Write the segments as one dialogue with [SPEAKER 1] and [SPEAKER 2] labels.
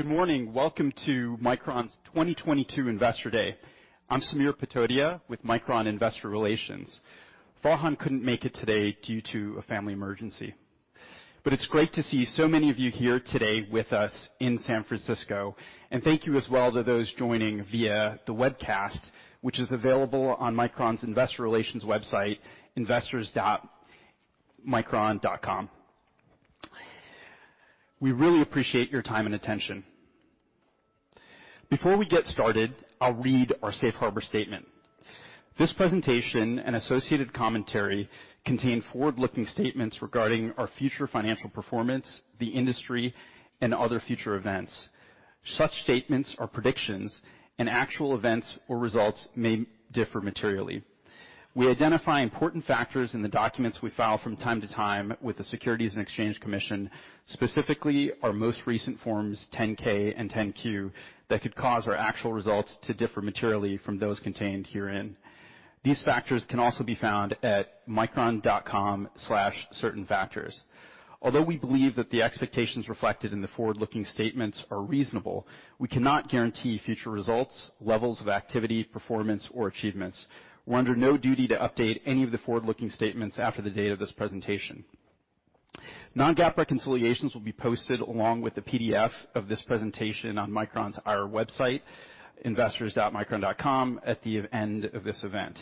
[SPEAKER 1] Good morning. Welcome to Micron's 2022 Investor Day. I'm Samir Patodia with Micron Investor Relations. Farhan couldn't make it today due to a family emergency. It's great to see so many of you here today with us in San Francisco. Thank you as well to those joining via the webcast, which is available on Micron's investor relations website, investors.micron.com. We really appreciate your time and attention. Before we get started, I'll read our safe harbor statement. This presentation and associated commentary contain forward-looking statements regarding our future financial performance, the industry, and other future events. Such statements are predictions, and actual events or results may differ materially. We identify important factors in the documents we file from time to time with the Securities and Exchange Commission, specifically our most recent Forms 10-K and 10-Q, that could cause our actual results to differ materially from those contained herein. These factors can also be found at micron.com/certainfactors. Although we believe that the expectations reflected in the forward-looking statements are reasonable, we cannot guarantee future results, levels of activity, performance, or achievements. We're under no duty to update any of the forward-looking statements after the date of this presentation. Non-GAAP reconciliations will be posted along with the PDF of this presentation on Micron's IR website, investors.micron.com, at the end of this event.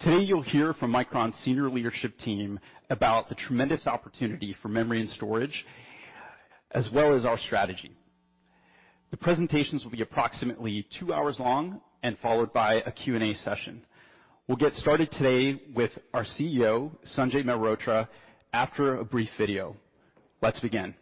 [SPEAKER 1] Today, you'll hear from Micron's senior leadership team about the tremendous opportunity for memory and storage, as well as our strategy. The presentations will be approximately two hours long and followed by a Q&A session. We'll get started today with our CEO, Sanjay Mehrotra, after a brief video. Let's begin.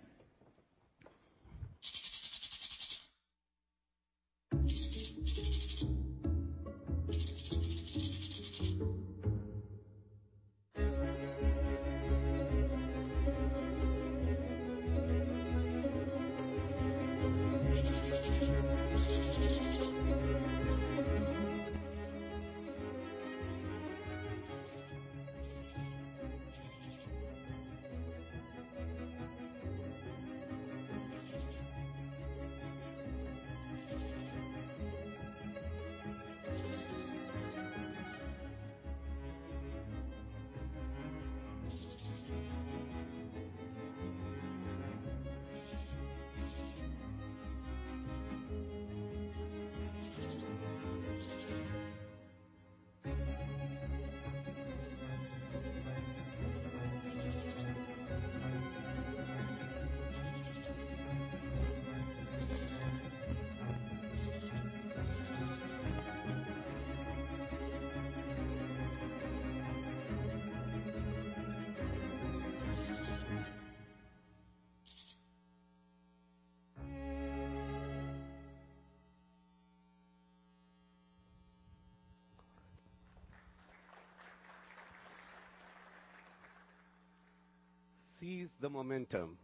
[SPEAKER 2] Seize the momentum.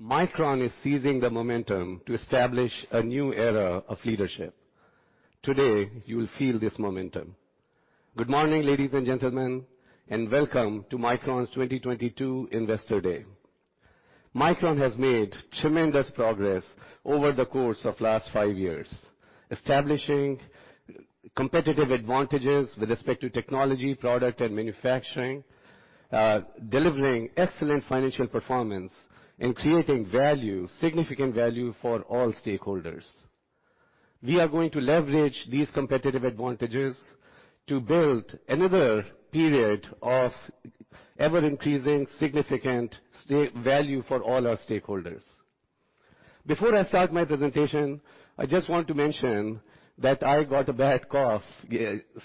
[SPEAKER 2] Micron is seizing the momentum to establish a new era of leadership. Today, you will feel this momentum. Good morning, ladies and gentlemen, and welcome to Micron's 2022 Investor Day. Micron has made tremendous progress over the course of last five years, establishing competitive advantages with respect to technology, product, and manufacturing, delivering excellent financial performance and creating value, significant value for all stakeholders. We are going to leverage these competitive advantages to build another period of ever increasing significant stakeholder value for all our stakeholders. Before I start my presentation, I just want to mention that I got a bad cough,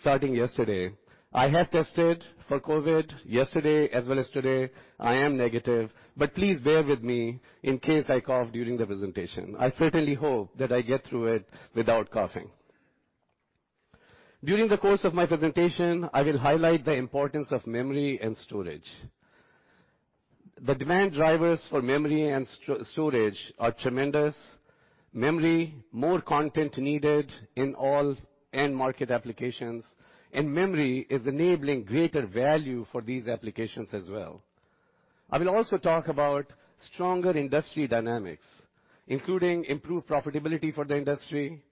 [SPEAKER 2] starting yesterday. I have tested for COVID yesterday as well as today. I am negative, but please bear with me in case I cough during the presentation. I certainly hope that I get through it without coughing. During the course of my presentation, I will highlight the importance of memory and storage. The demand drivers for memory and storage are tremendous. Memory, more content needed in all end market applications, and memory is enabling greater value for these applications as well. I will also talk about stronger industry dynamics, including improved profitability for the industry,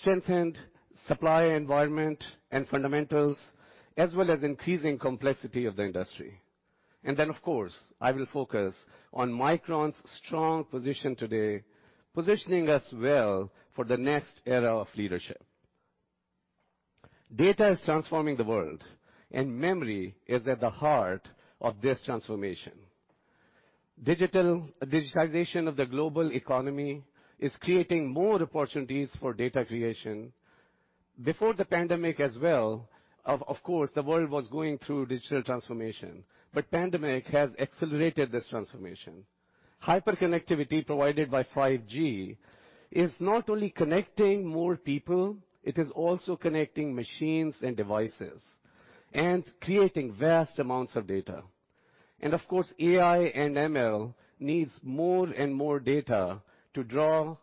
[SPEAKER 2] strengthened supply environment and fundamentals, as well as increasing complexity of the industry. Then, of course, I will focus on Micron's strong position today, positioning us well for the next era of leadership. Data is transforming the world, and memory is at the heart of this transformation. Digitization of the global economy is creating more opportunities for data creation. Before the pandemic as well, of course, the world was going through digital transformation, but pandemic has accelerated this transformation. Hyperconnectivity provided by 5G is not only connecting more people, it is also connecting machines and devices and creating vast amounts of data. Of course, AI and ML needs more and more data to draw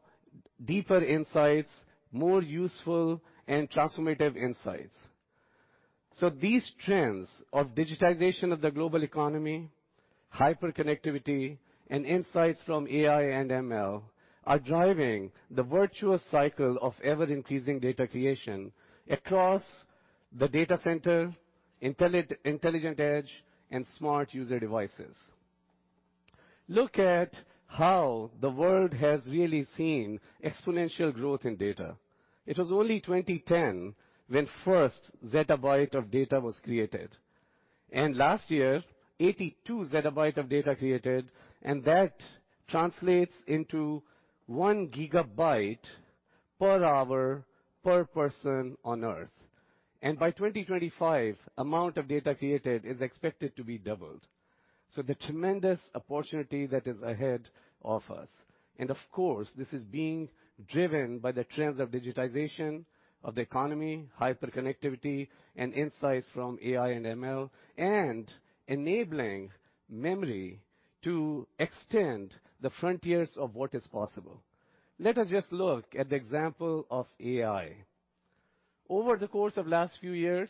[SPEAKER 2] deeper insights, more useful and transformative insights. These trends of digitization of the global economy, hyperconnectivity, and insights from AI and ML are driving the virtuous cycle of ever-increasing data creation across the data center, intelligent edge, and smart user devices. Look at how the world has really seen exponential growth in data. It was only 2010 when first zettabyte of data was created. Last year, 82 zettabytes of data created, and that translates into one gigabyte per hour per person on Earth. By 2025, amount of data created is expected to be doubled. The tremendous opportunity that is ahead of us. Of course, this is being driven by the trends of digitization of the economy, hyperconnectivity, and insights from AI and ML, and enabling memory to extend the frontiers of what is possible. Let us just look at the example of AI. Over the course of last few years,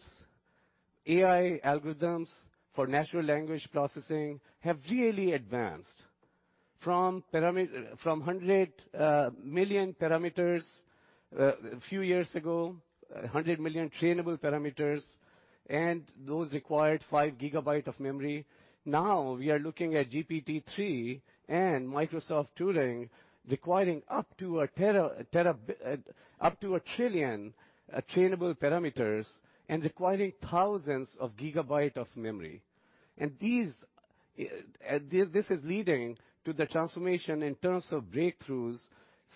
[SPEAKER 2] AI algorithms for natural language processing have really advanced from 100 million trainable parameters a few years ago, and those required 5 GB of memory. Now we are looking at GPT-3 and Microsoft Turing requiring up to 1 trillion trainable parameters and requiring thousands of gigabyte of memory. This is leading to the transformation in terms of breakthroughs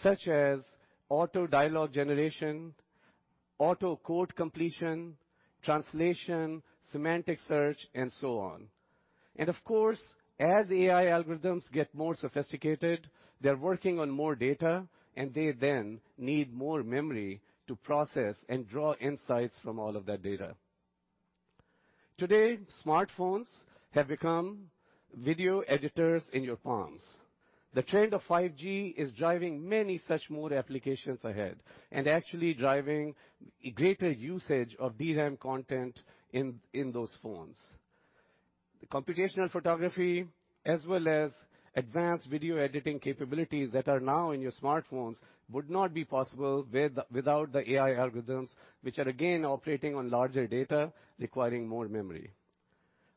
[SPEAKER 2] such as auto dialogue generation, auto code completion, translation, semantic search, and so on. Of course, as AI algorithms get more sophisticated, they're working on more data, and they then need more memory to process and draw insights from all of that data. Today, smartphones have become video editors in your palms. The trend of 5G is driving many such more applications ahead and actually driving greater usage of DRAM content in those phones. The computational photography as well as advanced video editing capabilities that are now in your smartphones would not be possible without the AI algorithms, which are again operating on larger data requiring more memory.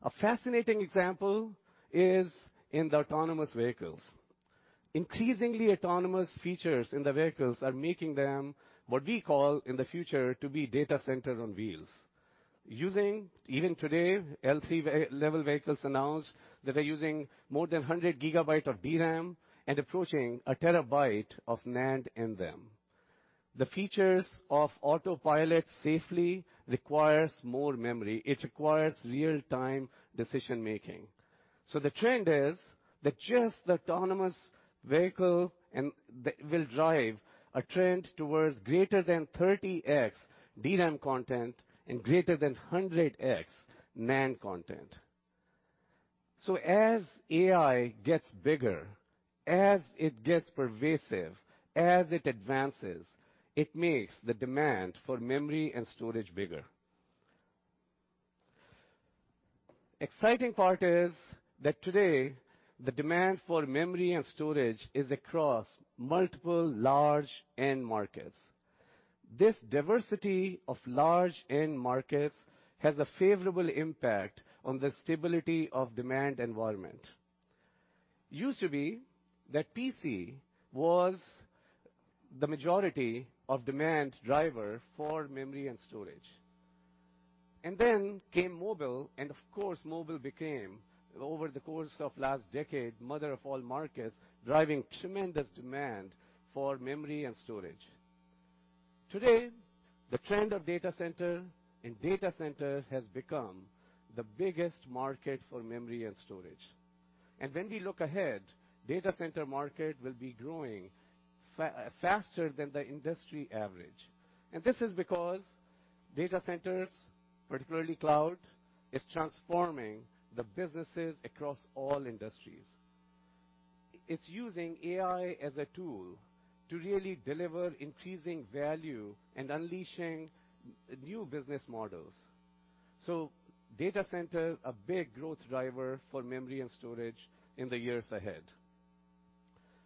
[SPEAKER 2] A fascinating example is in the autonomous vehicles. Increasingly autonomous features in the vehicles are making them what we call in the future to be data center on wheels. Even today, Level three vehicles announced that they're using more than 100 GB of DRAM and approaching 1 TB of NAND in them. The features of autopilot safely requires more memory. It requires real-time decision-making. The trend is that just the autonomous vehicle will drive a trend towards greater than 30x DRAM content and greater than 100x NAND content. As AI gets bigger, as it gets pervasive, as it advances, it makes the demand for memory and storage bigger. Exciting part is that today the demand for memory and storage is across multiple large end markets. This diversity of large end markets has a favorable impact on the stability of demand environment. Used to be that PC was the majority of demand driver for memory and storage. Then came mobile, and of course, mobile became, over the course of last decade, mother of all markets, driving tremendous demand for memory and storage. Today, the trend of data center has become the biggest market for memory and storage. When we look ahead, data center market will be growing faster than the industry average. This is because data centers, particularly cloud, is transforming the businesses across all industries. It's using AI as a tool to really deliver increasing value and unleashing new business models. Data center, a big growth driver for memory and storage in the years ahead.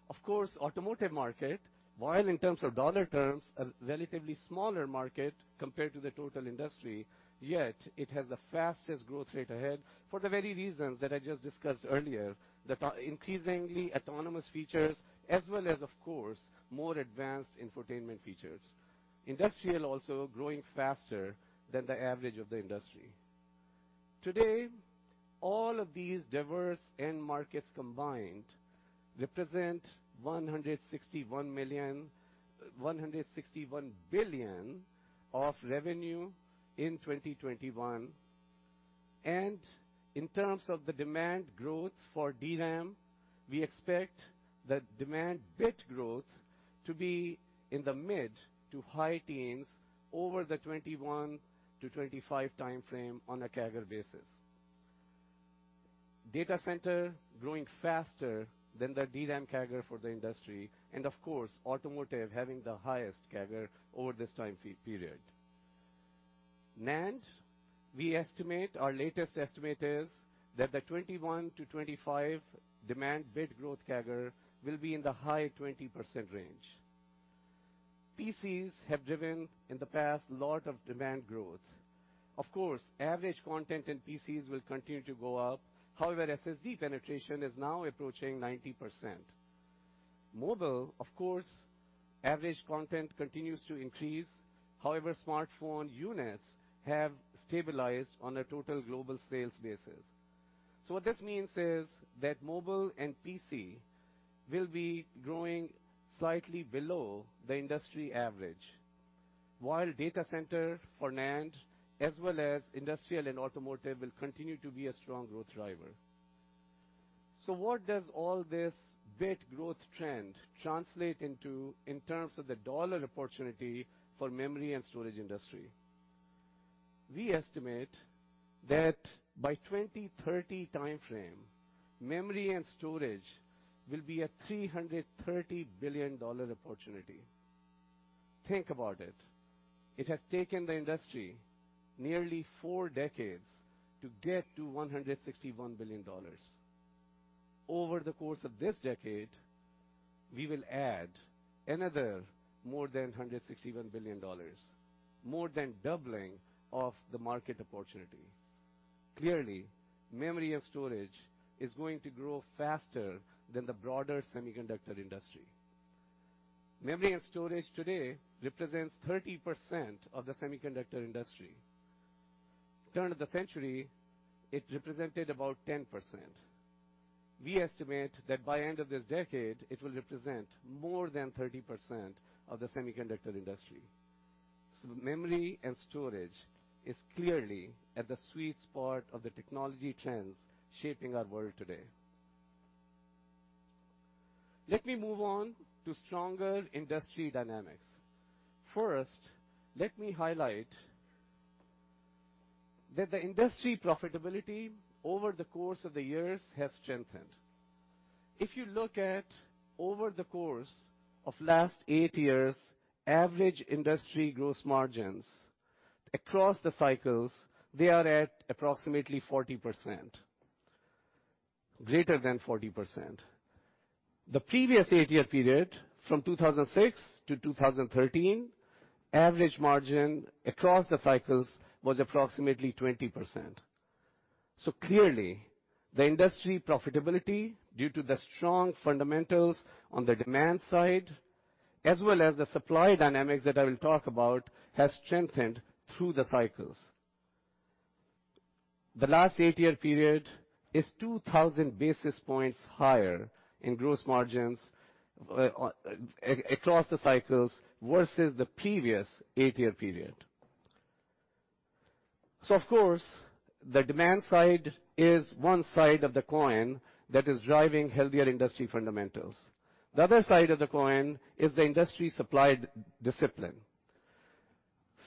[SPEAKER 2] Of course, automotive market, while in terms of dollar terms, a relatively smaller market compared to the total industry, yet it has the fastest growth rate ahead for the very reasons that I just discussed earlier that are increasingly autonomous features as well as, of course, more advanced infotainment features. Industrial also growing faster than the average of the industry. Today, all of these diverse end markets combined represent $161 billion of revenue in 2021. In terms of the demand growth for DRAM, we expect the demand bit growth to be in the mid- to high-teens over the 2021-2025 time frame on a CAGR basis. Data center growing faster than the DRAM CAGR for the industry, and of course, automotive having the highest CAGR over this time period. NAND, we estimate our latest estimate is that the 2021-2025 demand bit growth CAGR will be in the high-20% range. PCs have driven, in the past, lot of demand growth. Of course, average content in PCs will continue to go up. However, SSD penetration is now approaching 90%. Mobile, of course, average content continues to increase. However, smartphone units have stabilized on a total global sales basis. What this means is that mobile and PC will be growing slightly below the industry average. While data center for NAND, as well as industrial and automotive, will continue to be a strong growth driver. What does all this bit growth trend translate into in terms of the dollar opportunity for memory and storage industry? We estimate that by 2030 timeframe, memory and storage will be a $330 billion opportunity. Think about it. It has taken the industry nearly four decades to get to $161 billion. Over the course of this decade, we will add another more than $161 billion, more than doubling of the market opportunity. Clearly, memory and storage is going to grow faster than the broader semiconductor industry. Memory and storage today represents 30% of the semiconductor industry. Turn of the century, it represented about 10%. We estimate that by end of this decade, it will represent more than 30% of the semiconductor industry. Memory and storage is clearly at the sweet spot of the technology trends shaping our world today. Let me move on to stronger industry dynamics. First, let me highlight that the industry profitability over the course of the years has strengthened. If you look at over the course of last eight years, average industry gross margins across the cycles, they are at approximately 40%. Greater than 40%. The previous eight year period, from 20062013, average margin across the cycles was approximately 20%. Clearly, the industry profitability, due to the strong fundamentals on the demand side, as well as the supply dynamics that I will talk about, has strengthened through the cycles. The last eight year period is 2,000 basis points higher in gross margins across the cycles versus the previous eight year period. Of course, the demand side is one side of the coin that is driving healthier industry fundamentals. The other side of the coin is the industry supply discipline.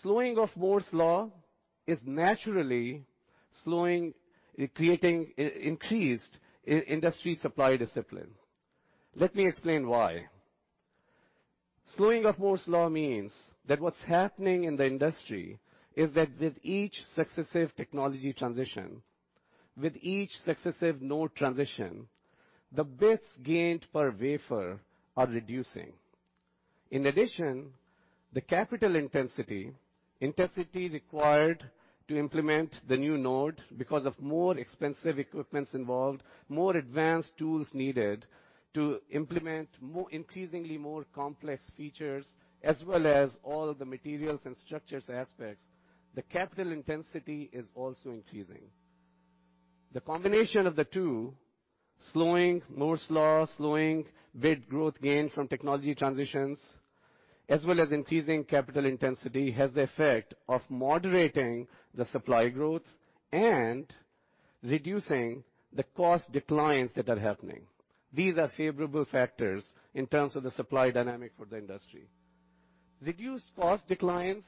[SPEAKER 2] Slowing of Moore's Law is naturally slowing, creating increased industry supply discipline. Let me explain why. Slowing of Moore's Law means that what's happening in the industry is that with each successive technology transition, with each successive node transition, the bits gained per wafer are reducing. In addition, the capital intensity required to implement the new node because of more expensive equipment involved, more advanced tools needed to implement more, increasingly more complex features, as well as all the materials and structural aspects, the capital intensity is also increasing. The combination of the two, slowing Moore's Law, slowing bit growth gains from technology transitions, as well as increasing capital intensity, has the effect of moderating the supply growth and reducing the cost declines that are happening. These are favorable factors in terms of the supply dynamic for the industry. Reduced cost declines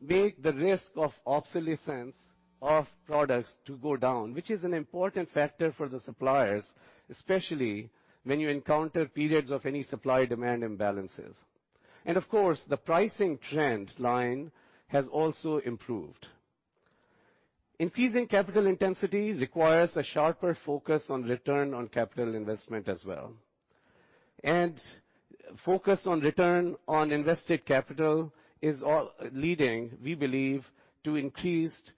[SPEAKER 2] make the risk of obsolescence of products to go down, which is an important factor for the suppliers, especially when you encounter periods of any supply-demand imbalances. Of course, the pricing trend line has also improved. Increasing capital intensity requires a sharper focus on return on capital investment as well. Focus on return on invested capital is all leading, we believe, to increased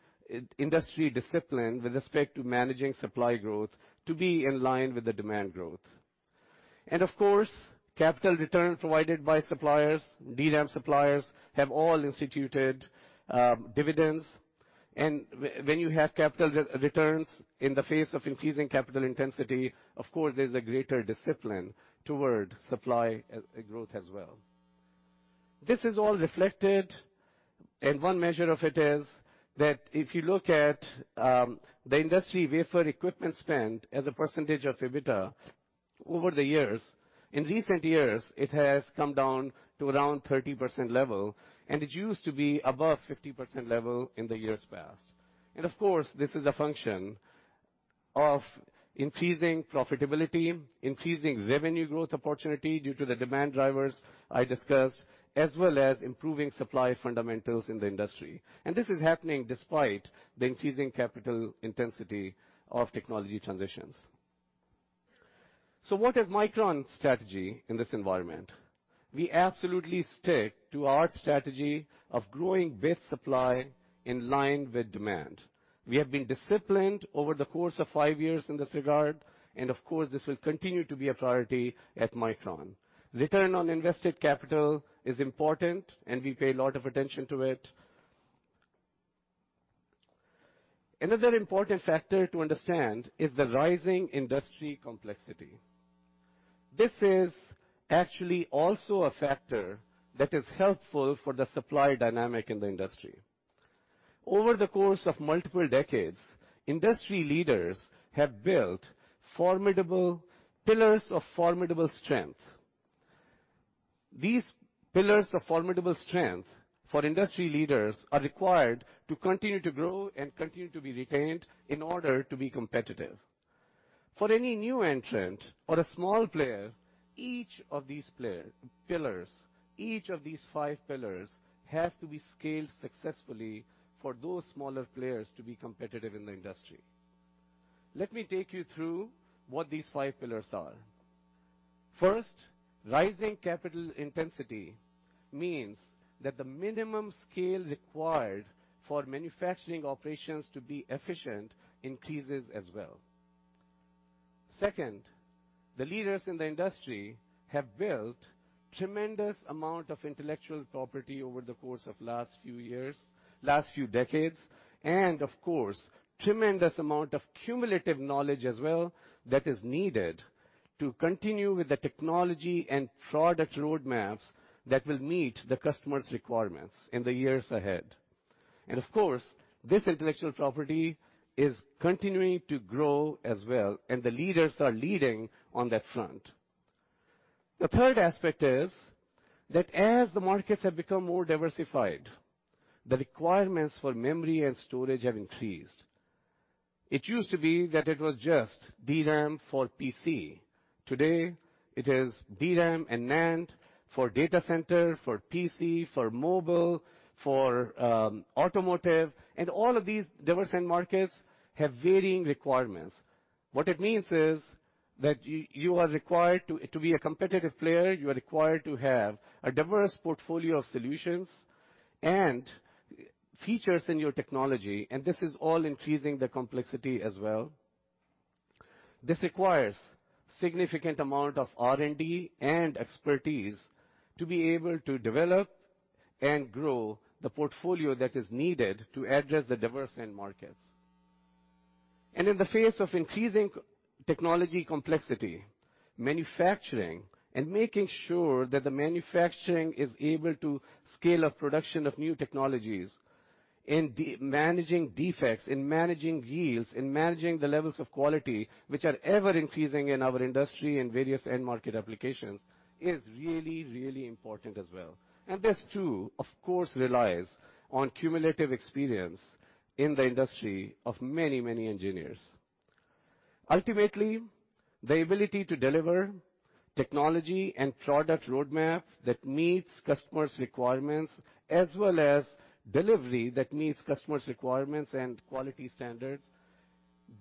[SPEAKER 2] industry discipline with respect to managing supply growth to be in line with the demand growth. Of course, capital returns provided by suppliers, DRAM suppliers, have all instituted dividends. When you have capital returns in the face of increasing capital intensity, of course, there's a greater discipline toward supply growth as well. This is all reflected, and one measure of it is that if you look at the industry wafer equipment spend as a percentage of EBITDA over the years, in recent years, it has come down to around 30% level, and it used to be above 50% level in the years past. Of course, this is a function of increasing profitability, increasing revenue growth opportunity due to the demand drivers I discussed, as well as improving supply fundamentals in the industry. This is happening despite the increasing capital intensity of technology transitions. What is Micron's strategy in this environment? We absolutely stick to our strategy of growing with supply in line with demand. We have been disciplined over the course of five years in this regard, and of course, this will continue to be a priority at Micron. Return on invested capital is important, and we pay a lot of attention to it. Another important factor to understand is the rising industry complexity. This is actually also a factor that is helpful for the supply dynamic in the industry. Over the course of multiple decades, industry leaders have built formidable pillars of formidable strength. These pillars of formidable strength for industry leaders are required to continue to grow and continue to be retained in order to be competitive. For any new entrant or a small player, each of these pillars, each of these five pillars have to be scaled successfully for those smaller players to be competitive in the industry. Let me take you through what these five pillars are. First, rising capital intensity means that the minimum scale required for manufacturing operations to be efficient increases as well. Second, the leaders in the industry have built tremendous amount of intellectual property over the course of last few years, last few decades, and of course, tremendous amount of cumulative knowledge as well that is needed to continue with the technology and product road maps that will meet the customer's requirements in the years ahead. Of course, this intellectual property is continuing to grow as well, and the leaders are leading on that front. The third aspect is that as the markets have become more diversified, the requirements for memory and storage have increased. It used to be that it was just DRAM for PC. Today it is DRAM and NAND for data center, for PC, for mobile, for automotive, and all of these diverse end markets have varying requirements. What it means is that you are required to be a competitive player, you are required to have a diverse portfolio of solutions and features in your technology, and this is all increasing the complexity as well. This requires significant amount of R&D and expertise to be able to develop and grow the portfolio that is needed to address the diverse end markets. In the face of increasing technology complexity, manufacturing and making sure that the manufacturing is able to scale up production of new technologies in managing defects, in managing yields, in managing the levels of quality which are ever increasing in our industry and various end market applications is really, really important as well. This too, of course, relies on cumulative experience in the industry of many, many engineers. Ultimately, the ability to deliver technology and product roadmap that meets customers' requirements as well as delivery that meets customers' requirements and quality standards,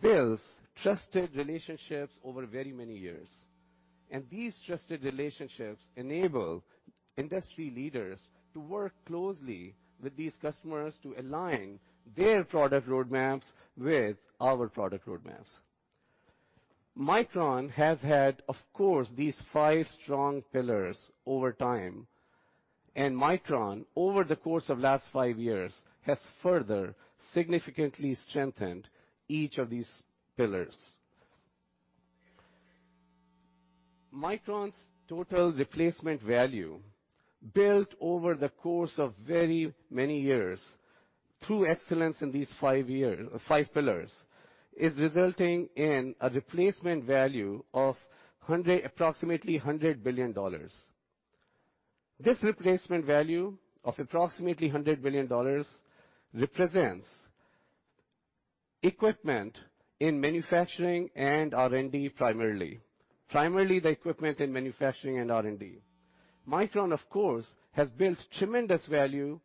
[SPEAKER 2] builds trusted relationships over very many years. These trusted relationships enable industry leaders to work closely with these customers to align their product road maps with our product road maps. Micron has had, of course, these five strong pillars over time, and Micron, over the course of last five years, has further significantly strengthened each of these pillars. Micron's total replacement value built over the course of very many years through excellence in these five pillars, is resulting in a replacement value of approximately $100 billion. This replacement value of approximately $100 billion represents equipment in manufacturing and R&D, primarily. Primarily the equipment in manufacturing and R&D. Micron, of course, has built tremendous value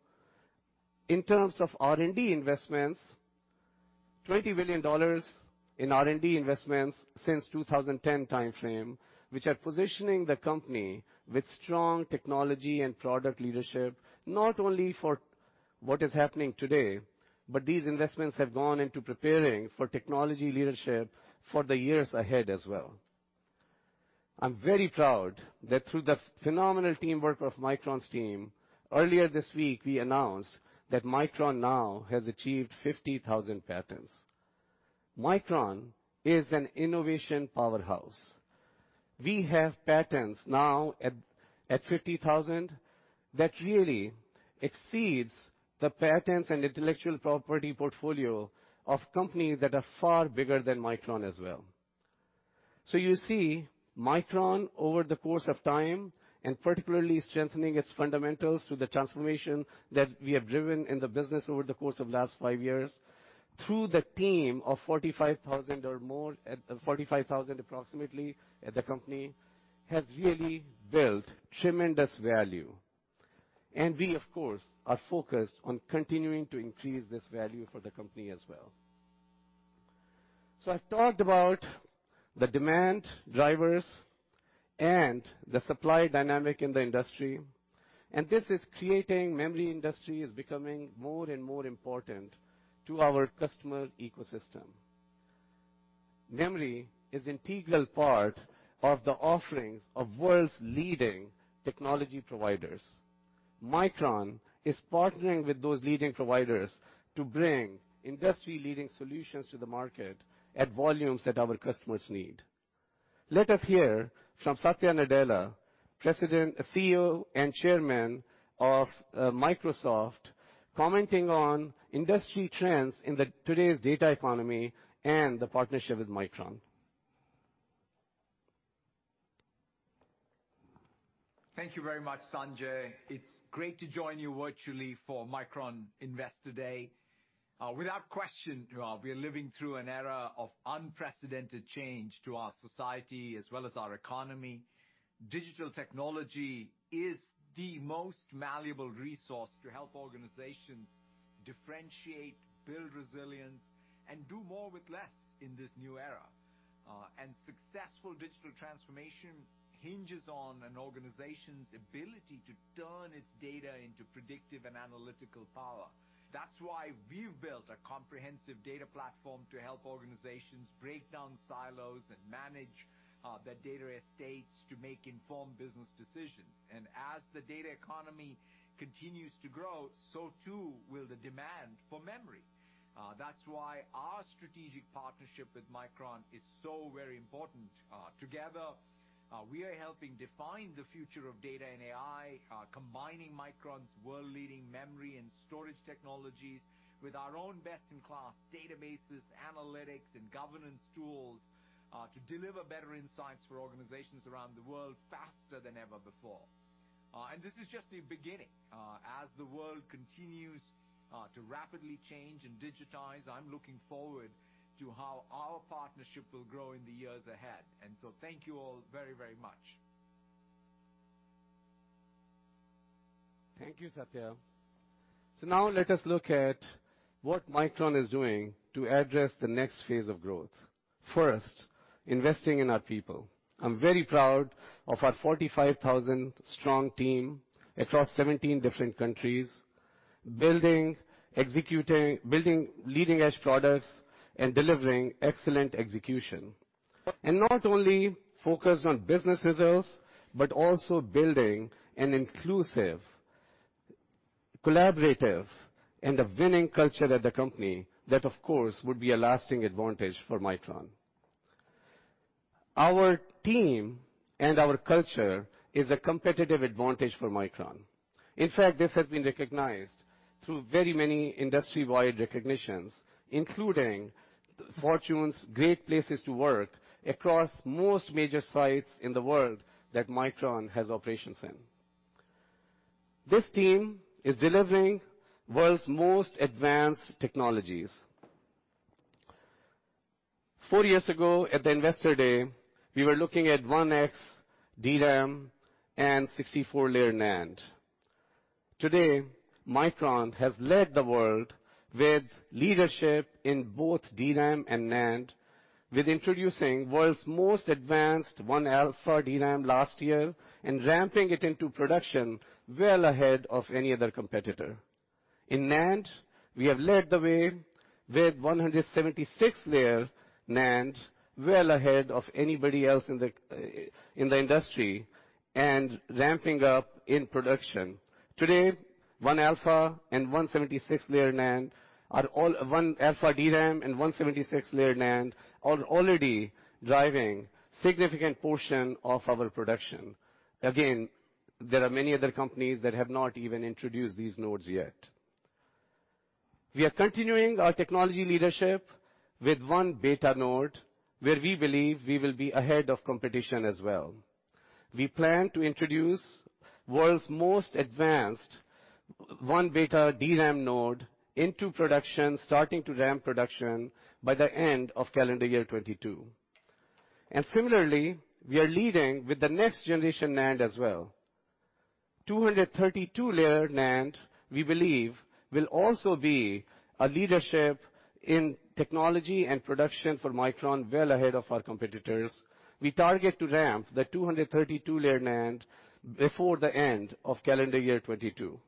[SPEAKER 2] in terms of R&D investments, $20 billion in R&D investments since 2010 timeframe, which are positioning the company with strong technology and product leadership, not only for what is happening today, but these investments have gone into preparing for technology leadership for the years ahead as well. I'm very proud that through the phenomenal teamwork of Micron's team, earlier this week we announced that Micron now has achieved 50,000 patents. Micron is an innovation powerhouse. We have patents now at 50,000. That really exceeds the patents and intellectual property portfolio of companies that are far bigger than Micron as well. You see, Micron over the course of time, and particularly strengthening its fundamentals through the transformation that we have driven in the business over the course of last five years, through the team of 45,000 or more at the 45,000 approximately at the company, has really built tremendous value. We of course are focused on continuing to increase this value for the company as well. I've talked about the demand drivers and the supply dynamic in the industry, and this is creating memory industry is becoming more and more important to our customer ecosystem. Memory is integral part of the offerings of world's leading technology providers. Micron is partnering with those leading providers to bring industry-leading solutions to the market at volumes that our customers need. Let us hear from Satya Nadella, President, CEO and Chairman of Microsoft, commenting on industry trends in today's data economy and the partnership with Micron.
[SPEAKER 3] Thank you very much, Sanjay. It's great to join you virtually for Micron Investor Day. Without question, we are living through an era of unprecedented change to our society as well as our economy. Digital technology is the most valuable resource to help organizations differentiate, build resilience, and do more with less in this new era. Successful digital transformation hinges on an organization's ability to turn its data into predictive and analytical power. That's why we've built a comprehensive data platform to help organizations break down silos and manage their data estates to make informed business decisions. As the data economy continues to grow, so too will the demand for memory. That's why our strategic partnership with Micron is so very important. Together, we are helping define the future of data and AI, combining Micron's world-leading memory and storage technologies with our own best-in-class databases, analytics, and governance tools, to deliver better insights for organizations around the world faster than ever before. This is just the beginning. As the world continues to rapidly change and digitize, I'm looking forward to how our partnership will grow in the years ahead. Thank you all very, very much.
[SPEAKER 2] Thank you, Satya. Now let us look at what Micron is doing to address the next phase of growth. First, investing in our people. I'm very proud of our 45,000-strong team across 17 different countries, building, executing, building leading-edge products and delivering excellent execution. Not only focused on business results, but also building an inclusive, collaborative, and a winning culture at the company that of course would be a lasting advantage for Micron. Our team and our culture is a competitive advantage for Micron. In fact, this has been recognized through very many industry-wide recognitions, including Fortune's Great Place to Work across most major sites in the world that Micron has operations in. This team is delivering world's most advanced technologies. Four years ago, at the Investor Day, we were looking at 1x DRAM and 64-layer NAND. Today, Micron has led the world with leadership in both DRAM and NAND with introducing world's most advanced one alpha DRAM last year and ramping it into production well ahead of any other competitor. In NAND, we have led the way with 176-layer NAND well ahead of anybody else in the industry and ramping up in production. Today, one alpha DRAM and 176-layer NAND are already driving significant portion of our production. Again, there are many other companies that have not even introduced these nodes yet. We are continuing our technology leadership with one beta node, where we believe we will be ahead of competition as well. We plan to introduce world's most advanced one beta DRAM node into production, starting to ramp production by the end of calendar year 2022. Similarly, we are leading with the next generation NAND as well. 232-layer NAND, we believe, will also be a leadership in technology and production for Micron well ahead of our competitors. We target to ramp the 232-layer NAND before the end of calendar year 2022.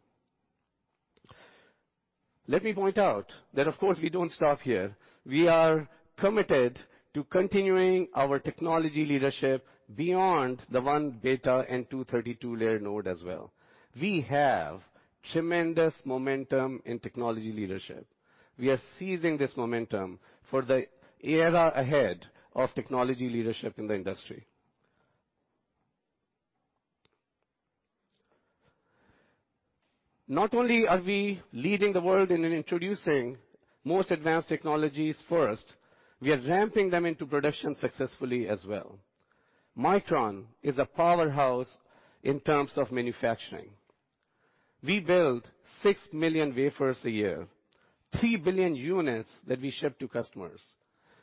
[SPEAKER 2] Let me point out that, of course, we don't stop here. We are committed to continuing our technology leadership beyond the 1 beta and 232-layer node as well. We have tremendous momentum in technology leadership. We are seizing this momentum for the era ahead of technology leadership in the industry. Not only are we leading the world in introducing most advanced technologies first, we are ramping them into production successfully as well. Micron is a powerhouse in terms of manufacturing. We build 6 million wafers a year, 3 billion units that we ship to customers.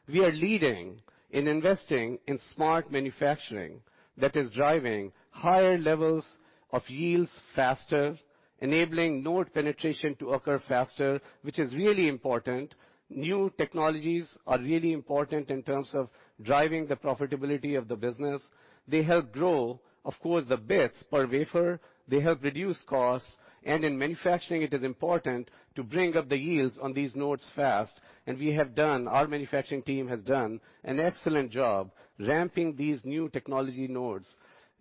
[SPEAKER 2] We are leading in investing in smart manufacturing that is driving higher levels of yields faster, enabling node penetration to occur faster, which is really important. New technologies are really important in terms of driving the profitability of the business. They help grow, of course, the bits per wafer, they help reduce costs, and in manufacturing, it is important to bring up the yields on these nodes fast. Our manufacturing team has done an excellent job ramping these new technology nodes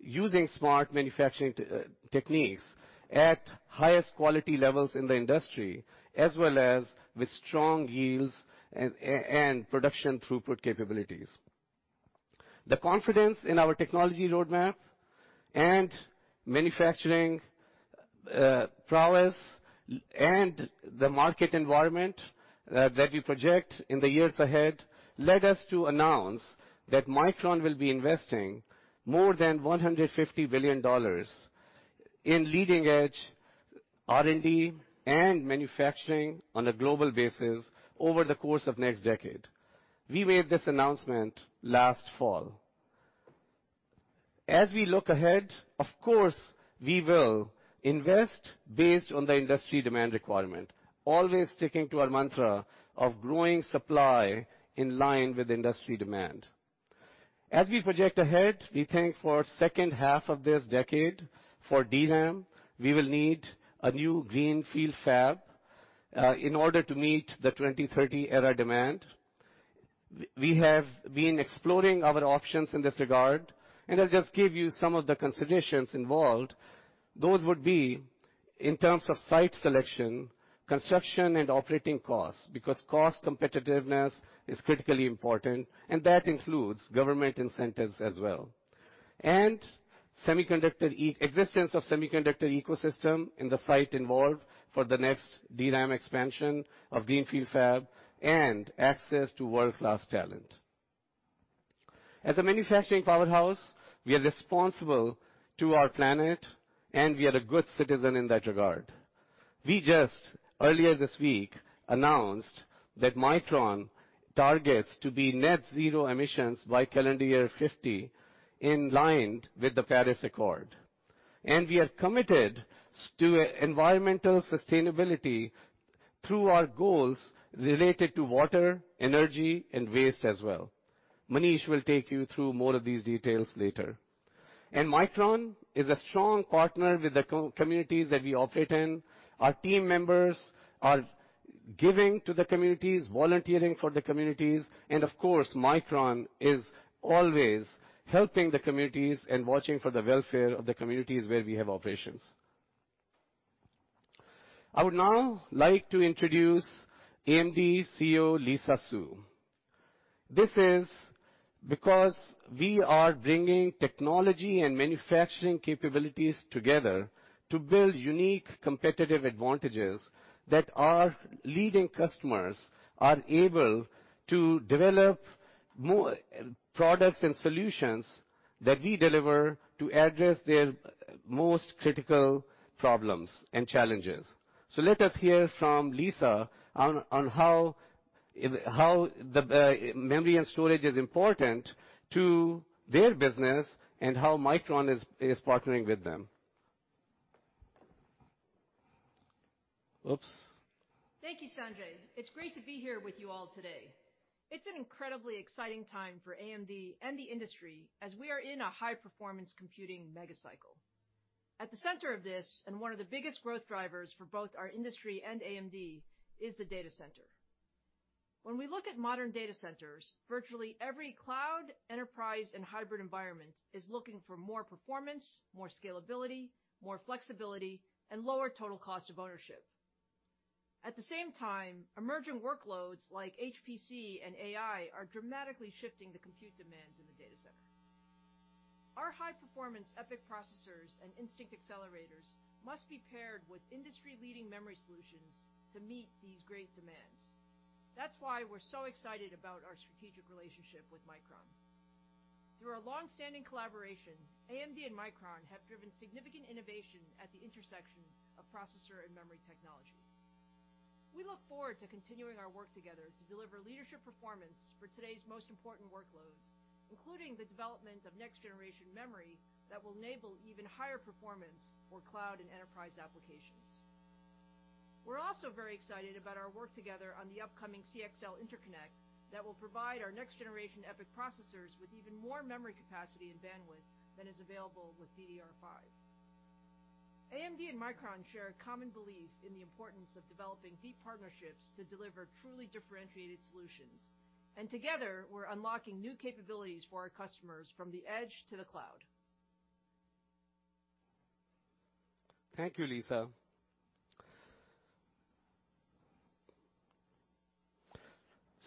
[SPEAKER 2] using smart manufacturing techniques at highest quality levels in the industry, as well as with strong yields and production throughput capabilities. The confidence in our technology roadmap and manufacturing prowess, and the market environment that we project in the years ahead led us to announce that Micron will be investing more than $150 billion in leading-edge R&D and manufacturing on a global basis over the course of next decade. We made this announcement last fall. As we look ahead, of course, we will invest based on the industry demand requirement, always sticking to our mantra of growing supply in line with industry demand. As we project ahead, we think for second half of this decade, for DRAM, we will need a new greenfield fab in order to meet the 2030 era demand. We have been exploring our options in this regard, and I'll just give you some of the considerations involved. Those would be in terms of site selection, construction and operating costs, because cost competitiveness is critically important, and that includes government incentives as well. Existence of semiconductor ecosystem in the site involved for the next DRAM expansion of Greenfield fab and access to world-class talent. As a manufacturing powerhouse, we are responsible to our planet, and we are a good citizen in that regard. We just earlier this week announced that Micron targets to be net zero emissions by calendar year 2050 in line with the Paris Agreement. We are committed to environmental sustainability through our goals related to water, energy, and waste as well. Manish will take you through more of these details later. Micron is a strong partner with the communities that we operate in. Our team members are giving to the communities, volunteering for the communities, and of course, Micron is always helping the communities and watching for the welfare of the communities where we have operations. I would now like to introduce AMD CEO Lisa Su. This is because we are bringing technology and manufacturing capabilities together to build unique competitive advantages that our leading customers are able to develop more products and solutions that we deliver to address their most critical problems and challenges. Let us hear from Lisa on how the memory and storage is important to their business and how Micron is partnering with them. Oops.
[SPEAKER 4] Thank you, Sanjay. It's great to be here with you all today. It's an incredibly exciting time for AMD and the industry as we are in a high-performance computing mega cycle. At the center of this, and one of the biggest growth drivers for both our industry and AMD is the data center. When we look at modern data centers, virtually every cloud, enterprise, and hybrid environment is looking for more performance, more scalability, more flexibility, and lower total cost of ownership. At the same time, emerging workloads like HPC and AI are dramatically shifting the compute demands in the data center. Our high-performance EPYC processors and Instinct accelerators must be paired with industry-leading memory solutions to meet these great demands. That's why we're so excited about our strategic relationship with Micron. Through our long-standing collaboration, AMD and Micron have driven significant innovation at the intersection of processor and memory technology. We look forward to continuing our work together to deliver leadership performance for today's most important workloads, including the development of next-generation memory that will enable even higher performance for cloud and enterprise applications. We're also very excited about our work together on the upcoming CXL interconnect that will provide our next generation EPYC processors with even more memory capacity and bandwidth than is available with DDR5. AMD and Micron share a common belief in the importance of developing deep partnerships to deliver truly differentiated solutions. Together, we're unlocking new capabilities for our customers from the edge to the cloud.
[SPEAKER 2] Thank you, Lisa.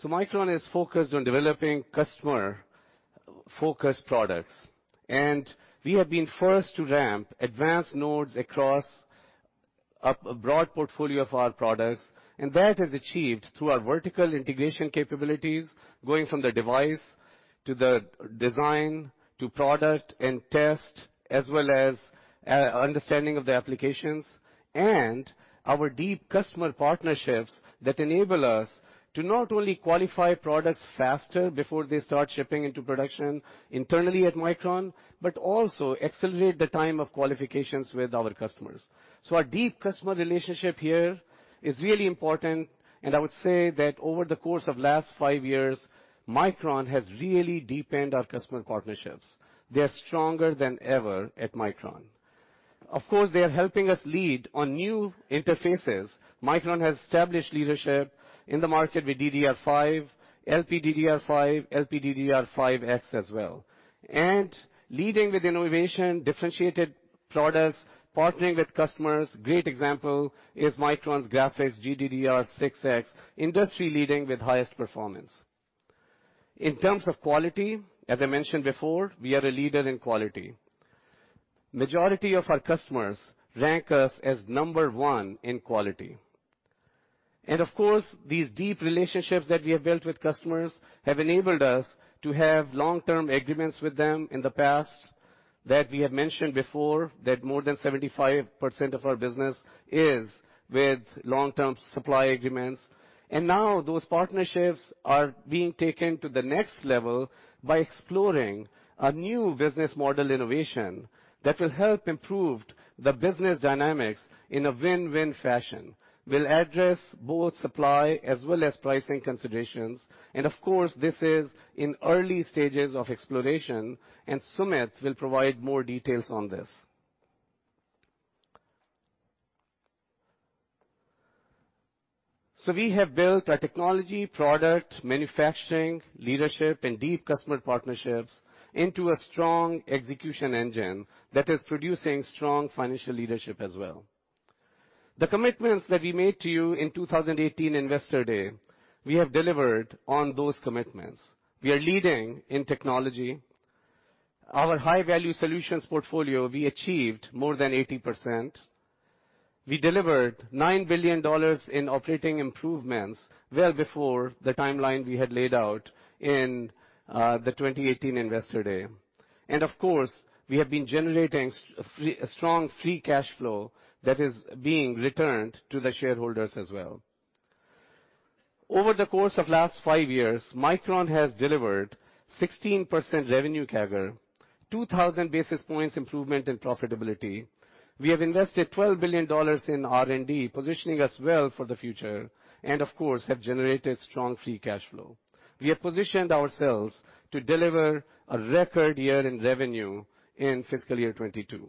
[SPEAKER 2] Micron is focused on developing customer-focused products. We have been first to ramp advanced nodes across a broad portfolio of our products, and that is achieved through our vertical integration capabilities, going from the device to the design, to product and test, as well as understanding of the applications, and our deep customer partnerships that enable us to not only qualify products faster before they start shipping into production internally at Micron, but also accelerate the time of qualifications with our customers. Our deep customer relationship here is really important, and I would say that over the course of last five years, Micron has really deepened our customer partnerships. They are stronger than ever at Micron. Of course, they are helping us lead on new interfaces. Micron has established leadership in the market with DDR5, LPDDR5, LPDDR5X as well. Leading with innovation, differentiated products, partnering with customers, great example is Micron's graphics GDDR6X, industry-leading with highest performance. In terms of quality, as I mentioned before, we are a leader in quality. Majority of our customers rank us as number one in quality. Of course, these deep relationships that we have built with customers have enabled us to have long-term agreements with them in the past that we have mentioned before, that more than 75% of our business is with long-term supply agreements. Now those partnerships are being taken to the next level by exploring a new business model innovation that will help improve the business dynamics in a win-win fashion. We'll address both supply as well as pricing considerations. Of course, this is in early stages of exploration, and Sumit will provide more details on this. We have built our technology, product, manufacturing, leadership and deep customer partnerships into a strong execution engine that is producing strong financial leadership as well. The commitments that we made to you in 2018 investor day, we have delivered on those commitments. We are leading in technology. Our high-value solutions portfolio, we achieved more than 80%. We delivered $9 billion in operating improvements well before the timeline we had laid out in the 2018 investor day. Of course, we have been generating a strong free cash flow that is being returned to the shareholders as well. Over the course of last five years, Micron has delivered 16% revenue CAGR, 2000 basis points improvement in profitability. We have invested $12 billion in R&D, positioning us well for the future and of course, have generated strong free cash flow. We have positioned ourselves to deliver a record year in revenue in fiscal year 2022,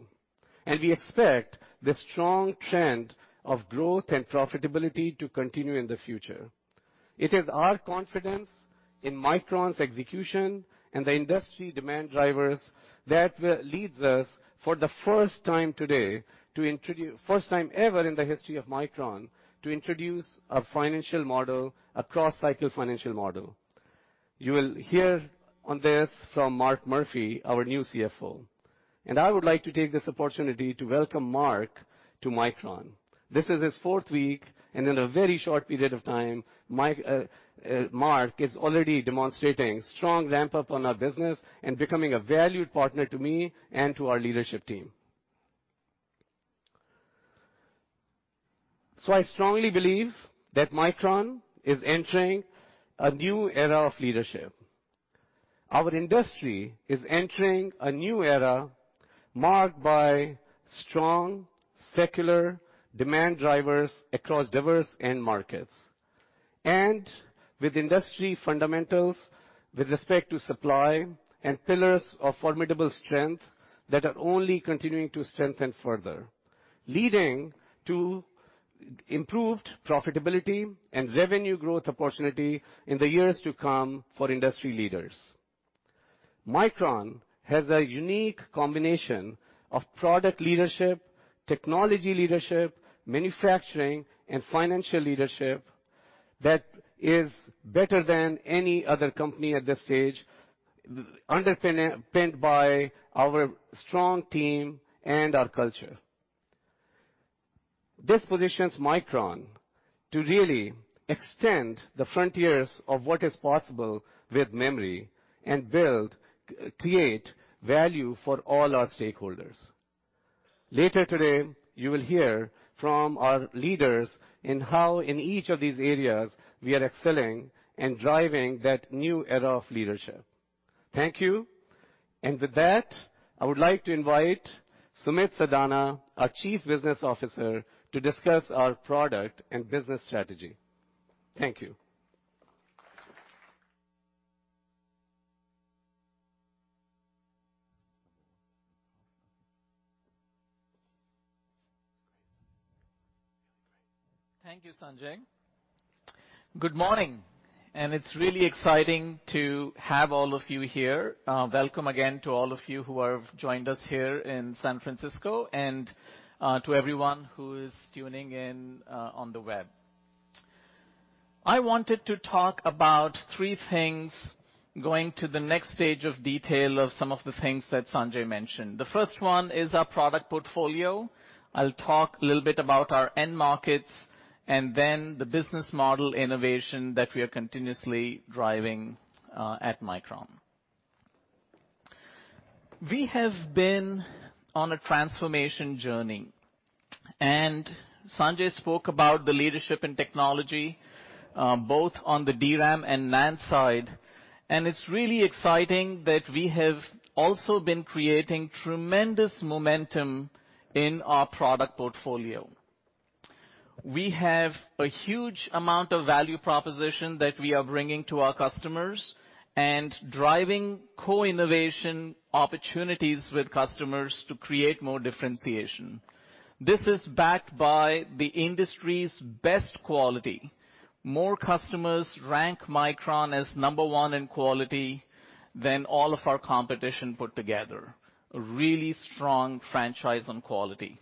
[SPEAKER 2] and we expect the strong trend of growth and profitability to continue in the future. It is our confidence in Micron's execution and the industry demand drivers that will lead us for the first time today, first time ever in the history of Micron, to introduce a financial model, a cross-cycle financial model. You will hear on this from Mark Murphy, our new CFO. I would like to take this opportunity to welcome Mark to Micron. This is his fourth week and in a very short period of time, Mark is already demonstrating strong ramp up on our business and becoming a valued partner to me and to our leadership team. I strongly believe that Micron is entering a new era of leadership. Our industry is entering a new era marked by strong secular demand drivers across diverse end markets, and with industry fundamentals with respect to supply and pillars of formidable strength that are only continuing to strengthen further, leading to improved profitability and revenue growth opportunity in the years to come for industry leaders. Micron has a unique combination of product leadership, technology leadership, manufacturing and financial leadership that is better than any other company at this stage, underpinned by our strong team and our culture. This positions Micron to really extend the frontiers of what is possible with memory and build, create value for all our stakeholders. Later today, you will hear from our leaders in how, in each of these areas we are excelling and driving that new era of leadership. Thank you. With that, I would like to invite Sumit Sadana, our Chief Business Officer, to discuss our product and business strategy. Thank you.
[SPEAKER 5] Thank you, Sanjay. Good morning, and it's really exciting to have all of you here. Welcome again to all of you who have joined us here in San Francisco and to everyone who is tuning in on the web. I wanted to talk about three things going to the next stage of detail of some of the things that Sanjay mentioned. The first one is our product portfolio. I'll talk a little bit about our end markets and then the business model innovation that we are continuously driving at Micron. We have been on a transformation journey, and Sanjay spoke about the leadership and technology both on the DRAM and NAND side, and it's really exciting that we have also been creating tremendous momentum in our product portfolio. We have a huge amount of value proposition that we are bringing to our customers and driving co-innovation opportunities with customers to create more differentiation. This is backed by the industry's best quality. More customers rank Micron as number one in quality than all of our competition put together. A really strong franchise on quality.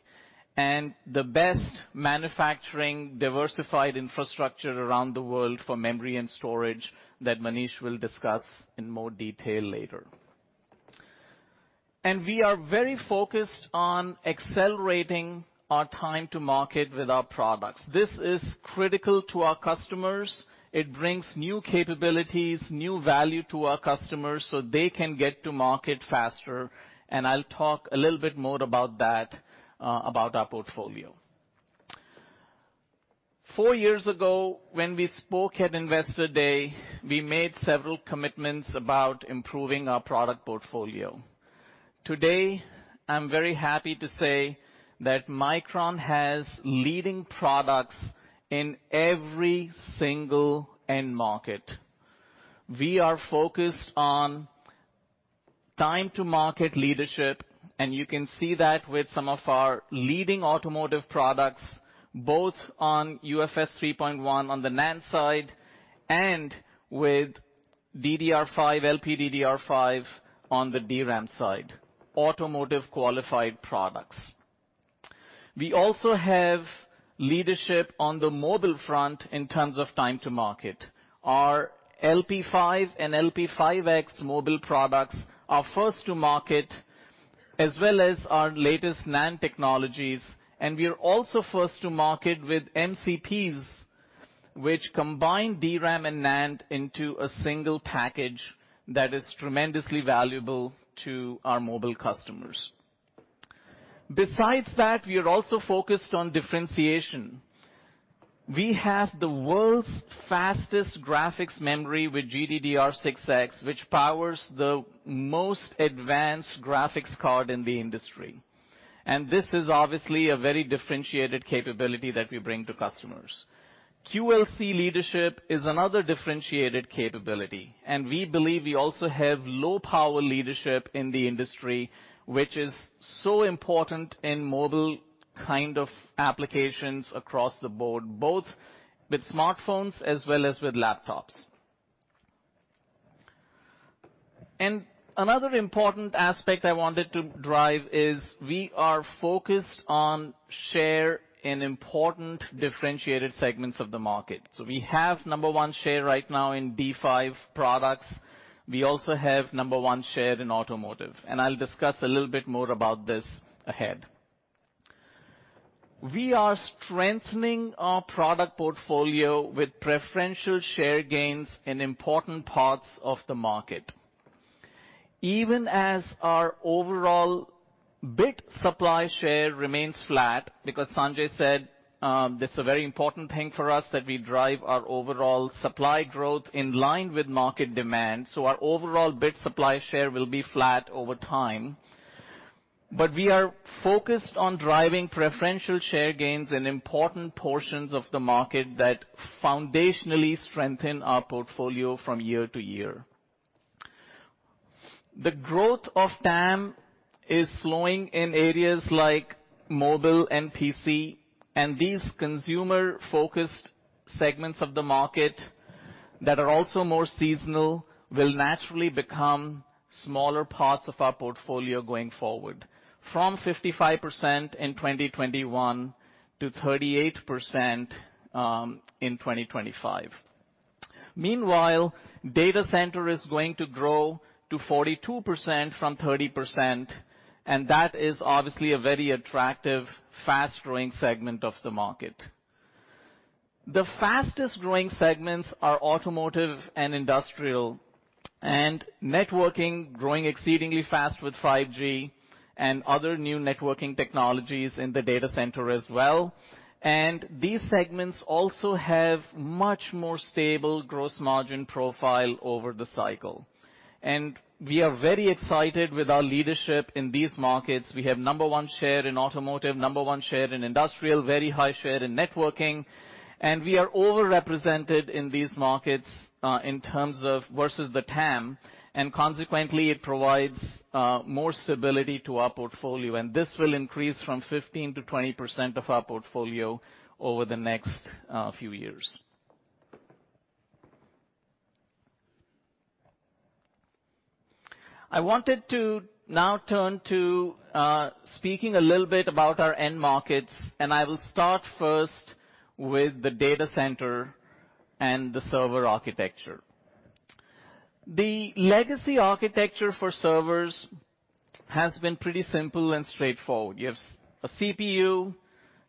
[SPEAKER 5] The best manufacturing diversified infrastructure around the world for memory and storage that Manish will discuss in more detail later. We are very focused on accelerating our time to market with our products. This is critical to our customers. It brings new capabilities, new value to our customers, so they can get to market faster, and I'll talk a little bit more about that, about our portfolio. Four years ago, when we spoke at Investor Day, we made several commitments about improving our product portfolio. Today, I'm very happy to say that Micron has leading products in every single end market. We are focused on time to market leadership, and you can see that with some of our leading automotive products, both on UFS 3.1 on the NAND side and with DDR5, LPDDR5 on the DRAM side, automotive qualified products. We also have leadership on the mobile front in terms of time to market. Our LP5 and LP5X mobile products are first to market, as well as our latest NAND technologies, and we are also first to market with MCPs, which combine DRAM and NAND into a single package that is tremendously valuable to our mobile customers. Besides that, we are also focused on differentiation. We have the world's fastest graphics memory with GDDR6X, which powers the most advanced graphics card in the industry. This is obviously a very differentiated capability that we bring to customers. QLC leadership is another differentiated capability, and we believe we also have low power leadership in the industry, which is so important in mobile kind of applications across the board, both with smartphones as well as with laptops. Another important aspect I wanted to drive is we are focused on share in important differentiated segments of the market. We have number one share right now in D5 products. We also have number one share in automotive, and I'll discuss a little bit more about this ahead. We are strengthening our product portfolio with preferential share gains in important parts of the market. Even as our overall bit supply share remains flat, because Sanjay said, this is a very important thing for us that we drive our overall supply growth in line with market demand, so our overall bit supply share will be flat over time. We are focused on driving preferential share gains in important portions of the market that foundationally strengthen our portfolio from year to year. The growth of TAM is slowing in areas like mobile and PC, and these consumer-focused segments of the market that are also more seasonal will naturally become smaller parts of our portfolio going forward, from 55% in 2021 to 38% in 2025. Meanwhile, data center is going to grow to 42% from 30%, and that is obviously a very attractive, fast-growing segment of the market. The fastest-growing segments are automotive and industrial, and networking growing exceedingly fast with 5G and other new networking technologies in the data center as well. These segments also have much more stable gross margin profile over the cycle. We are very excited with our leadership in these markets. We have number one share in automotive, number one share in industrial, very high share in networking, and we are over-represented in these markets, in terms of versus the TAM, and consequently, it provides more stability to our portfolio, and this will increase from 15%-20% of our portfolio over the next few years. I wanted to now turn to speaking a little bit about our end markets, and I will start first with the data center and the server architecture. The legacy architecture for servers has been pretty simple and straightforward. You have a CPU,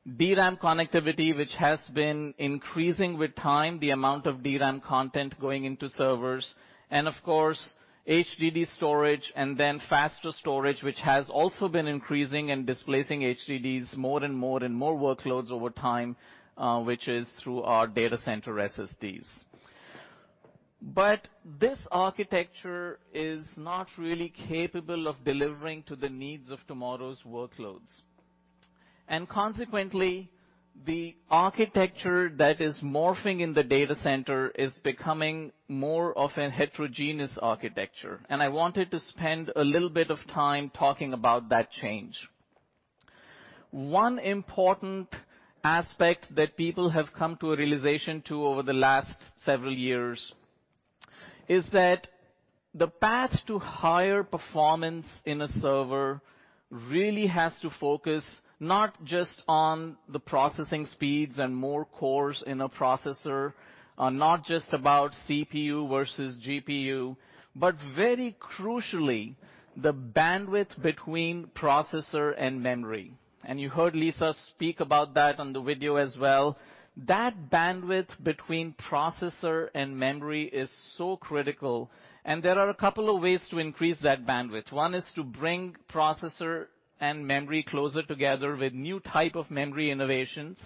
[SPEAKER 5] DRAM connectivity, which has been increasing with time, the amount of DRAM content going into servers, and of course, HDD storage and then faster storage, which has also been increasing and displacing HDDs more and more in more workloads over time, which is through our data center SSDs. This architecture is not really capable of delivering to the needs of tomorrow's workloads. I wanted to spend a little bit of time talking about that change. One important aspect that people have come to a realization to over the last several years is that the path to higher performance in a server really has to focus not just on the processing speeds and more cores in a processor, or not just about CPU versus GPU, but very crucially, the bandwidth between processor and memory. You heard Lisa speak about that on the video as well. That bandwidth between processor and memory is so critical, and there are a couple of ways to increase that bandwidth. One is to bring processor and memory closer together with new type of memory innovations.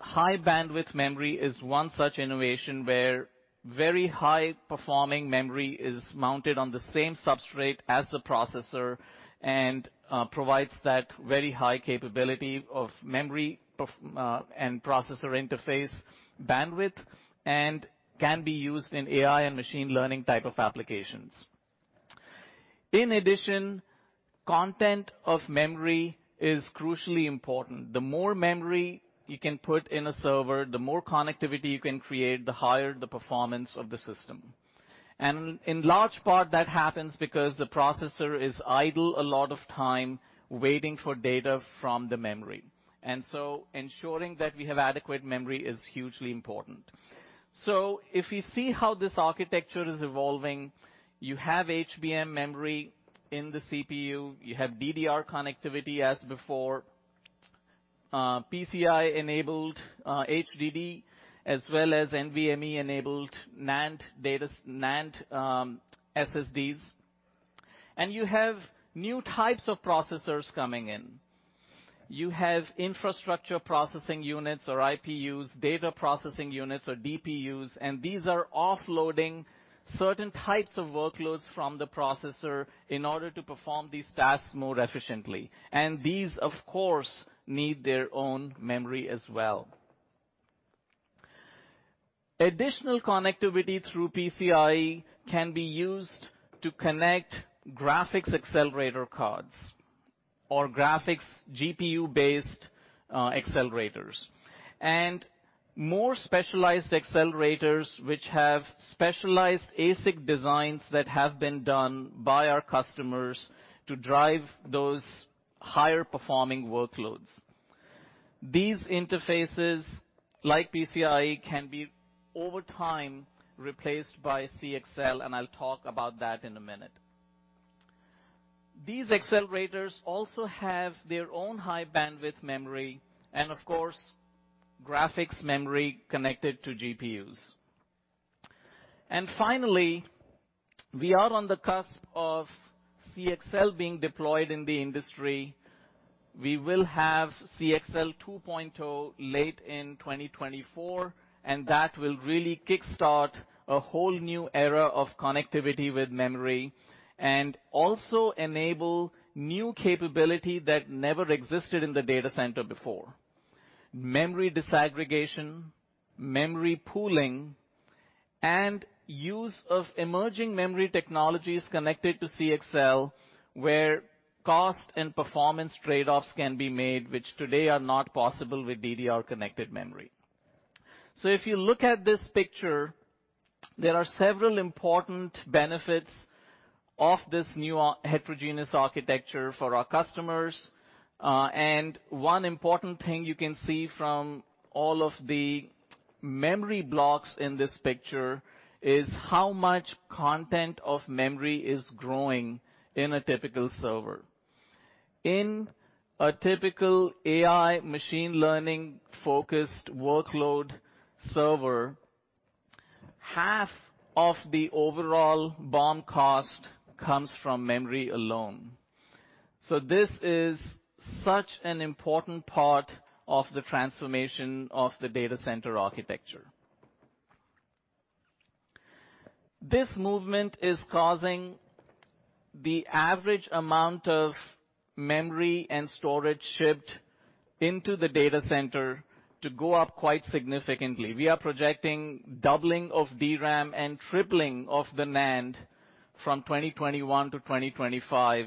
[SPEAKER 5] High bandwidth memory is one such innovation where very high performing memory is mounted on the same substrate as the processor, and provides that very high capability of memory and Processor interface bandwidth, and can be used in AI and machine learning type of applications. In addition, content of memory is crucially important. The more memory you can put in a server, the more connectivity you can create, the higher the performance of the system. In large part, that happens because the processor is idle a lot of time waiting for data from the memory. Ensuring that we have adequate memory is hugely important. If you see how this architecture is evolving, you have HBM memory in the CPU, you have DDR connectivity as before, PCI-enabled HDD, as well as NVMe-enabled NAND SSDs. You have new types of processors coming in. You have infrastructure processing units or IPUs, data processing units or DPUs, and these are offloading certain types of workloads from the processor in order to perform these tasks more efficiently. These, of course, need their own memory as well. Additional connectivity through PCIe can be used to connect graphics accelerator cards or graphics GPU-based accelerators. More specialized accelerators, which have specialized ASIC designs that have been done by our customers to drive those higher performing workloads. These interfaces, like PCIe, can be over time, replaced by CXL, and I'll talk about that in a minute. These accelerators also have their own high bandwidth memory and of course, graphics memory connected to GPUs. Finally, we are on the cusp of CXL being deployed in the industry. We will have CXL 2.0 late in 2024, and that will really kickstart a whole new era of connectivity with memory and also enable new capability that never existed in the data center before. Memory disaggregation, memory pooling, and use of emerging memory technologies connected to CXL, where cost and performance trade-offs can be made, which today are not possible with DDR connected memory. If you look at this picture, there are several important benefits of this new heterogeneous architecture for our customers. One important thing you can see from all of the memory blocks in this picture is how much consumption of memory is growing in a typical server. In a typical AI machine learning-focused workload server, half of the overall BOM cost comes from memory alone. This is such an important part of the transformation of the data center architecture. This movement is causing the average amount of memory and storage shipped into the data center to go up quite significantly. We are projecting doubling of DRAM and tripling of the NAND from 2021 to 2025,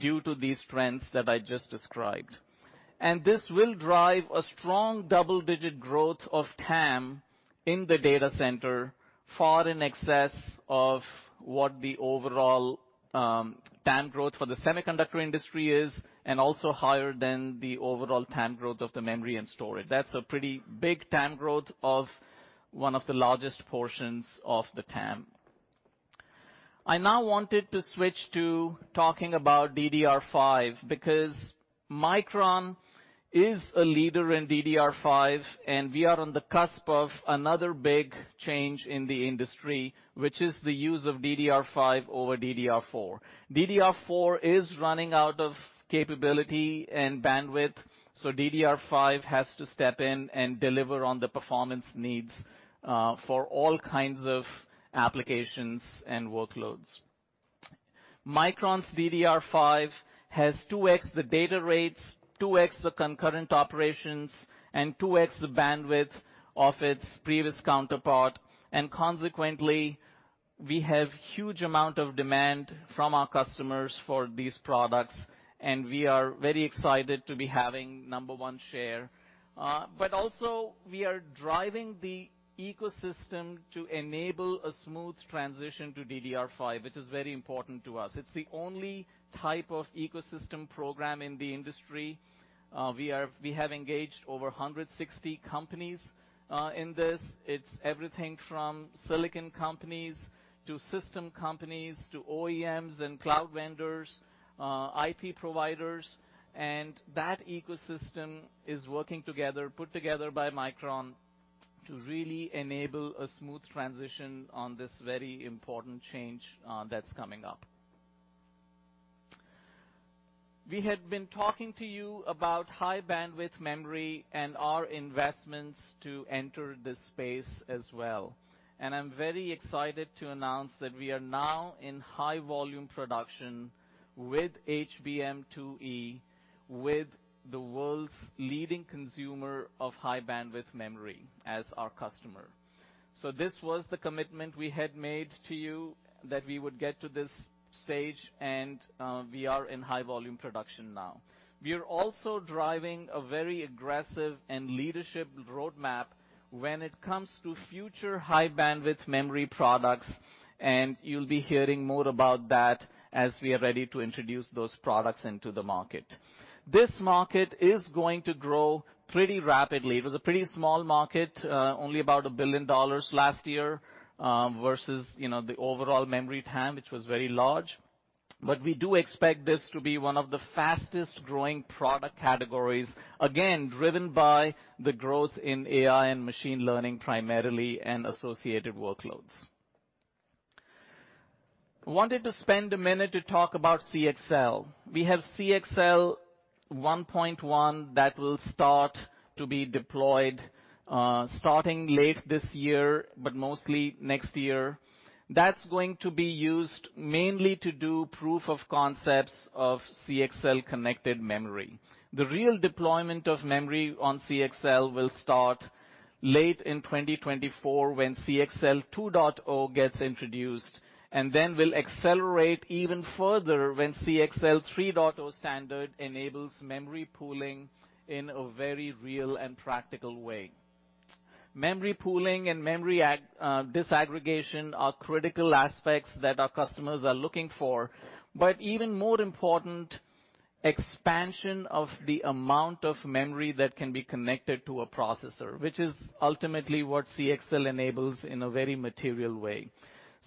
[SPEAKER 5] due to these trends that I just described. This will drive a strong double-digit growth of TAM in the data center far in excess of what the overall, TAM growth for the semiconductor industry is and also higher than the overall TAM growth of the memory and storage. That's a pretty big TAM growth of one of the largest portions of the TAM. I now wanted to switch to talking about DDR5 because Micron is a leader in DDR5, and we are on the cusp of another big change in the industry, which is the use of DDR5 over DDR4. DDR4 is running out of capability and bandwidth, so DDR5 has to step in and deliver on the performance needs for all kinds of applications and workloads. Micron's DDR5 has 2x the data rates, 2x the concurrent operations, and 2x the bandwidth of its previous counterpart, and consequently, we have huge amount of demand from our customers for these products, and we are very excited to be having number one share. But also we are driving the ecosystem to enable a smooth transition to DDR5, which is very important to us. It's the only type of ecosystem program in the industry. We have engaged over 160 companies in this. It's everything from silicon companies to system companies to OEMs and cloud vendors, IP providers, and that ecosystem is working together, put together by Micron to really enable a smooth transition on this very important change, that's coming up. We had been talking to you about high-bandwidth memory and our investments to enter this space as well. I'm very excited to announce that we are now in high volume production with HBM2E with the world's leading consumer of high-bandwidth memory as our customer. This was the commitment we had made to you that we would get to this stage, and we are in high volume production now. We are also driving a very aggressive and leadership roadmap when it comes to future high-bandwidth memory products, and you'll be hearing more about that as we are ready to introduce those products into the market. This market is going to grow pretty rapidly. It was a pretty small market, only about $1 billion last year, versus, you know, the overall memory TAM, which was very large. We do expect this to be one of the fastest-growing product categories, again, driven by the growth in AI and machine learning primarily and associated workloads. Wanted to spend a minute to talk about CXL. We have CXL 1.1 that will start to be deployed, starting late this year, but mostly next year. That's going to be used mainly to do proof of concepts of CXL connected memory. The real deployment of memory on CXL will start late in 2024 when CXL 2.0 gets introduced and then will accelerate even further when CXL 3.0 standard enables memory pooling in a very real and practical way. Memory pooling and memory disaggregation are critical aspects that our customers are looking for, but even more important, expansion of the amount of memory that can be connected to a processor, which is ultimately what CXL enables in a very material way.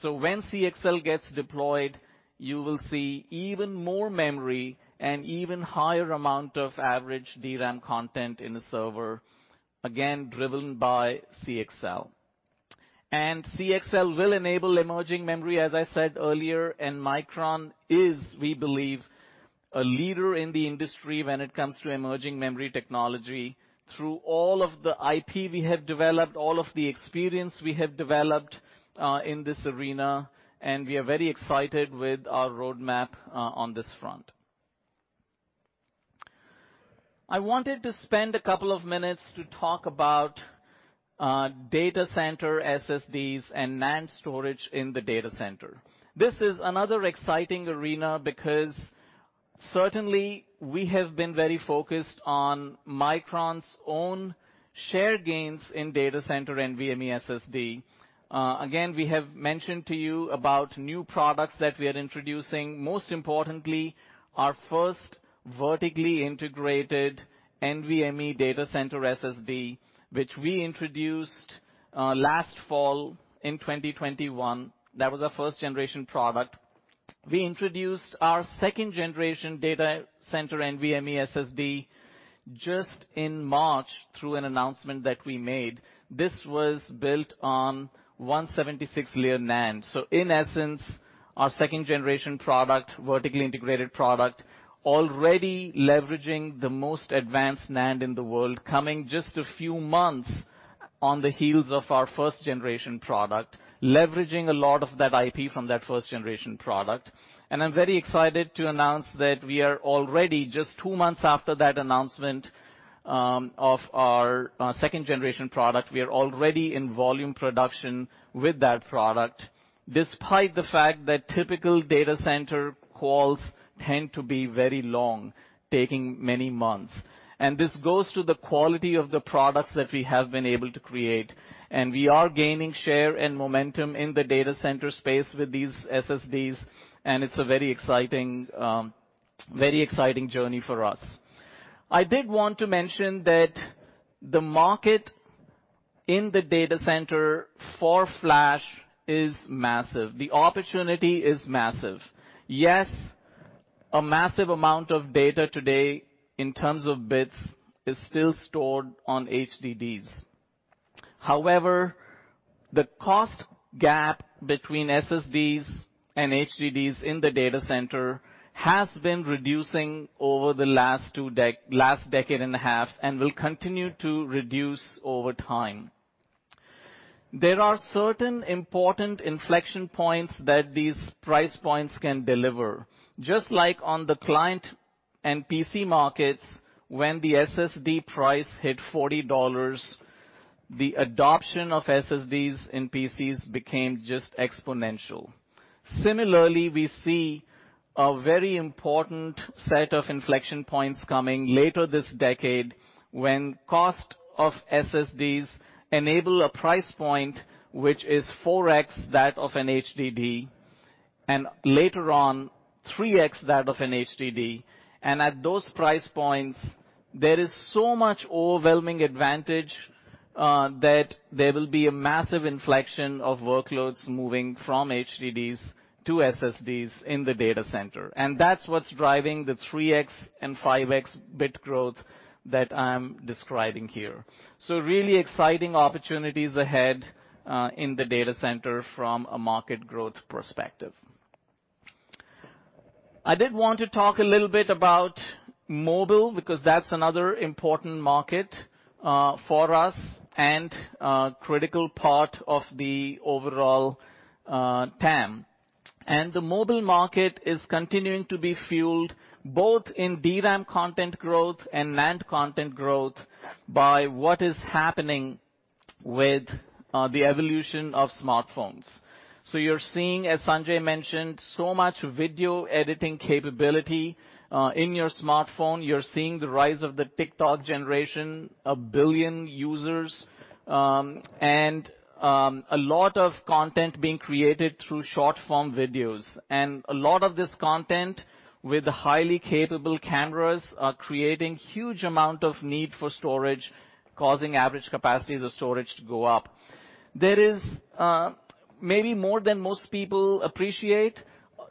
[SPEAKER 5] When CXL gets deployed, you will see even more memory and even higher amount of average DRAM content in a server, again, driven by CXL. CXL will enable emerging memory, as I said earlier, and Micron is, we believe, a leader in the industry when it comes to emerging memory technology through all of the IP we have developed, all of the experience we have developed, in this arena, and we are very excited with our roadmap, on this front. I wanted to spend a couple of minutes to talk about data center SSDs and NAND storage in the data center. This is another exciting arena because certainly, we have been very focused on Micron's own share gains in data center NVMe SSD. Again, we have mentioned to you about new products that we are introducing, most importantly, our first vertically integrated NVMe data center SSD, which we introduced last fall in 2021. That was our first generation product. We introduced our second generation data center NVMe SSD just in March through an announcement that we made. This was built on 176-layer NAND. So in essence, our second generation product, vertically integrated product, already leveraging the most advanced NAND in the world, coming just a few months on the heels of our first generation product, leveraging a lot of that IP from that first generation product. I'm very excited to announce that we are already just two months after that announcement, of our second generation product. We are already in volume production with that product, despite the fact that typical data center quals tend to be very long, taking many months. This goes to the quality of the products that we have been able to create. We are gaining share and momentum in the data center space with these SSDs, and it's a very exciting, very exciting journey for us. I did want to mention that the market in the data center for flash is massive. The opportunity is massive. Yes, a massive amount of data today in terms of bits is still stored on HDDs. However, the cost gap between SSDs and HDDs in the data center has been reducing over the last decade and a half and will continue to reduce over time. There are certain important inflection points that these price points can deliver. Just like on the client and PC markets, when the SSD price hit $40, the adoption of SSDs in PCs became just exponential. Similarly, we see a very important set of inflection points coming later this decade when cost of SSDs enable a price point which is 4x that of an HDD, and later on, 3x that of an HDD. At those price points, there is so much overwhelming advantage that there will be a massive inflection of workloads moving from HDDs to SSDs in the data center. That's what's driving the 3x and 5x bit growth that I'm describing here. Really exciting opportunities ahead in the data center from a market growth perspective. I did want to talk a little bit about mobile because that's another important market for us and a critical part of the overall TAM. The mobile market is continuing to be fueled both in DRAM content growth and NAND content growth by what is happening with the evolution of smartphones. You're seeing, as Sanjay mentioned, so much video editing capability in your smartphone. You're seeing the rise of the TikTok generation, 1 billion users, and a lot of content being created through short-form videos. A lot of this content with highly capable cameras are creating huge amount of need for storage, causing average capacities of storage to go up. There is maybe more than most people appreciate,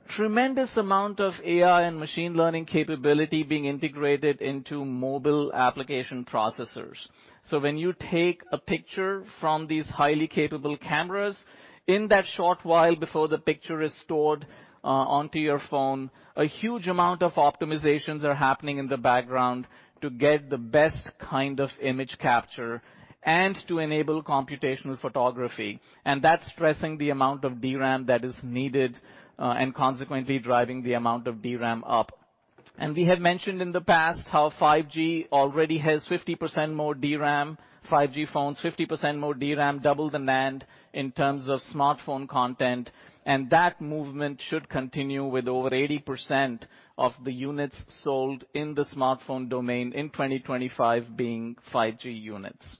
[SPEAKER 5] tremendous amount of AI and machine learning capability being integrated into mobile application processors. When you take a picture from these highly capable cameras, in that short while before the picture is stored onto your phone, a huge amount of optimizations are happening in the background to get the best kind of image capture and to enable computational photography. That's stressing the amount of DRAM that is needed and consequently driving the amount of DRAM up. We have mentioned in the past how 5G already has 50% more DRAM, 5G phones 50% more DRAM, double the NAND in terms of smartphone content. That movement should continue with over 80% of the units sold in the smartphone domain in 2025 being 5G units.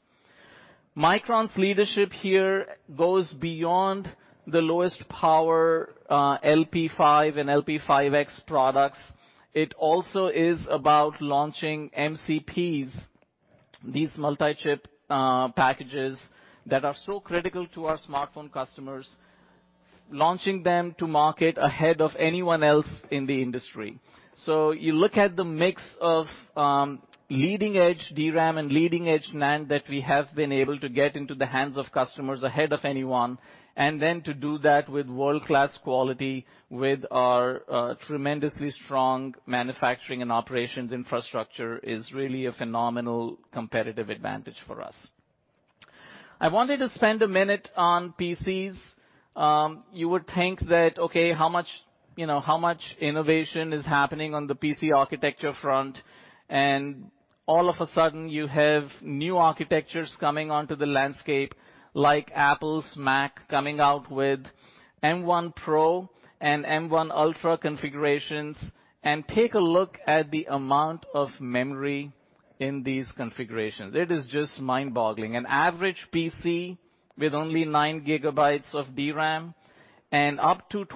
[SPEAKER 5] Micron's leadership here goes beyond the lowest power, LP5 and LP5X products. It also is about launching MCPs, these multi-chip packages that are so critical to our smartphone customers, launching them to market ahead of anyone else in the industry. You look at the mix of leading-edge DRAM and leading-edge NAND that we have been able to get into the hands of customers ahead of anyone. To do that with world-class quality, with our tremendously strong manufacturing and operations infrastructure is really a phenomenal competitive advantage for us. I wanted to spend a minute on PCs. You would think that, okay, how much, you know, how much innovation is happening on the PC architecture front? All of a sudden you have new architectures coming onto the landscape, like Apple's Mac coming out with M1 Pro and M1 Ultra configurations. Take a look at the amount of memory in these configurations. It is just mind-boggling. An average PC with only 9 GB of DRAM and up to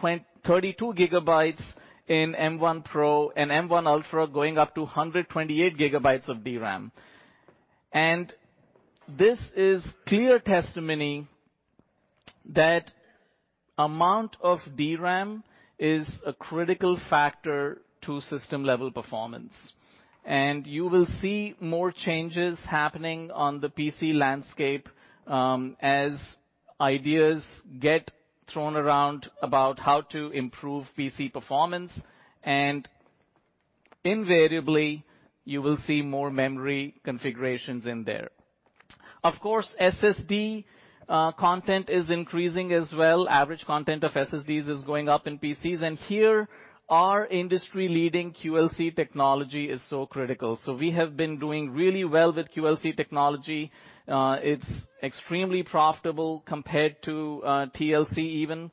[SPEAKER 5] 32 GB in M1 Pro and M1 Ultra going up to 128 GB of DRAM. This is clear testimony that amount of DRAM is a critical factor to system-level performance. You will see more changes happening on the PC landscape, as ideas get thrown around about how to improve PC performance. Invariably, you will see more memory configurations in there. Of course, SSD content is increasing as well. Average content of SSDs is going up in PCs, and here our industry-leading QLC technology is so critical. We have been doing really well with QLC technology. It's extremely profitable compared to TLC even.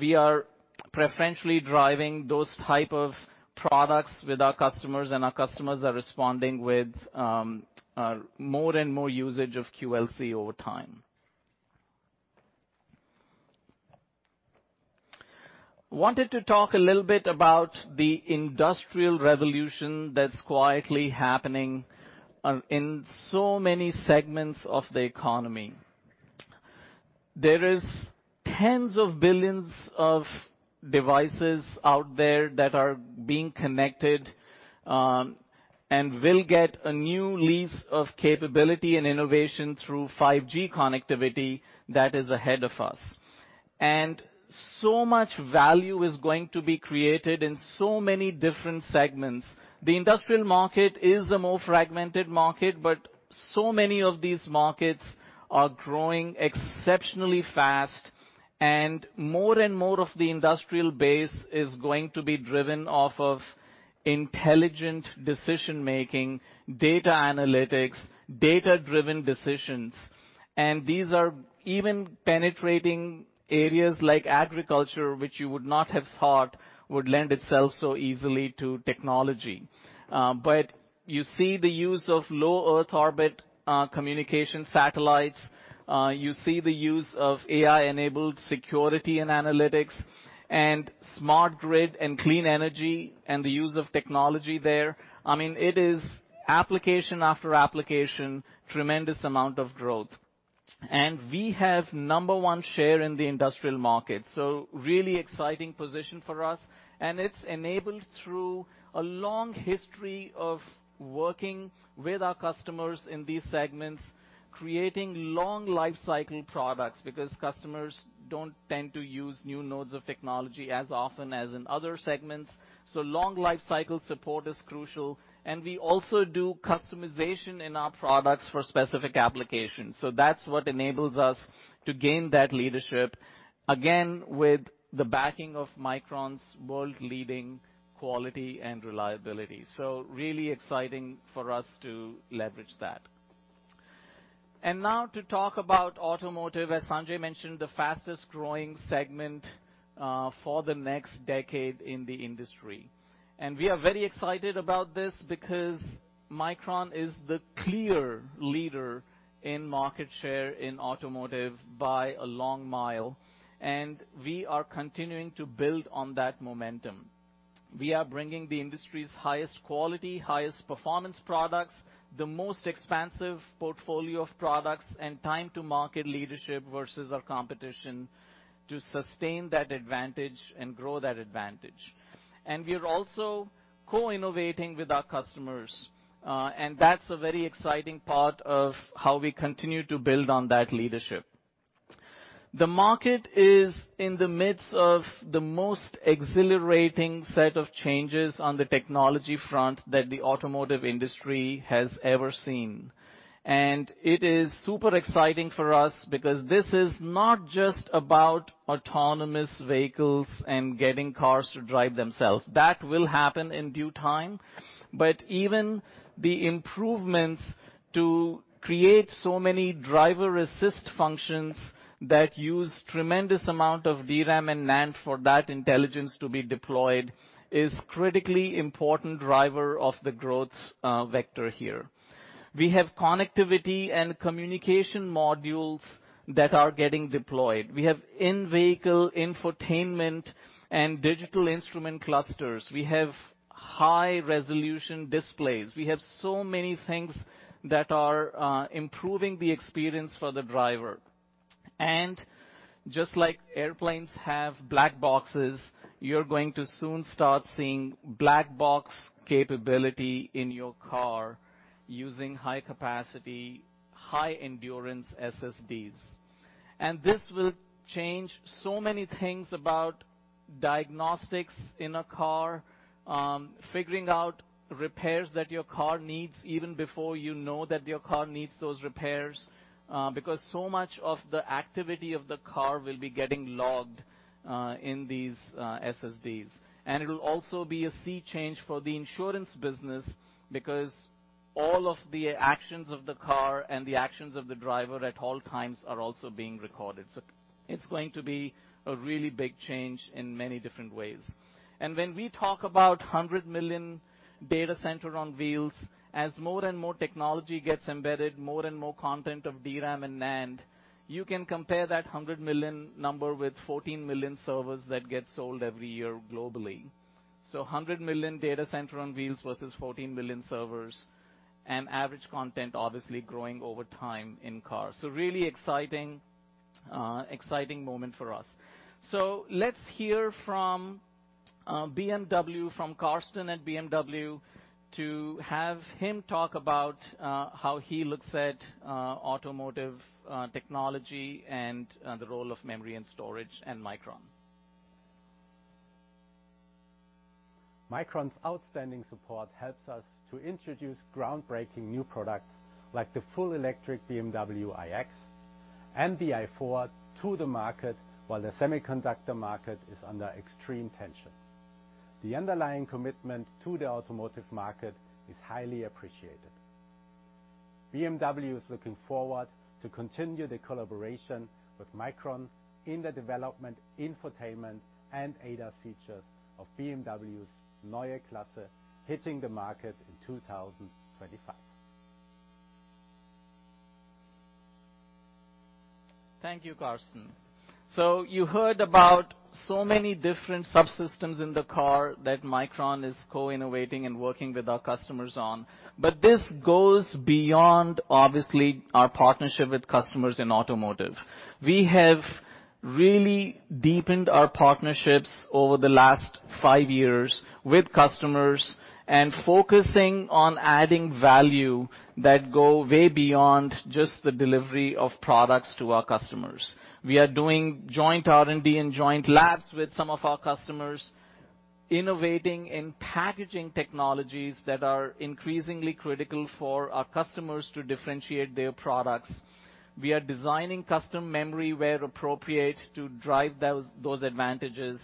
[SPEAKER 5] We are preferentially driving those type of products with our customers, and our customers are responding with more and more usage of QLC over time. Wanted to talk a little bit about the industrial revolution that's quietly happening in so many segments of the economy. There are tens of billions of devices out there that are being connected, and will get a new lease of capability and innovation through 5G connectivity that is ahead of us. So much value is going to be created in so many different segments. The industrial market is the more fragmented market, but so many of these markets are growing exceptionally fast, and more and more of the industrial base is going to be driven off of intelligent decision making, data analytics, data-driven decisions. These are even penetrating areas like agriculture, which you would not have thought would lend itself so easily to technology. But you see the use of low Earth orbit communication satellites. You see the use of AI-enabled security and analytics and smart grid and clean energy and the use of technology there. I mean, it is application after application, tremendous amount of growth. We have number one share in the industrial market, so really exciting position for us, and it's enabled through a long history of working with our customers in these segments, creating long lifecycle products, because customers don't tend to use new nodes of technology as often as in other segments. Long lifecycle support is crucial. We also do customization in our products for specific applications. That's what enables us to gain that leadership, again, with the backing of Micron's world-leading quality and reliability. Really exciting for us to leverage that. Now to talk about automotive, as Sanjay mentioned, the fastest-growing segment for the next decade in the industry. We are very excited about this because Micron is the clear leader in market share in automotive by a long mile, and we are continuing to build on that momentum. We are bringing the industry's highest quality, highest performance products, the most expansive portfolio of products, and time to market leadership versus our competition to sustain that advantage and grow that advantage. We're also co-innovating with our customers, and that's a very exciting part of how we continue to build on that leadership. The market is in the midst of the most exhilarating set of changes on the technology front that the automotive industry has ever seen. It is super exciting for us because this is not just about autonomous vehicles and getting cars to drive themselves. That will happen in due time, even the improvements to create so many driver assist functions that use tremendous amount of DRAM and NAND for that intelligence to be deployed is critically important driver of the growth, vector here. We have connectivity and communication modules that are getting deployed. We have in-vehicle infotainment and digital instrument clusters. We have high resolution displays. We have so many things that are improving the experience for the driver. Just like airplanes have black boxes, you're going to soon start seeing black box capability in your car using high capacity, high endurance SSDs. This will change so many things about diagnostics in a car, figuring out repairs that your car needs even before you know that your car needs those repairs, because so much of the activity of the car will be getting logged in these SSDs. It'll also be a sea change for the insurance business because all of the actions of the car and the actions of the driver at all times are also being recorded. It's going to be a really big change in many different ways. When we talk about 100 million data center on wheels, as more and more technology gets embedded, more and more content of DRAM and NAND, you can compare that 100 million number with 14 million servers that get sold every year globally. Hundred million data center on wheels versus 14 million servers and average content obviously growing over time in cars. Really exciting moment for us. Let's hear from BMW, from Carsten at BMW. To have him talk about how he looks at automotive technology and the role of memory and storage and Micron.
[SPEAKER 6] Micron's outstanding support helps us to introduce groundbreaking new products like the fully electric BMW iX and the i4 to the market while the semiconductor market is under extreme tension. The underlying commitment to the automotive market is highly appreciated. BMW is looking forward to continue the collaboration with Micron in the development, infotainment, and ADA features of BMW's Neue Klasse, hitting the market in 2025.
[SPEAKER 5] Thank you, Carsten. You heard about so many different subsystems in the car that Micron is co-innovating and working with our customers on. This goes beyond, obviously, our partnership with customers in automotive. We have really deepened our partnerships over the last five years with customers and focusing on adding value that go way beyond just the delivery of products to our customers. We are doing joint R&D and joint labs with some of our customers, innovating in packaging technologies that are increasingly critical for our customers to differentiate their products. We are designing custom memory where appropriate to drive those advantages,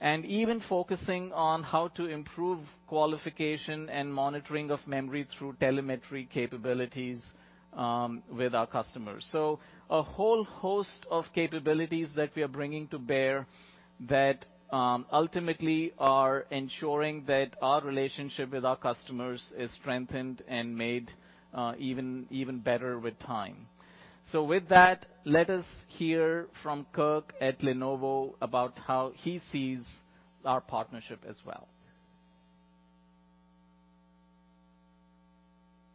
[SPEAKER 5] and even focusing on how to improve qualification and monitoring of memory through telemetry capabilities, with our customers. A whole host of capabilities that we are bringing to bear that ultimately are ensuring that our relationship with our customers is strengthened and made even better with time. With that, let us hear from Kirk at Lenovo about how he sees our partnership as well.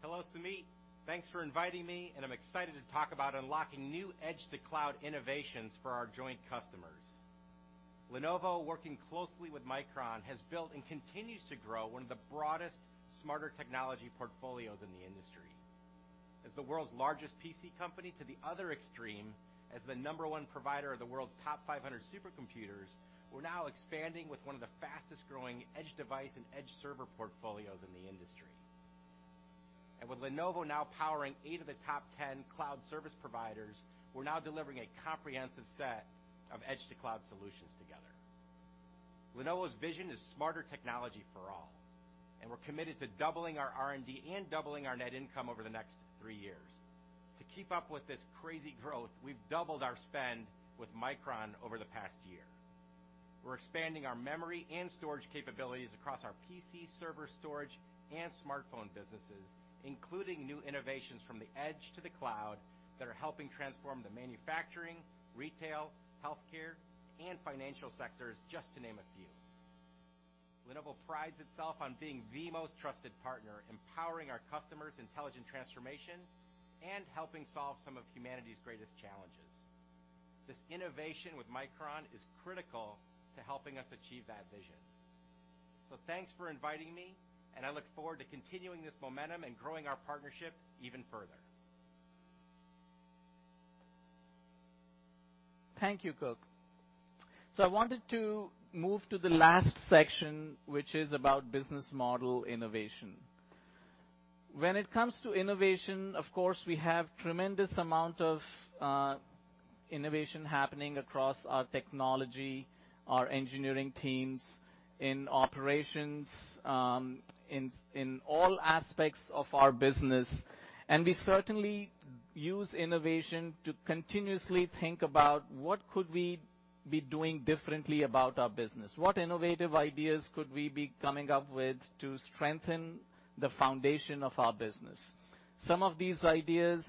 [SPEAKER 7] Hello, Sumit. Thanks for inviting me, and I'm excited to talk about unlocking new edge to cloud innovations for our joint customers. Lenovo, working closely with Micron, has built and continues to grow one of the broadest, smarter technology portfolios in the industry. As the world's largest PC company to the other extreme, as the number one provider of the world's top 500 supercomputers, we're now expanding with one of the fastest growing edge device and edge server portfolios in the industry. With Lenovo now powering eight of the top 10 cloud service providers, we're now delivering a comprehensive set of edge to cloud solutions together. Lenovo's vision is smarter technology for all, and we're committed to doubling our R&D and doubling our net income over the next three years. To keep up with this crazy growth, we've doubled our spend with Micron over the past year. We're expanding our memory and storage capabilities across our PC server storage and smartphone businesses, including new innovations from the edge to the cloud that are helping transform the manufacturing, retail, healthcare, and financial sectors, just to name a few. Lenovo prides itself on being the most trusted partner, empowering our customers' intelligent transformation and helping solve some of humanity's greatest challenges. This innovation with Micron is critical to helping us achieve that vision. Thanks for inviting me, and I look forward to continuing this momentum and growing our partnership even further.
[SPEAKER 5] Thank you, Kirk. I wanted to move to the last section, which is about business model innovation. When it comes to innovation, of course, we have tremendous amount of innovation happening across our technology, our engineering teams, in operations, in all aspects of our business, and we certainly use innovation to continuously think about what could we be doing differently about our business? What innovative ideas could we be coming up with to strengthen the foundation of our business? Some of these ideas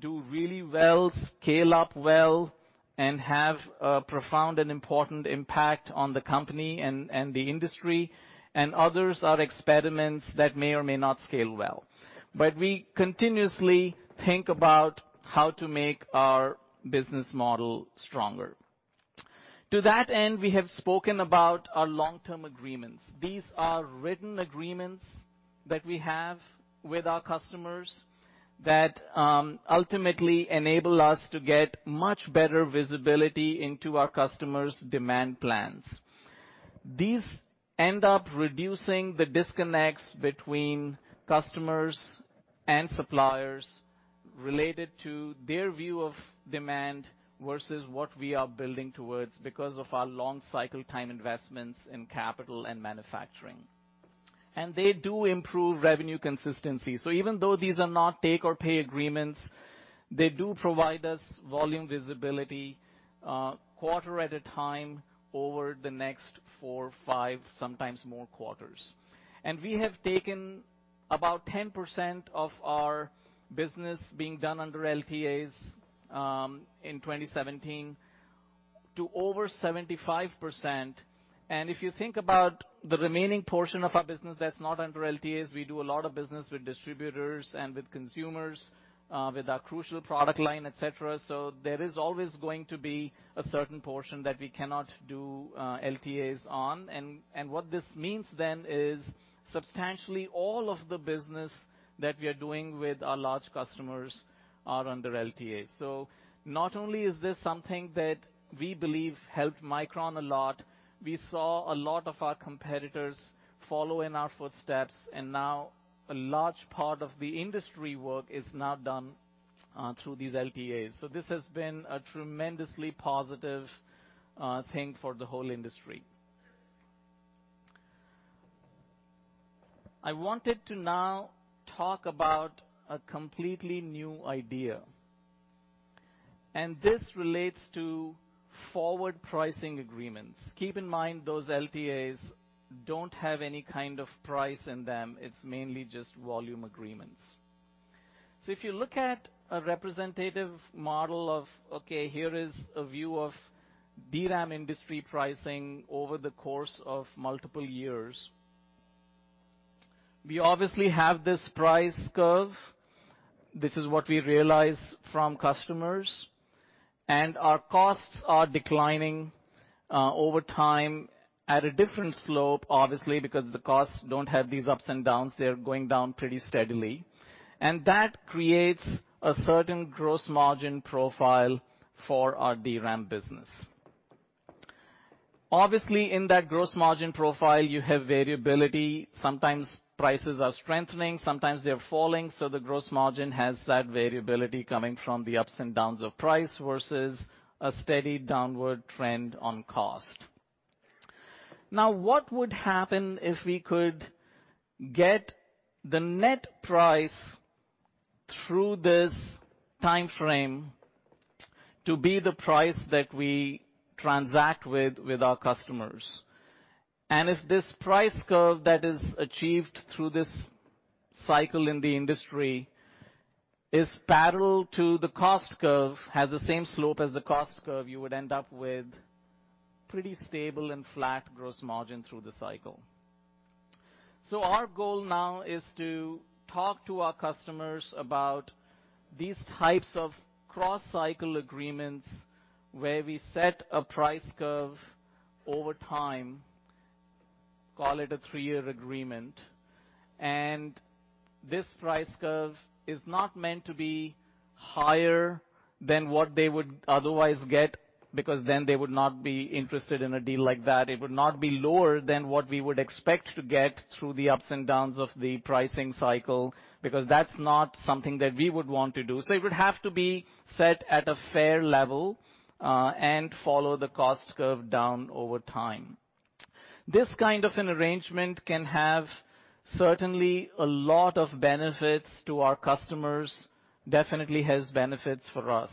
[SPEAKER 5] do really well, scale up well, and have a profound and important impact on the company and the industry. Others are experiments that may or may not scale well. We continuously think about how to make our business model stronger. To that end, we have spoken about our long-term agreements. These are written agreements that we have with our customers that ultimately enable us to get much better visibility into our customers' demand plans. These end up reducing the disconnects between customers and suppliers related to their view of demand versus what we are building towards because of our long cycle time investments in capital and manufacturing. They do improve revenue consistency. Even though these are not take or pay agreements, they do provide us volume visibility, quarter at a time over the next 4, 5, sometimes more quarters. We have taken about 10% of our business being done under LTAs in 2017 to over 75%. If you think about the remaining portion of our business that's not under LTAs, we do a lot of business with distributors and with consumers with our Crucial product line, etc. There is always going to be a certain portion that we cannot do LTAs on. What this means then is substantially all of the business that we are doing with our large customers are under LTAs. Not only is this something that we believe helped Micron a lot, we saw a lot of our competitors follow in our footsteps, and now a large part of the industry work is now done through these LTAs. This has been a tremendously positive thing for the whole industry. I wanted to now talk about a completely new idea, and this relates to forward pricing agreements. Keep in mind, those LTAs don't have any kind of price in them. It's mainly just volume agreements. If you look at a representative model of, okay, here is a view of DRAM industry pricing over the course of multiple years. We obviously have this price curve. This is what we realize from customers. Our costs are declining over time at a different slope, obviously, because the costs don't have these ups and downs. They are going down pretty steadily. That creates a certain gross margin profile for our DRAM business. Obviously, in that gross margin profile, you have variability. Sometimes prices are strengthening, sometimes they're falling. The gross margin has that variability coming from the ups and downs of price versus a steady downward trend on cost. Now, what would happen if we could get the net price through this timeframe to be the price that we transact with our customers? If this price curve that is achieved through this cycle in the industry is parallel to the cost curve, has the same slope as the cost curve, you would end up with pretty stable and flat gross margin through the cycle. Our goal now is to talk to our customers about these types of cross-cycle agreements where we set a price curve over time, call it a three year agreement. This price curve is not meant to be higher than what they would otherwise get, because then they would not be interested in a deal like that. It would not be lower than what we would expect to get through the ups and downs of the pricing cycle, because that's not something that we would want to do. It would have to be set at a fair level, and follow the cost curve down over time. This kind of an arrangement can have certainly a lot of benefits to our customers, definitely has benefits for us.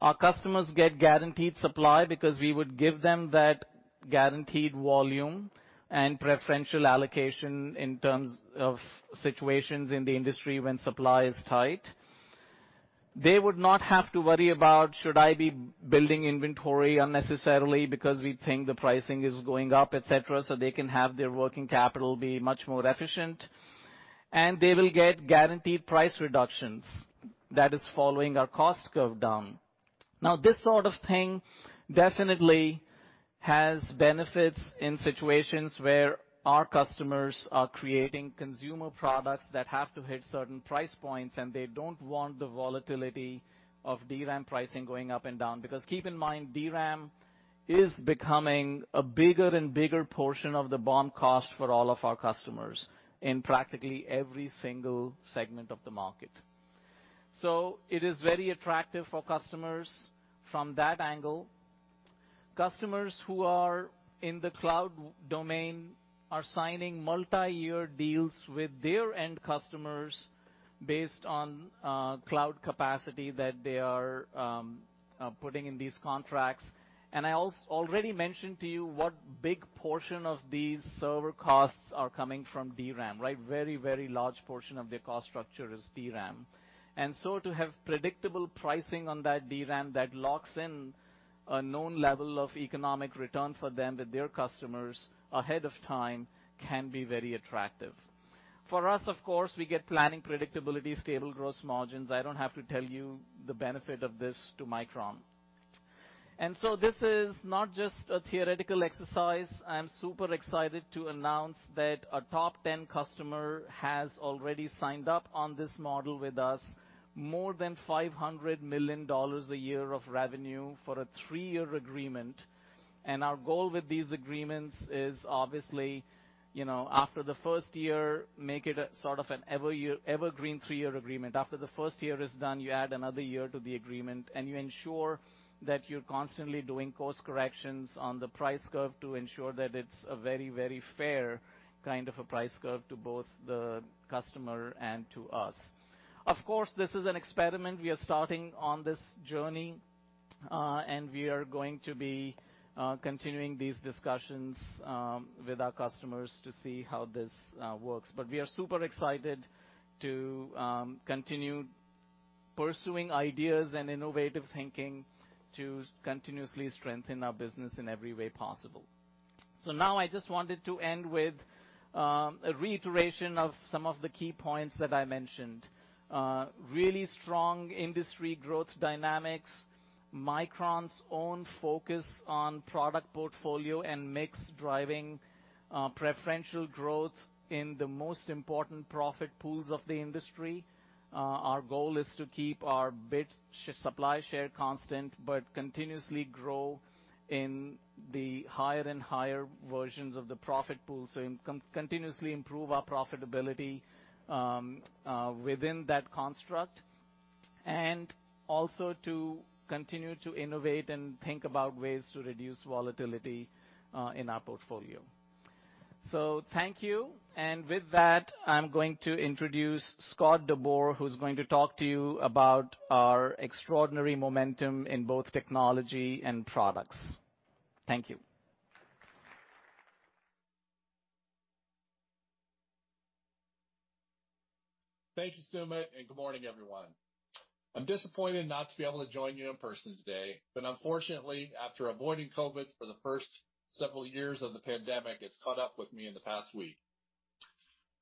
[SPEAKER 5] Our customers get guaranteed supply because we would give them that guaranteed volume and preferential allocation in terms of situations in the industry when supply is tight. They would not have to worry about should I be building inventory unnecessarily because we think the pricing is going up, etc, so they can have their working capital be much more efficient. They will get guaranteed price reductions that is following our cost curve down. Now, this sort of thing definitely has benefits in situations where our customers are creating consumer products that have to hit certain price points, and they don't want the volatility of DRAM pricing going up and down. Because keep in mind, DRAM is becoming a bigger and bigger portion of the BOM cost for all of our customers in practically every single segment of the market. It is very attractive for customers from that angle. Customers who are in the cloud domain are signing multiyear deals with their end customers based on cloud capacity that they are putting in these contracts. I already mentioned to you what big portion of these server costs are coming from DRAM, right? Very, very large portion of their cost structure is DRAM. To have predictable pricing on that DRAM that locks in a known level of economic return for them with their customers ahead of time can be very attractive. For us, of course, we get planning predictability, stable gross margins. I don't have to tell you the benefit of this to Micron. This is not just a theoretical exercise. I am super excited to announce that a top ten customer has already signed up on this model with us, more than $500 million a year of revenue for a three year agreement. Our goal with these agreements is obviously, you know, after the first year, make it a sort of an every year evergreen three year agreement. After the first year is done, you add another year to the agreement and you ensure that you're constantly doing course corrections on the price curve to ensure that it's a very, very fair kind of a price curve to both the customer and to us. Of course, this is an experiment. We are starting on this journey, and we are going to be continuing these discussions with our customers to see how this works. We are super excited to continue pursuing ideas and innovative thinking to continuously strengthen our business in every way possible. Now I just wanted to end with a reiteration of some of the key points that I mentioned. Really strong industry growth dynamics, Micron's own focus on product portfolio and mix driving preferential growth in the most important profit pools of the industry. Our goal is to keep our bit shipment share constant, but continuously grow in the higher and higher versions of the profit pool, so we can continuously improve our profitability within that construct, and also to continue to innovate and think about ways to reduce volatility in our portfolio. Thank you. With that, I'm going to introduce Scott DeBoer, who's going to talk to you about our extraordinary momentum in both technology and products. Thank you.
[SPEAKER 8] Thank you, Sumit, and good morning, everyone. I'm disappointed not to be able to join you in person today, but unfortunately, after avoiding COVID for the first several years of the pandemic, it's caught up with me in the past week.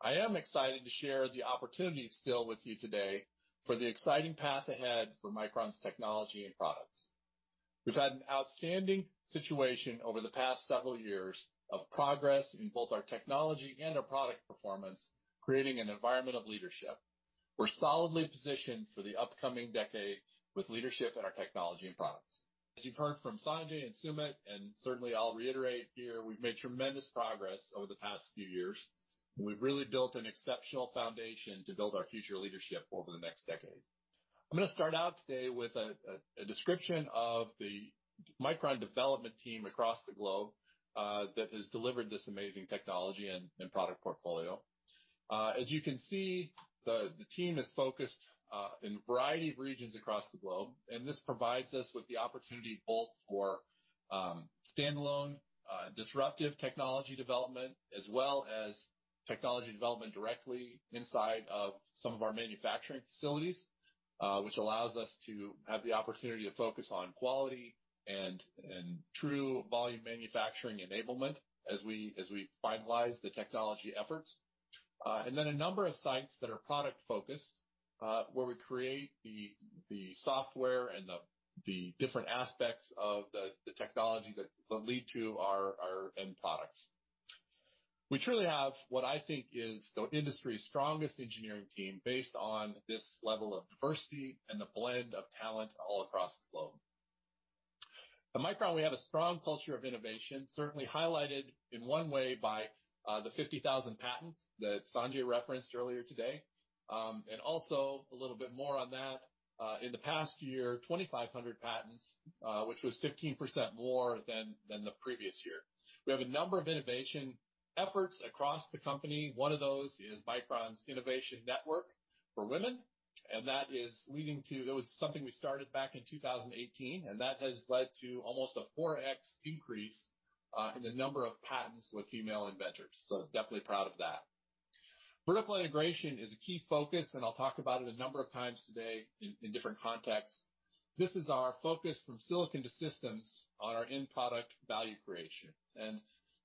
[SPEAKER 8] I am excited to share the opportunity still with you today for the exciting path ahead for Micron's technology and products. We've had an outstanding situation over the past several years of progress in both our technology and our product performance, creating an environment of leadership. We're solidly positioned for the upcoming decade with leadership in our technology and products. As you've heard from Sanjay and Sumit, and certainly I'll reiterate here, we've made tremendous progress over the past few years. We've really built an exceptional foundation to build our future leadership over the next decade. I'm gonna start out today with a description of the Micron development team across the globe that has delivered this amazing technology and product portfolio. As you can see, the team is focused in a variety of regions across the globe, and this provides us with the opportunity both for standalone disruptive technology development, as well as technology development directly inside of some of our manufacturing facilities, which allows us to have the opportunity to focus on quality and true volume manufacturing enablement as we finalize the technology efforts. A number of sites that are product-focused, where we create the software and the different aspects of the technology that lead to our end products. We truly have what I think is the industry's strongest engineering team based on this level of diversity and the blend of talent all across the globe. At Micron, we have a strong culture of innovation, certainly highlighted in one way by the 50,000 patents that Sanjay referenced earlier today. In the past year, 2,500 patents, which was 15% more than the previous year. We have a number of innovation efforts across the company. One of those is Micron's Innovation Network for Women. It was something we started back in 2018, and that has led to almost a 4x increase in the number of patents with female inventors. Definitely proud of that. Vertical integration is a key focus, and I'll talk about it a number of times today in different contexts. This is our focus from silicon to systems on our end product value creation.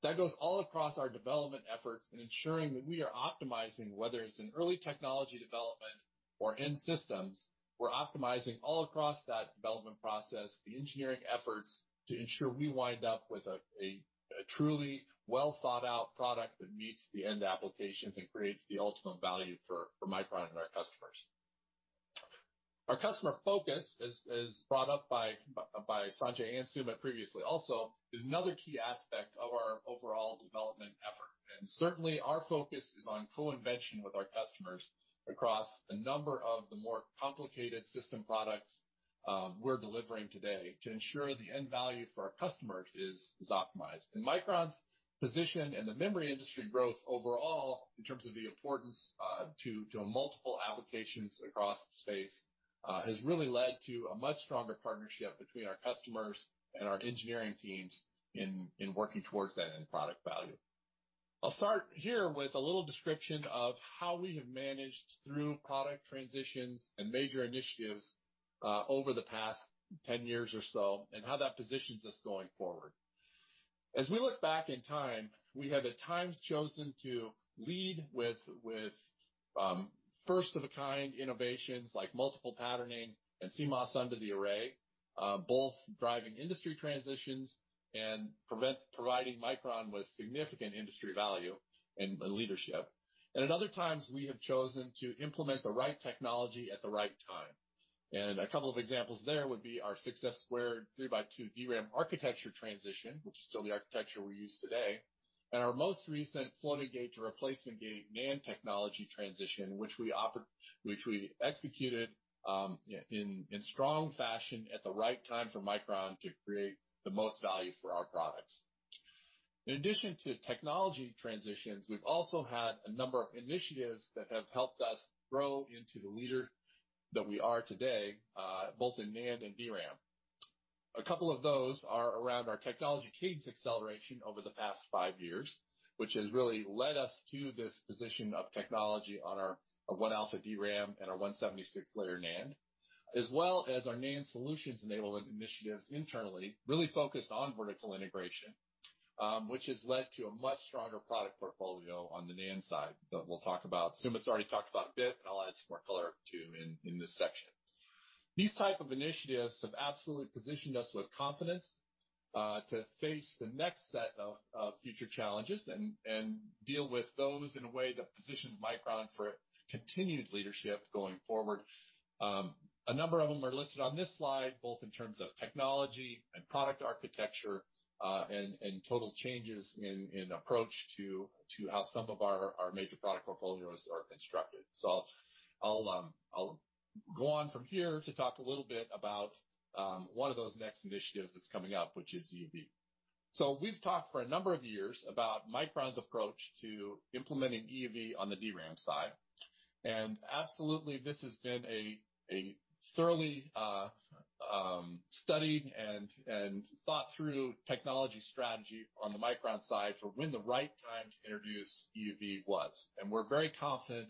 [SPEAKER 8] That goes all across our development efforts in ensuring that we are optimizing, whether it's in early technology development or end systems, we're optimizing all across that development process, the engineering efforts to ensure we wind up with a truly well-thought-out product that meets the end applications and creates the ultimate value for Micron and our customers. Our customer focus is brought up by Sanjay and Sumit previously also, is another key aspect of our overall development effort. Certainly, our focus is on co-invention with our customers across a number of the more complicated system products, we're delivering today to ensure the end value for our customers is optimized. Micron's position in the memory industry growth overall, in terms of the importance, to multiple applications across the space, has really led to a much stronger partnership between our customers and our engineering teams in working towards that end product value. I'll start here with a little description of how we have managed through product transitions and major initiatives, over the past 10 years or so, and how that positions us going forward. As we look back in time, we have at times chosen to lead with first of a kind innovations like multiple patterning and CMOS under the array, both driving industry transitions and providing Micron with significant industry value and leadership. At other times, we have chosen to implement the right technology at the right time. A couple of examples there would be our success squared three by two DRAM architecture transition, which is still the architecture we use today, and our most recent floating gate to replacement gate NAND technology transition, which we executed in strong fashion at the right time for Micron to create the most value for our products. In addition to technology transitions, we've also had a number of initiatives that have helped us grow into the leader that we are today. Both in NAND and DRAM. A couple of those are around our technology cadence acceleration over the past five years, which has really led us to this position of technology on our one alpha DRAM and our 176-layer NAND, as well as our NAND solutions enablement initiatives internally really focused on vertical integration, which has led to a much stronger product portfolio on the NAND side that we'll talk about. Sumit's already talked about a bit, and I'll add some more color to in this section. These type of initiatives have absolutely positioned us with confidence to face the next set of future challenges and deal with those in a way that positions Micron for continued leadership going forward. A number of them are listed on this slide, both in terms of technology and product architecture, and total changes in approach to how some of our major product portfolios are constructed. I'll go on from here to talk a little bit about one of those next initiatives that's coming up, which is EUV. We've talked for a number of years about Micron's approach to implementing EUV on the DRAM side. Absolutely, this has been a thoroughly studied and thought through technology strategy on the Micron side for when the right time to introduce EUV was. We're very confident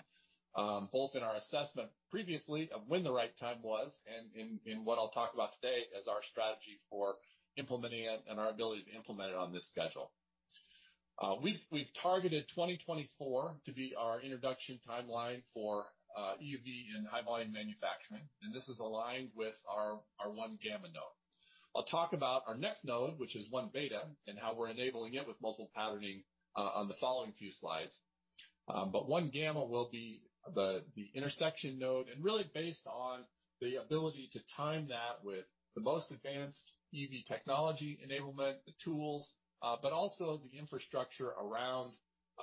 [SPEAKER 8] both in our assessment previously of when the right time was and in what I'll talk about today as our strategy for implementing it and our ability to implement it on this schedule. We've targeted 2024 to be our introduction timeline for EUV in high volume manufacturing, and this is aligned with our one gamma node. I'll talk about our next node, which is one beta, and how we're enabling it with multiple patterning on the following few slides. One gamma will be the intersection node and really based on the ability to time that with the most advanced EUV technology enablement, the tools, but also the infrastructure around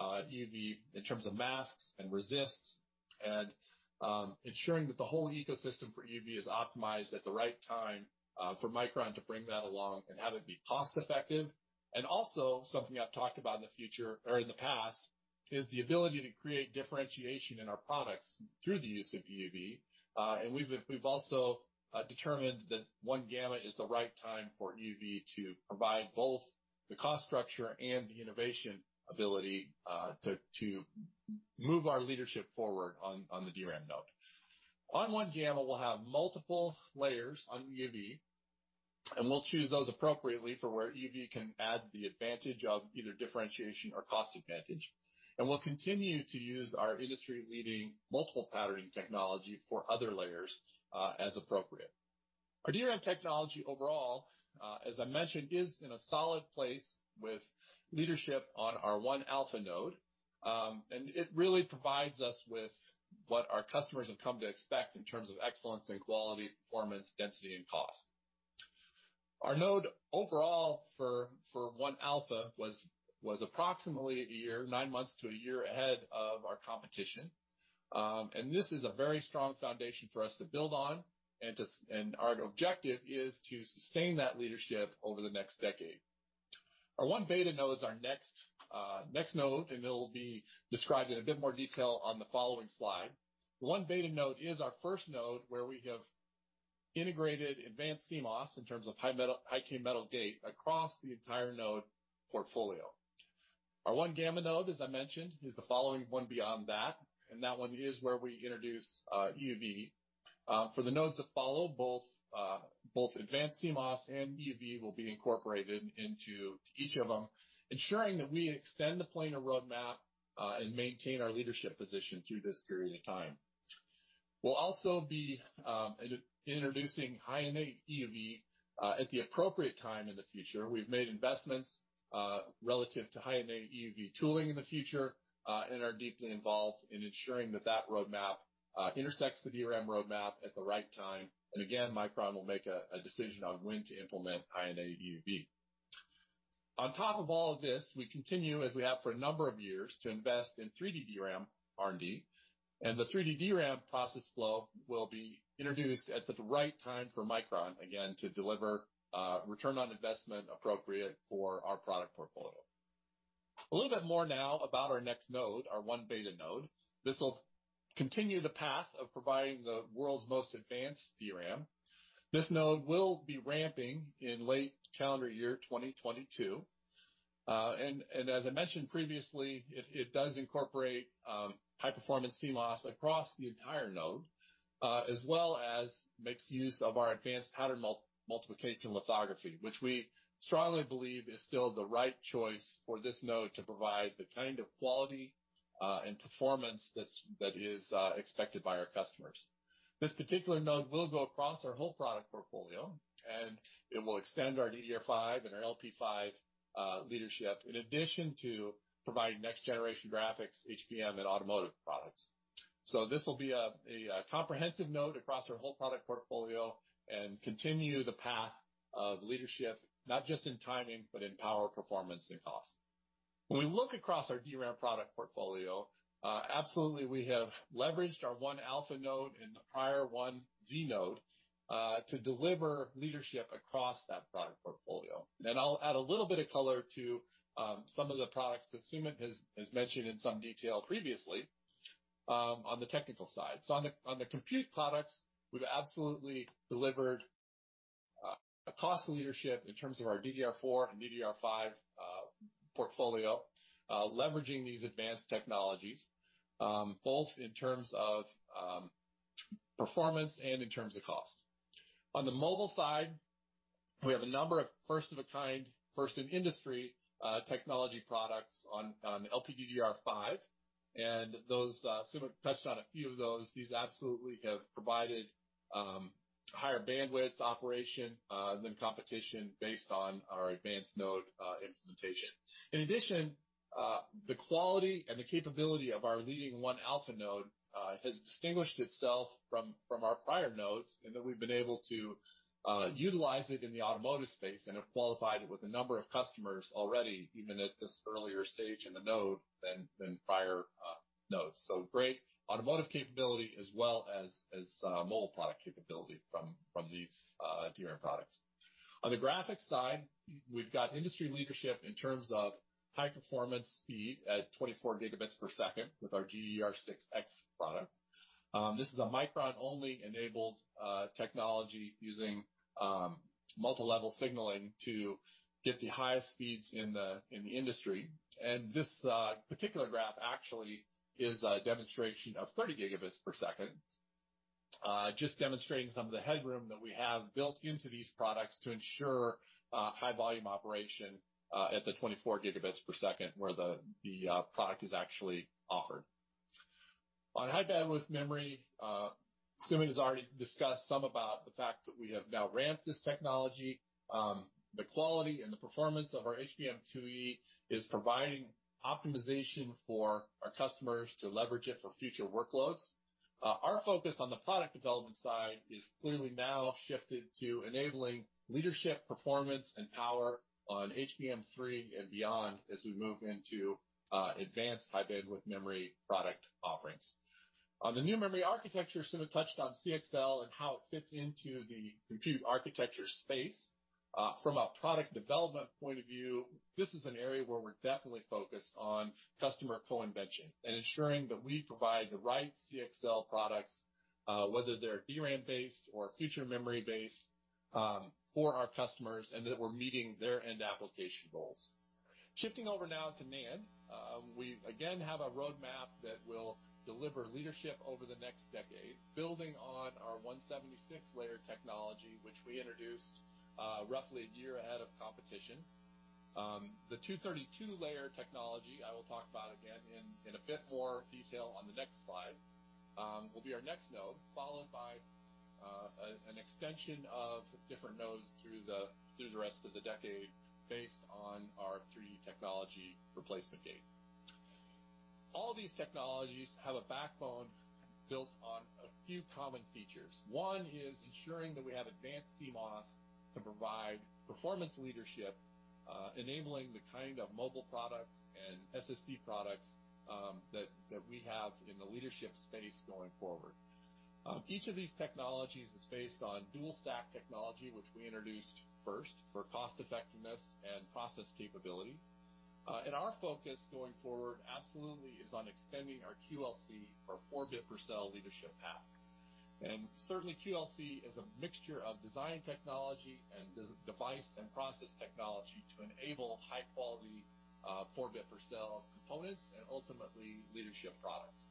[SPEAKER 8] EUV in terms of masks and resists and ensuring that the whole ecosystem for EUV is optimized at the right time for Micron to bring that along and have it be cost effective. Also, something I've talked about in the future or in the past is the ability to create differentiation in our products through the use of EUV. We've also determined that one gamma is the right time for EUV to provide both the cost structure and the innovation ability to move our leadership forward on the DRAM node. On one gamma, we'll have multiple layers on EUV, and we'll choose those appropriately for where EUV can add the advantage of either differentiation or cost advantage. We'll continue to use our industry-leading multiple patterning technology for other layers, as appropriate. Our DRAM technology overall, as I mentioned, is in a solid place with leadership on our one alpha node. It really provides us with what our customers have come to expect in terms of excellence and quality, performance, density and cost. Our node overall for one alpha was approximately one year, nine months to one year ahead of our competition. This is a very strong foundation for us to build on, and our objective is to sustain that leadership over the next decade. Our 1 beta node is our next node, and it'll be described in a bit more detail on the following slide. 1 beta node is our first node where we have integrated advanced CMOS in terms of high-K metal gate across the entire node portfolio. Our 1 gamma node, as I mentioned, is the following one beyond that, and that one is where we introduce EUV. For the nodes that follow, both advanced CMOS and EUV will be incorporated into each of them, ensuring that we extend the planar roadmap and maintain our leadership position through this period of time. We'll also be introducing High-NA EUV at the appropriate time in the future. We've made investments relative to High-NA EUV tooling in the future and are deeply involved in ensuring that that roadmap intersects the DRAM roadmap at the right time. Again, Micron will make a decision on when to implement High-NA EUV. On top of all of this, we continue, as we have for a number of years, to invest in 3D DRAM R&D, and the 3D DRAM process flow will be introduced at the right time for Micron, again, to deliver return on investment appropriate for our product portfolio. A little bit more now about our next node, our one beta node. This will continue the path of providing the world's most advanced DRAM. This node will be ramping in late calendar year 2022. As I mentioned previously, it does incorporate high-performance CMOS across the entire node, as well as makes use of our advanced multi-patterning lithography, which we strongly believe is still the right choice for this node to provide the kind of quality and performance that's expected by our customers. This particular node will go across our whole product portfolio, and it will extend our DDR5 and our LP5 leadership, in addition to providing next-generation graphics, HBM and automotive products. This will be a comprehensive node across our whole product portfolio and continue the path of leadership, not just in timing, but in power, performance and cost. When we look across our DRAM product portfolio, absolutely we have leveraged our one alpha node and the prior 1z node to deliver leadership across that product portfolio. I'll add a little bit of color to some of the products that Sumit has mentioned in some detail previously on the technical side. On the compute products, we've absolutely delivered a cost leadership in terms of our DDR4 and DDR5 portfolio, leveraging these advanced technologies both in terms of performance and in terms of cost. On the mobile side, we have a number of first of a kind, first in industry technology products on LPDDR5, and those Sumit touched on a few of those. These absolutely have provided higher bandwidth operation than competition based on our advanced node implementation. In addition, the quality and the capability of our leading OneAlpha node has distinguished itself from our prior nodes, in that we've been able to utilize it in the automotive space and have qualified it with a number of customers already, even at this earlier stage in the node than prior nodes. Great automotive capability as well as mobile product capability from these DRAM products. On the graphics side, we've got industry leadership in terms of high performance speed at 24 Gbps with our GDDR6X product. This is a Micron-only enabled technology using multi-level signaling to get the highest speeds in the industry. This particular graph actually is a demonstration of 30 Gbps, just demonstrating some of the headroom that we have built into these products to ensure high volume operation at the 24 Gbps, where the product is actually offered. On high bandwidth memory, Sumit has already discussed some about the fact that we have now ramped this technology. The quality and the performance of our HBM2E is providing optimization for our customers to leverage it for future workloads. Our focus on the product development side is clearly now shifted to enabling leadership, performance, and power on HBM3 and beyond as we move into advanced high bandwidth memory product offerings. On the new memory architecture, Sumit touched on CXL and how it fits into the compute architecture space. From a product development point of view, this is an area where we're definitely focused on customer co-invention and ensuring that we provide the right CXL products, whether they're DRAM based or future memory based, for our customers, and that we're meeting their end application goals. Shifting over now to NAND. We again have a roadmap that will deliver leadership over the next decade, building on our 176-layer technology, which we introduced roughly a year ahead of competition. The 232-layer technology I will talk about again in a bit more detail on the next slide will be our next node, followed by an extension of different nodes through the rest of the decade based on our replacement gate technology. All these technologies have a backbone built on a few common features. One is ensuring that we have advanced CMOS to provide performance leadership, enabling the kind of mobile products and SSD products, that we have in the leadership space going forward. Each of these technologies is based on dual stack technology, which we introduced first for cost effectiveness and process capability. Our focus going forward absolutely is on extending our QLC, our four bit per cell leadership path. Certainly QLC is a mixture of design technology and device and process technology to enable high quality, four bit per cell components and ultimately leadership products.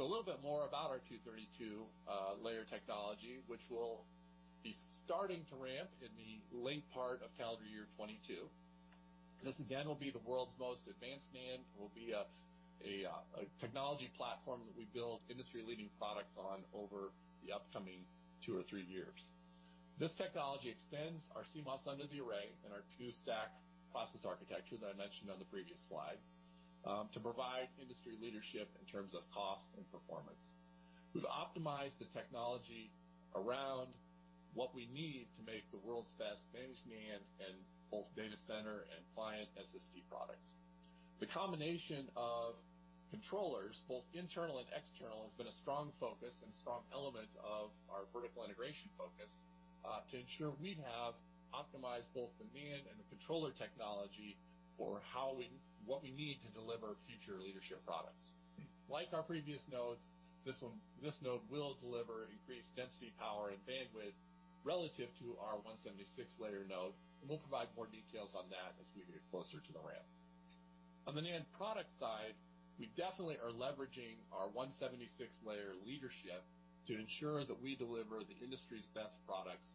[SPEAKER 8] A little bit more about our 232-layer technology, which we'll be starting to ramp in the late part of calendar year 2022. This again will be the world's most advanced NAND and will be a technology platform that we build industry-leading products on over the upcoming 2 or 3 years. This technology extends our CMOS under the array and our two stack process architecture that I mentioned on the previous slide to provide industry leadership in terms of cost and performance. We've optimized the technology around what we need to make the world's best managed NAND in both data center and client SSD products. The combination of controllers, both internal and external, has been a strong focus and strong element of our vertical integration focus to ensure we have optimized both the NAND and the controller technology for what we need to deliver future leadership products. Like our previous nodes, this node will deliver increased density, power, and bandwidth relative to our 176-layer node, and we'll provide more details on that as we get closer to the ramp. On the NAND product side, we definitely are leveraging our 176-layer leadership to ensure that we deliver the industry's best products.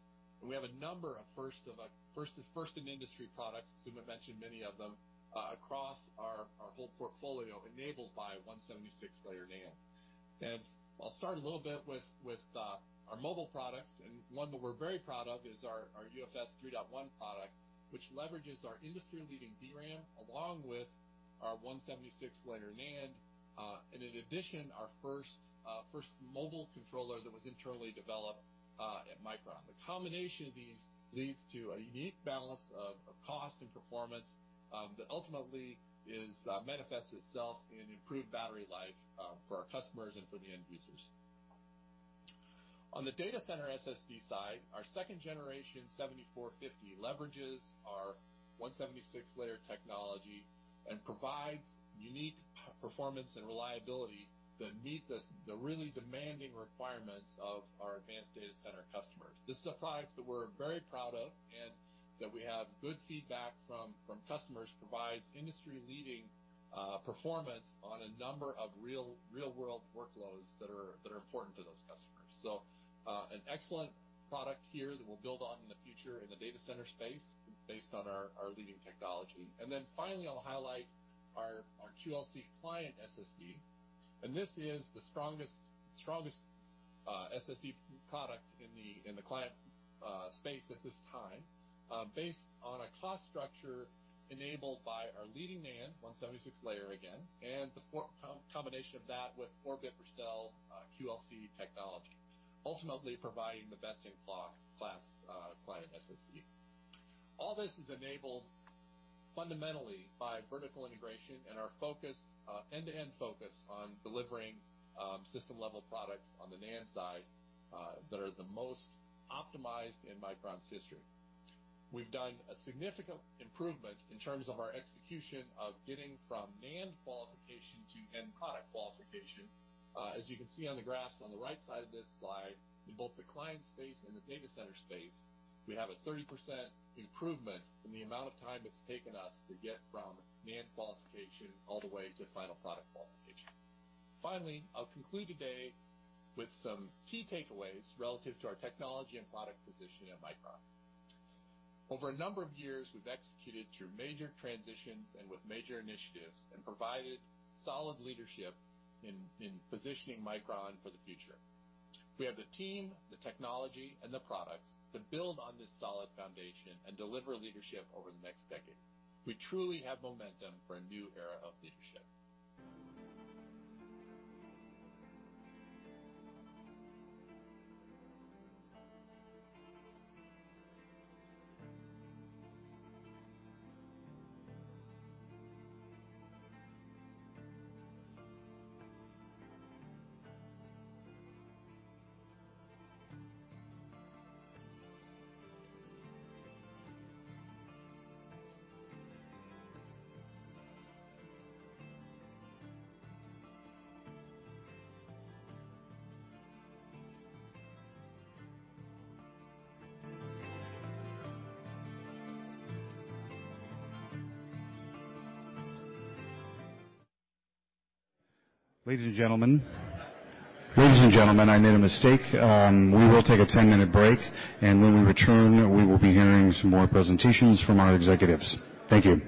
[SPEAKER 8] We have a number of first-in-industry products. Sumit mentioned many of them across our whole portfolio enabled by 176-layer NAND. I'll start a little bit with our mobile products, and one that we're very proud of is our UFS 3.1 product, which leverages our industry-leading DRAM along with our 176-layer NAND. In addition, our first mobile controller that was internally developed at Micron. The combination of these leads to a unique balance of cost and performance that ultimately manifests itself in improved battery life for our customers and for the end users. On the data center SSD side, our second generation 7450 leverages our 176-layer technology and provides unique performance and reliability that meet the really demanding requirements of our advanced data center customers. This is a product that we're very proud of and that we have good feedback from customers, provides industry-leading performance on a number of real-world workloads that are important to those customers. An excellent product here that we'll build on in the future in the data center space based on our leading technology. Finally, I'll highlight our QLC client SSD. This is the strongest SSD product in the client space at this time, based on a cost structure enabled by our leading NAND 176-layer, and the combination of that with 4-bit per cell QLC technology, ultimately providing the best-in-class client SSD. All this is enabled fundamentally by vertical integration and our end-to-end focus on delivering system-level products on the NAND side that are the most optimized in Micron's history. We've done a significant improvement in terms of our execution of getting from NAND qualification to end product qualification. As you can see on the graphs on the right side of this slide, in both the client space and the data center space, we have a 30% improvement in the amount of time it's taken us to get from NAND qualification all the way to final product qualification. Finally, I'll conclude today with some key takeaways relative to our technology and product position at Micron. Over a number of years, we've executed through major transitions and with major initiatives and provided solid leadership in positioning Micron for the future. We have the team, the technology, and the products to build on this solid foundation and deliver leadership over the next decade. We truly have momentum for a new era of leadership.
[SPEAKER 9] Ladies and gentlemen. Ladies and gentlemen, I made a mistake. We will take a 10-minute break, and when we return, we will be hearing some more presentations from our executives. Thank you.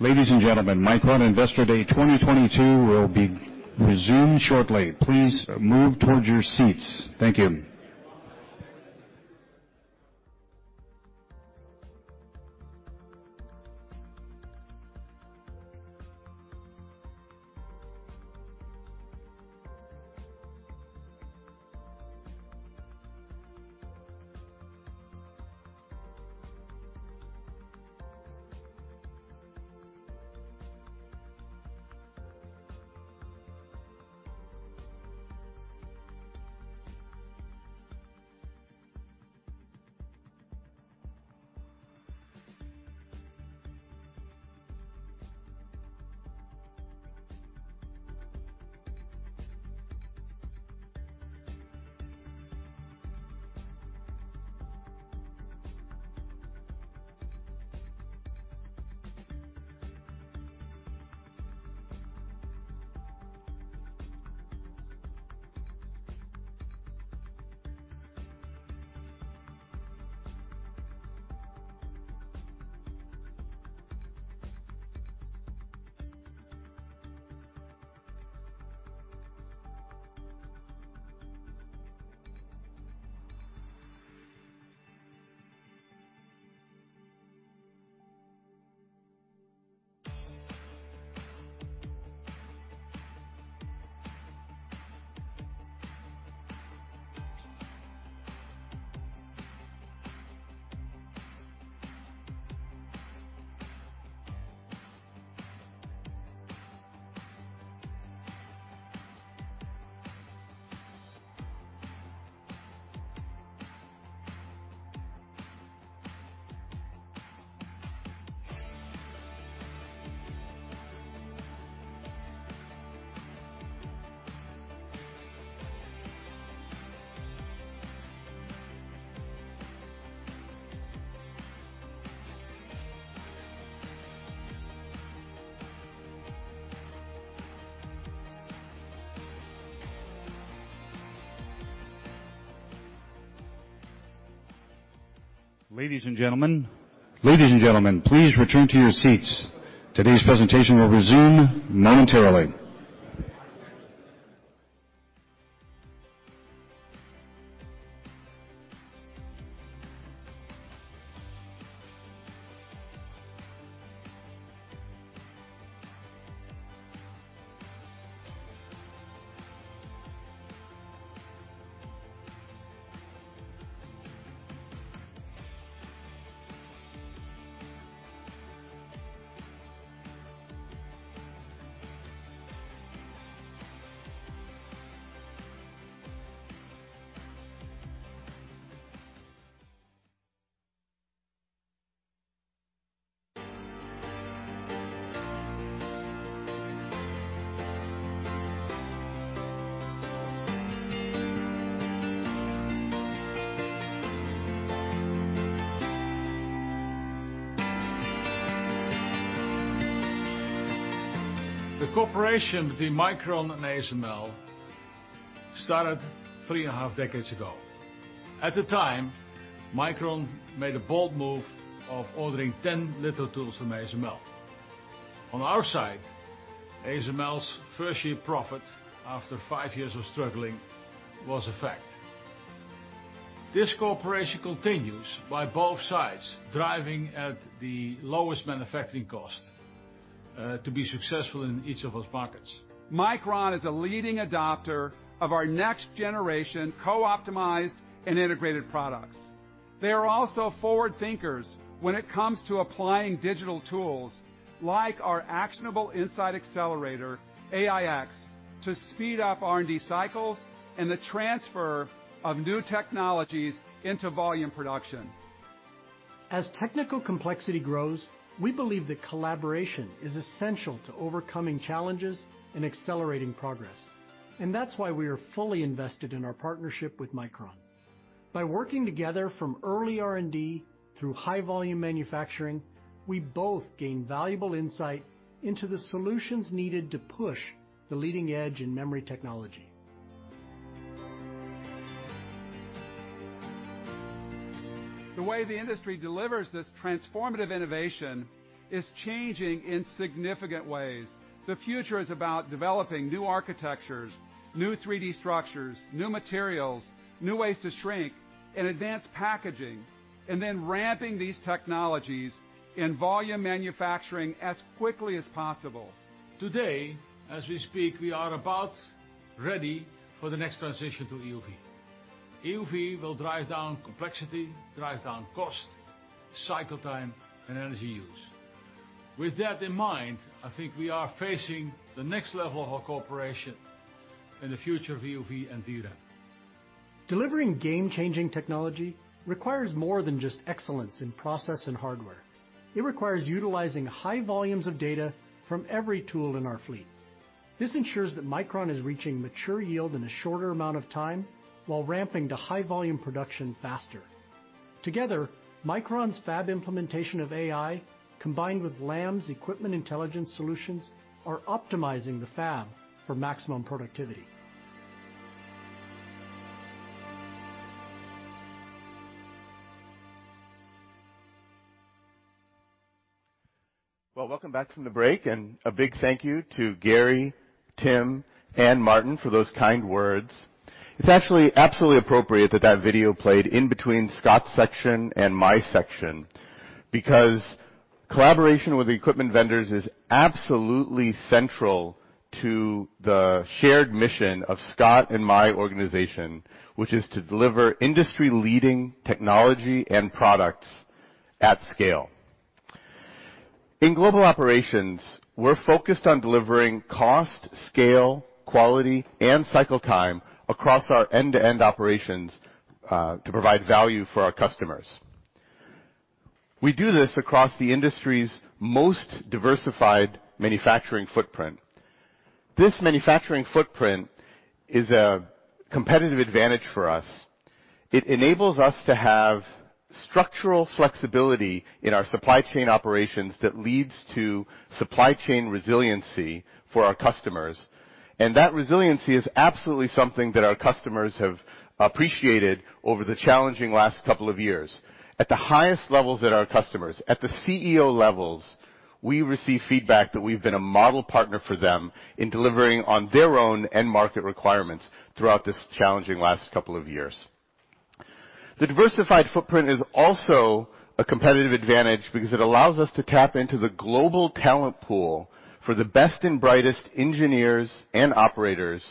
[SPEAKER 9] Ladies and gentlemen, Micron Investor Day 2022 will resume shortly. Please move towards your seats. Thank you. Ladies and gentlemen, please return to your seats. Today's presentation will resume momentarily.
[SPEAKER 10] The cooperation between Micron and ASML started three and a half decades ago. At the time, Micron made a bold move of ordering 10 little tools from ASML. On our side, ASML's first year profit after five years of struggling was a fact. This cooperation continues by both sides driving at the lowest manufacturing cost to be successful in each of those markets.
[SPEAKER 11] Micron is a leading adopter of our next generation co-optimized and integrated products. They are also forward thinkers when it comes to applying digital tools like our Actionable Insight Accelerator, AIX, to speed up R&D cycles and the transfer of new technologies into volume production.
[SPEAKER 12] As technical complexity grows, we believe that collaboration is essential to overcoming challenges and accelerating progress, and that's why we are fully invested in our partnership with Micron. By working together from early R&D through high volume manufacturing, we both gain valuable insight into the solutions needed to push the leading edge in memory technology.
[SPEAKER 11] The way the industry delivers this transformative innovation is changing in significant ways. The future is about developing new architectures, new 3D structures, new materials, new ways to shrink and advance packaging, and then ramping these technologies in volume manufacturing as quickly as possible.
[SPEAKER 10] Today, as we speak, we are about ready for the next transition to EUV. EUV will drive down complexity, drive down cost, cycle time, and energy use. With that in mind, I think we are facing the next level of our cooperation in the future of EUV and DRAM.
[SPEAKER 12] Delivering game-changing technology requires more than just excellence in process and hardware. It requires utilizing high volumes of data from every tool in our fleet. This ensures that Micron is reaching mature yield in a shorter amount of time while ramping to high volume production faster. Together, Micron's fab implementation of AI, combined with Lam's equipment intelligence solutions, are optimizing the fab for maximum productivity.
[SPEAKER 13] Well, welcome back from the break, and a big thank you to Gary, Tim, and Martin for those kind words. It's actually absolutely appropriate that that video played in between Scott's section and my section, because collaboration with the equipment vendors is absolutely central to the shared mission of Scott and my organization, which is to deliver industry-leading technology and products at scale. In global operations, we're focused on delivering cost, scale, quality, and cycle time across our end-to-end operations, to provide value for our customers. We do this across the industry's most diversified manufacturing footprint. This manufacturing footprint is a competitive advantage for us. It enables us to have structural flexibility in our supply chain operations that leads to supply chain resiliency for our customers, and that resiliency is absolutely something that our customers have appreciated over the challenging last couple of years. At the highest levels at our customers, at the CEO levels, we receive feedback that we've been a model partner for them in delivering on their own end market requirements throughout this challenging last couple of years. The diversified footprint is also a competitive advantage because it allows us to tap into the global talent pool for the best and brightest engineers and operators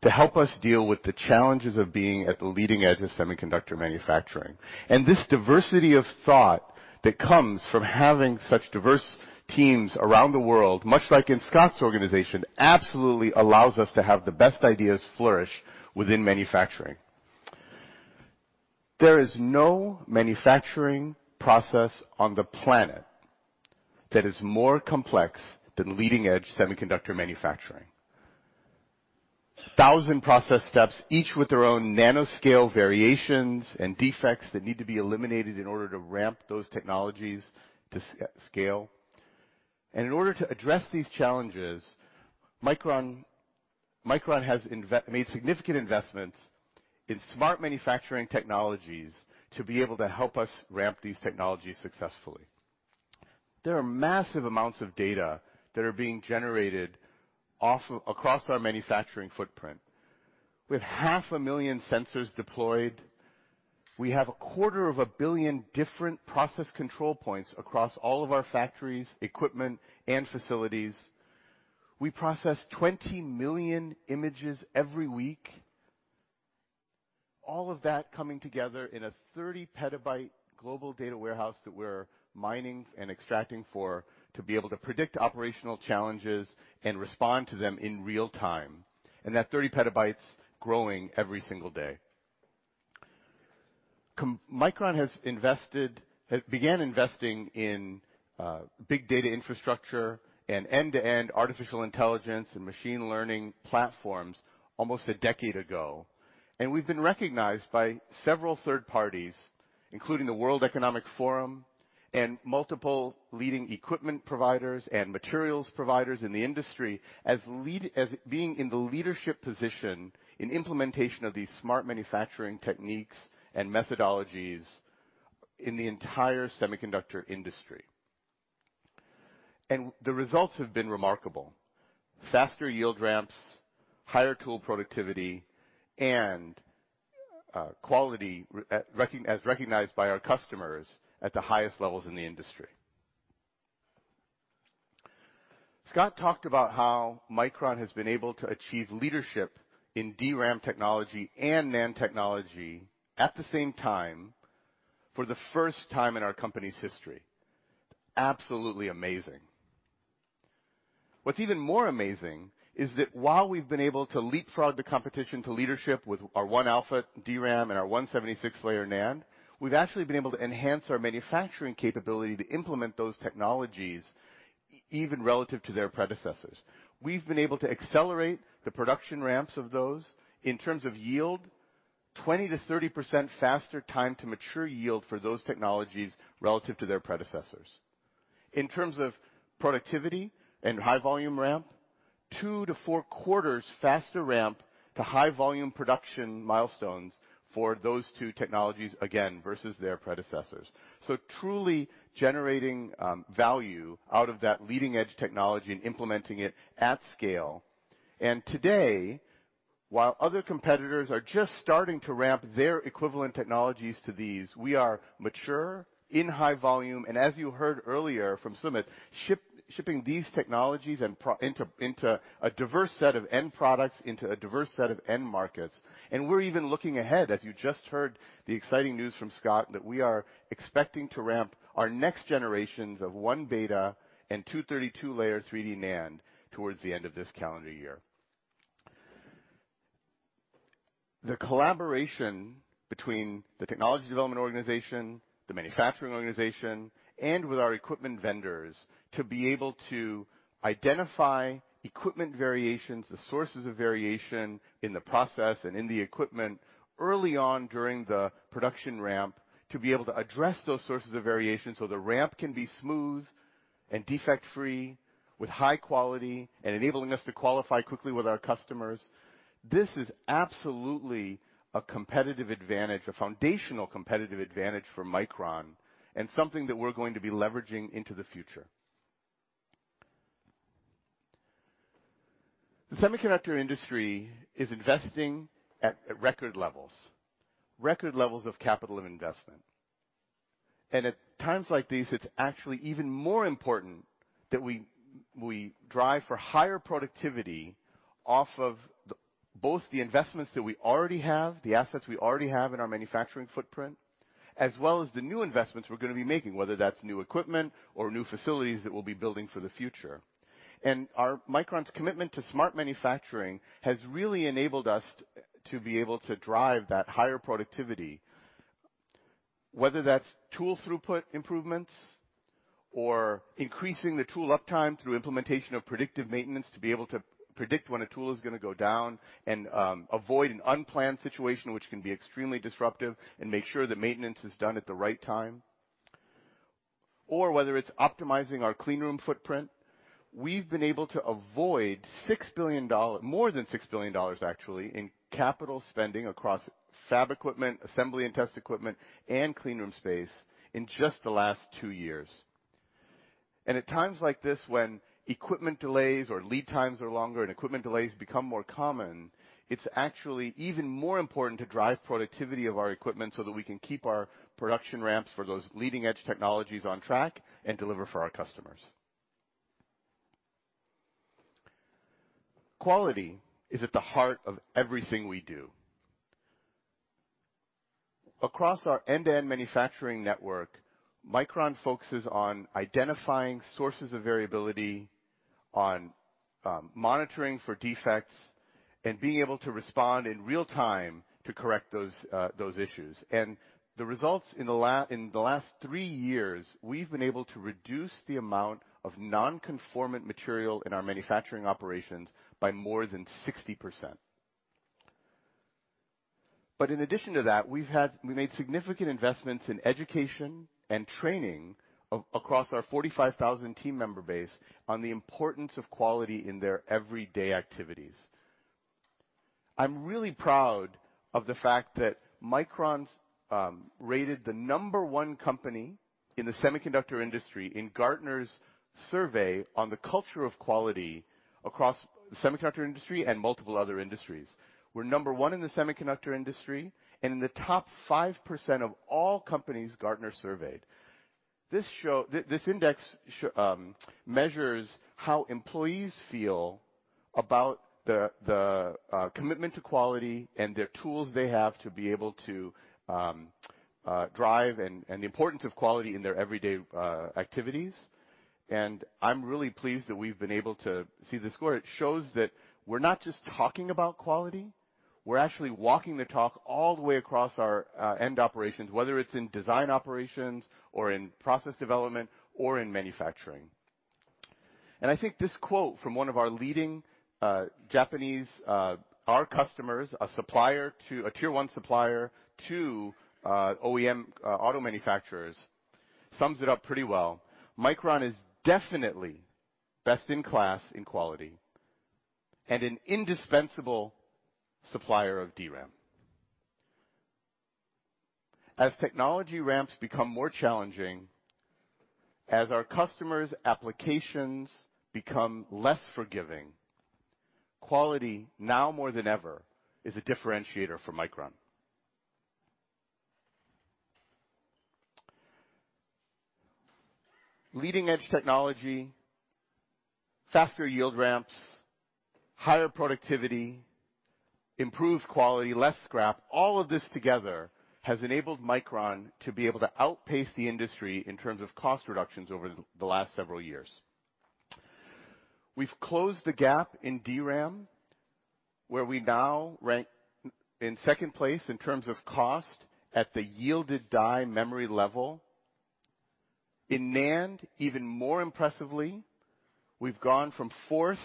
[SPEAKER 13] to help us deal with the challenges of being at the leading edge of semiconductor manufacturing. This diversity of thought that comes from having such diverse teams around the world, much like in Scott's organization, absolutely allows us to have the best ideas flourish within manufacturing. There is no manufacturing process on the planet that is more complex than leading edge semiconductor manufacturing. Thousand process steps, each with their own nanoscale variations and defects that need to be eliminated in order to ramp those technologies to scale. In order to address these challenges, Micron has made significant investments in smart manufacturing technologies to be able to help us ramp these technologies successfully. There are massive amounts of data that are being generated off of, across our manufacturing footprint. With 500,000 sensors deployed, we have a quarter of a billion different process control points across all of our factories, equipment, and facilities. We process 20 million images every week. All of that coming together in a 30-petabyte global data warehouse that we're mining and extracting for to be able to predict operational challenges and respond to them in real time, and that 30 petabytes growing every single day. Micron began investing in big data infrastructure and end-to-end artificial intelligence and machine learning platforms almost a decade ago. We've been recognized by several third parties, including the World Economic Forum and multiple leading equipment providers and materials providers in the industry as being in the leadership position in implementation of these smart manufacturing techniques and methodologies in the entire semiconductor industry. The results have been remarkable. Faster yield ramps, higher tool productivity, and quality as recognized by our customers at the highest levels in the industry. Scott talked about how Micron has been able to achieve leadership in DRAM technology and NAND technology at the same time for the first time in our company's history. Absolutely amazing. What's even more amazing is that while we've been able to leapfrog the competition to leadership with our one alpha DRAM and our 176-layer NAND, we've actually been able to enhance our manufacturing capability to implement those technologies even relative to their predecessors. We've been able to accelerate the production ramps of those in terms of yield, 20%-30% faster time to mature yield for those technologies relative to their predecessors. In terms of productivity and high volume ramp, 2-4 quarters faster ramp to high volume production milestones for those two technologies, again, versus their predecessors. Truly generating value out of that leading edge technology and implementing it at scale. Today, while other competitors are just starting to ramp their equivalent technologies to these, we are mature, in high volume, and as you heard earlier from Sumit, shipping these technologies into a diverse set of end products, into a diverse set of end markets. We're even looking ahead, as you just heard the exciting news from Scott, that we are expecting to ramp our next generations of one beta and 232-layer 3D NAND towards the end of this calendar year. The collaboration between the technology development organization, the manufacturing organization, and with our equipment vendors to be able to identify equipment variations, the sources of variation in the process and in the equipment early on during the production ramp, to be able to address those sources of variation so the ramp can be smooth and defect-free with high quality and enabling us to qualify quickly with our customers. This is absolutely a competitive advantage, a foundational competitive advantage for Micron, and something that we're going to be leveraging into the future. The semiconductor industry is investing at record levels of capital investment. At times like these, it's actually even more important that we drive for higher productivity off of both the investments that we already have, the assets we already have in our manufacturing footprint, as well as the new investments we're gonna be making, whether that's new equipment or new facilities that we'll be building for the future. Micron's commitment to smart manufacturing has really enabled us to be able to drive that higher productivity, whether that's tool throughput improvements or increasing the tool uptime through implementation of predictive maintenance to be able to predict when a tool is gonna go down and avoid an unplanned situation, which can be extremely disruptive, and make sure the maintenance is done at the right time. Whether it's optimizing our clean room footprint. We've been able to avoid more than $6 billion actually, in capital spending across fab equipment, assembly and test equipment, and clean room space in just the last two years. At times like this, when equipment delays or lead times are longer and equipment delays become more common, it's actually even more important to drive productivity of our equipment so that we can keep our production ramps for those leading-edge technologies on track and deliver for our customers. Quality is at the heart of everything we do. Across our end-to-end manufacturing network, Micron focuses on identifying sources of variability, on monitoring for defects, and being able to respond in real time to correct those issues. In the last three years, we've been able to reduce the amount of non-conforming material in our manufacturing operations by more than 60%. In addition to that, we made significant investments in education and training across our 45,000 team member base on the importance of quality in their everyday activities. I'm really proud of the fact that Micron's rated the number one company in the semiconductor industry in Gartner's survey on the culture of quality across the semiconductor industry and multiple other industries. We're number one in the semiconductor industry and in the top 5% of all companies Gartner surveyed. This index shows measures how employees feel about the commitment to quality and the tools they have to be able to drive and the importance of quality in their everyday activities. I'm really pleased that we've been able to see this score. It shows that we're not just talking about quality, we're actually walking the talk all the way across our end-to-end operations, whether it's in design operations or in process development or in manufacturing. I think this quote from one of our leading Japanese customers, a tier one supplier to OEM auto manufacturers, sums it up pretty well. "Micron is definitely best in class in quality and an indispensable supplier of DRAM." As technology ramps become more challenging, as our customers' applications become less forgiving, quality, now more than ever, is a differentiator for Micron. Leading-edge technology, faster yield ramps, higher productivity, improved quality, less scrap, all of this together has enabled Micron to be able to outpace the industry in terms of cost reductions over the last several years. We've closed the gap in DRAM, where we now rank in second place in terms of cost at the yielded die memory level. In NAND, even more impressively, we've gone from fourth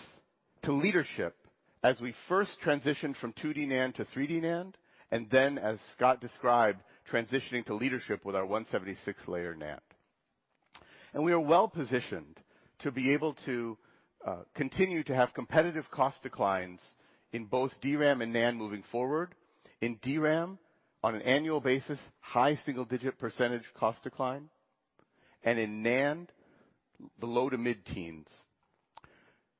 [SPEAKER 13] to leadership as we first transitioned from 2D NAND to 3D NAND, and then, as Scott described, transitioning to leadership with our 176-layer NAND. We are well positioned to be able to continue to have competitive cost declines in both DRAM and NAND moving forward. In DRAM, on an annual basis, high single-digit % cost decline, and in NAND, the low- to mid-teens %.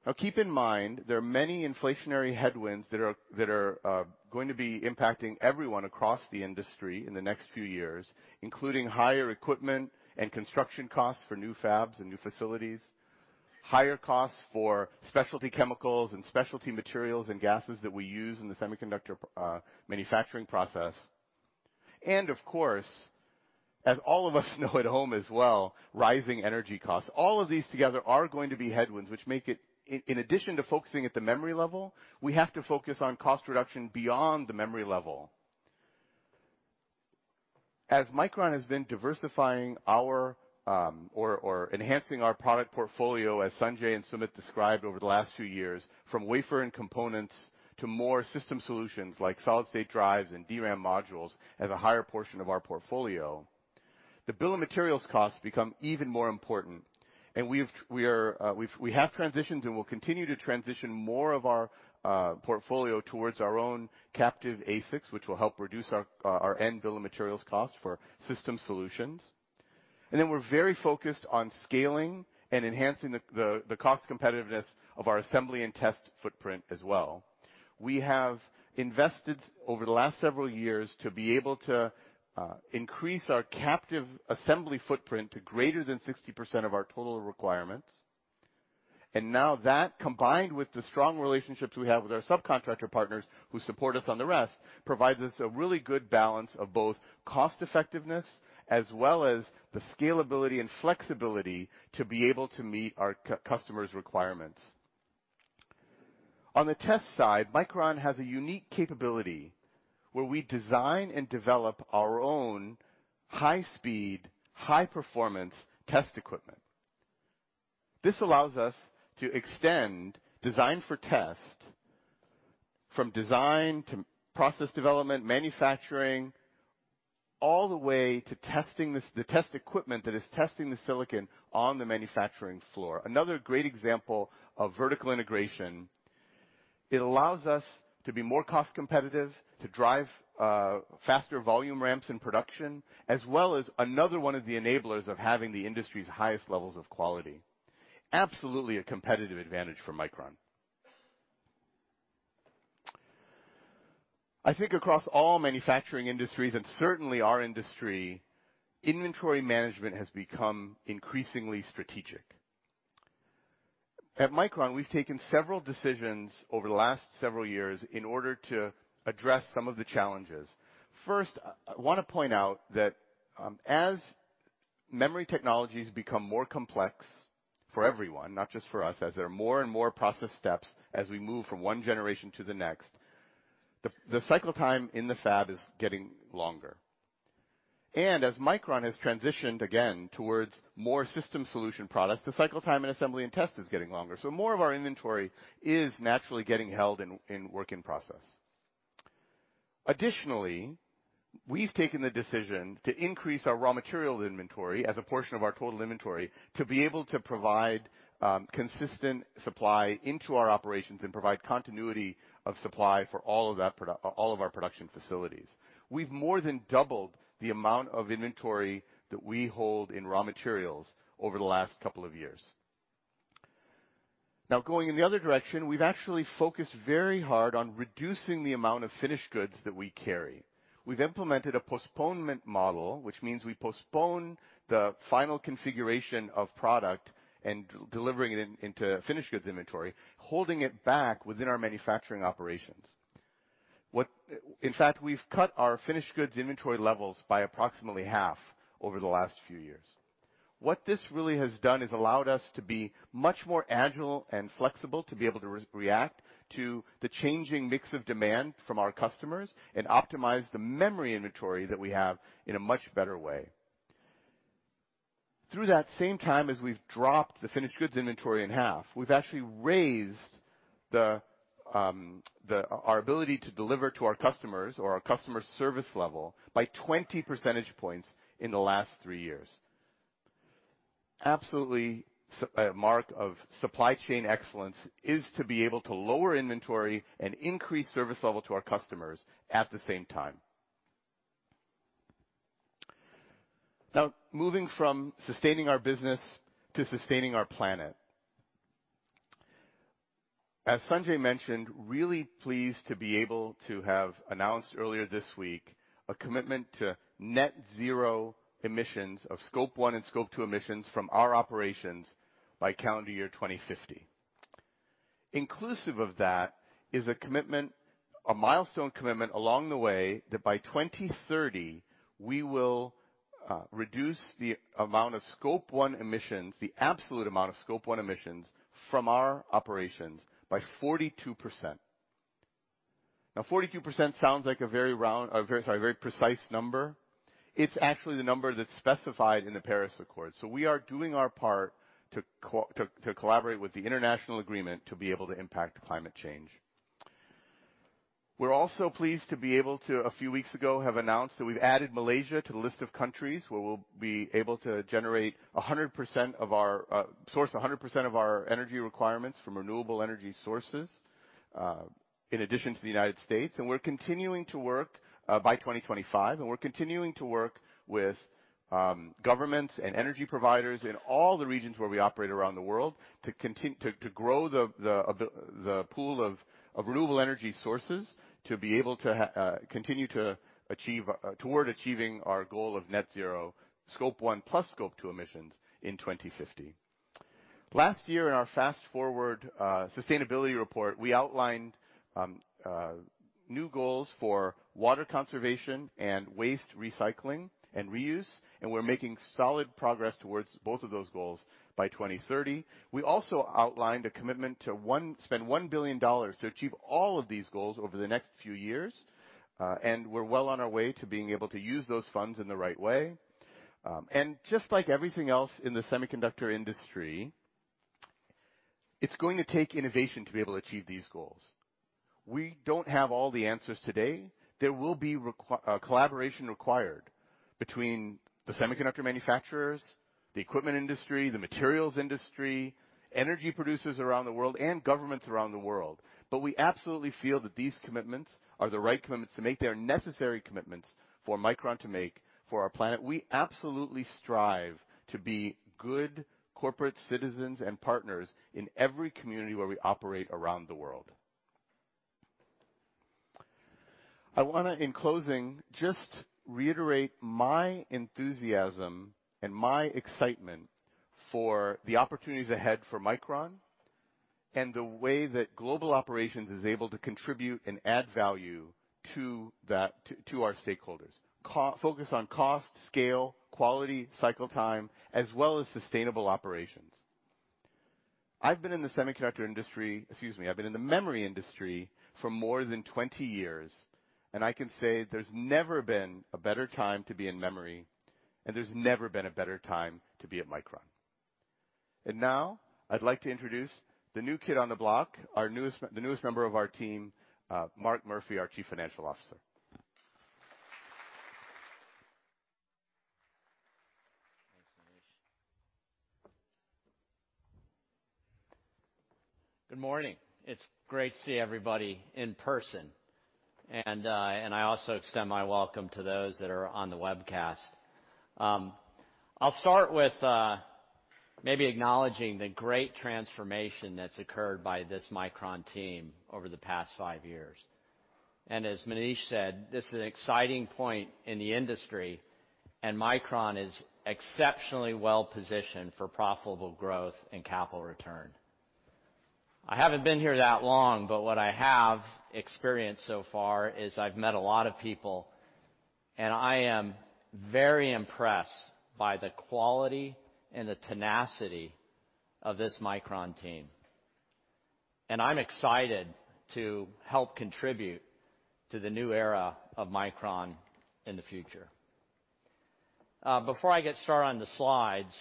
[SPEAKER 13] Now, keep in mind there are many inflationary headwinds that are going to be impacting everyone across the industry in the next few years, including higher equipment and construction costs for new fabs and new facilities, higher costs for specialty chemicals and specialty materials and gases that we use in the semiconductor manufacturing process, and of course, as all of us know at home as well, rising energy costs. All of these together are going to be headwinds which make it, in addition to focusing at the memory level, we have to focus on cost reduction beyond the memory level. As Micron has been enhancing our product portfolio, as Sanjay and Sumit described over the last few years, from wafer and components to more system solutions like solid-state drives and DRAM modules as a higher portion of our portfolio, the bill of materials costs become even more important. We have transitioned and will continue to transition more of our portfolio towards our own captive ASICs, which will help reduce our end bill of materials cost for system solutions. We're very focused on scaling and enhancing the cost competitiveness of our assembly and test footprint as well. We have invested over the last several years to be able to increase our captive assembly footprint to greater than 60% of our total requirements. Now that, combined with the strong relationships we have with our subcontractor partners who support us on the rest, provides us a really good balance of both cost effectiveness as well as the scalability and flexibility to be able to meet our customers' requirements. On the test side, Micron has a unique capability where we design and develop our own high speed, high performance test equipment. This allows us to extend design for test from design to process development, manufacturing, all the way to testing the test equipment that is testing the silicon on the manufacturing floor. Another great example of vertical integration. It allows us to be more cost competitive, to drive faster volume ramps in production, as well as another one of the enablers of having the industry's highest levels of quality. Absolutely a competitive advantage for Micron. I think across all manufacturing industries, and certainly our industry, inventory management has become increasingly strategic. At Micron, we've taken several decisions over the last several years in order to address some of the challenges. First, I wanna point out that as memory technologies become more complex for everyone, not just for us, as there are more and more process steps as we move from one generation to the next, the cycle time in the fab is getting longer. As Micron has transitioned again towards more system solution products, the cycle time and assembly and test is getting longer. More of our inventory is naturally getting held in work in process. Additionally, we've taken the decision to increase our raw materials inventory as a portion of our total inventory to be able to provide consistent supply into our operations and provide continuity of supply for all of that product, all of our production facilities. We've more than doubled the amount of inventory that we hold in raw materials over the last couple of years. Now going in the other direction, we've actually focused very hard on reducing the amount of finished goods that we carry. We've implemented a postponement model, which means we postpone the final configuration of product and delivering it into finished goods inventory, holding it back within our manufacturing operations. In fact, we've cut our finished goods inventory levels by approximately half over the last few years. What this really has done is allowed us to be much more agile and flexible, to be able to react to the changing mix of demand from our customers and optimize the memory inventory that we have in a much better way. Through that same time as we've dropped the finished goods inventory in half, we've actually raised our ability to deliver to our customers or our customer service level by 20 percentage points in the last three years. Absolutely a mark of supply chain excellence is to be able to lower inventory and increase service level to our customers at the same time. Now, moving from sustaining our business to sustaining our planet. As Sanjay mentioned, really pleased to be able to have announced earlier this week a commitment to net zero emissions of scope one and scope two emissions from our operations by calendar year 2050. Inclusive of that is a commitment, a milestone commitment along the way that by 2030, we will reduce the amount of scope one emissions, the absolute amount of scope one emissions from our operations by 42%. Now, 42% sounds like a very precise number. It's actually the number that's specified in the Paris Agreement. We are doing our part to collaborate with the international agreement to be able to impact climate change. We're also pleased to be able to, a few weeks ago, have announced that we've added Malaysia to the list of countries where we'll be able to source 100% of our energy requirements from renewable energy sources, in addition to the United States. We're continuing to work by 2025 with governments and energy providers in all the regions where we operate around the world to grow the pool of renewable energy sources, to be able to continue to achieve toward achieving our goal of net-zero Scope one plus Scope 2 emissions in 2050. Last year, in our Fast Forward sustainability report, we outlined new goals for water conservation and waste recycling and reuse, and we're making solid progress towards both of those goals by 2030. We also outlined a commitment to spend $1 billion to achieve all of these goals over the next few years. We're well on our way to being able to use those funds in the right way. Just like everything else in the semiconductor industry, it's going to take innovation to be able to achieve these goals. We don't have all the answers today. There will be collaboration required between the semiconductor manufacturers, the equipment industry, the materials industry, energy producers around the world, and governments around the world. We absolutely feel that these commitments are the right commitments to make. They are necessary commitments for Micron to make for our planet. We absolutely strive to be good corporate citizens and partners in every community where we operate around the world. I wanna, in closing, just reiterate my enthusiasm and my excitement for the opportunities ahead for Micron and the way that global operations is able to contribute and add value to that, to our stakeholders. Focus on cost, scale, quality, cycle time, as well as sustainable operations. I've been in the semiconductor industry, excuse me, I've been in the memory industry for more than 20 years, and I can say there's never been a better time to be in memory, and there's never been a better time to be at Micron. Now I'd like to introduce the new kid on the block, our newest member of our team, Mark Murphy, our Chief Financial Officer.
[SPEAKER 14] Thanks, Manish. Good morning. It's great to see everybody in person, and I also extend my welcome to those that are on the webcast. I'll start with maybe acknowledging the great transformation that's occurred by this Micron team over the past five years. As Manish said, this is an exciting point in the industry, and Micron is exceptionally well positioned for profitable growth and capital return. I haven't been here that long, but what I have experienced so far is I've met a lot of people, and I am very impressed by the quality and the tenacity of this Micron team. I'm excited to help contribute to the new era of Micron in the future. Before I get started on the slides,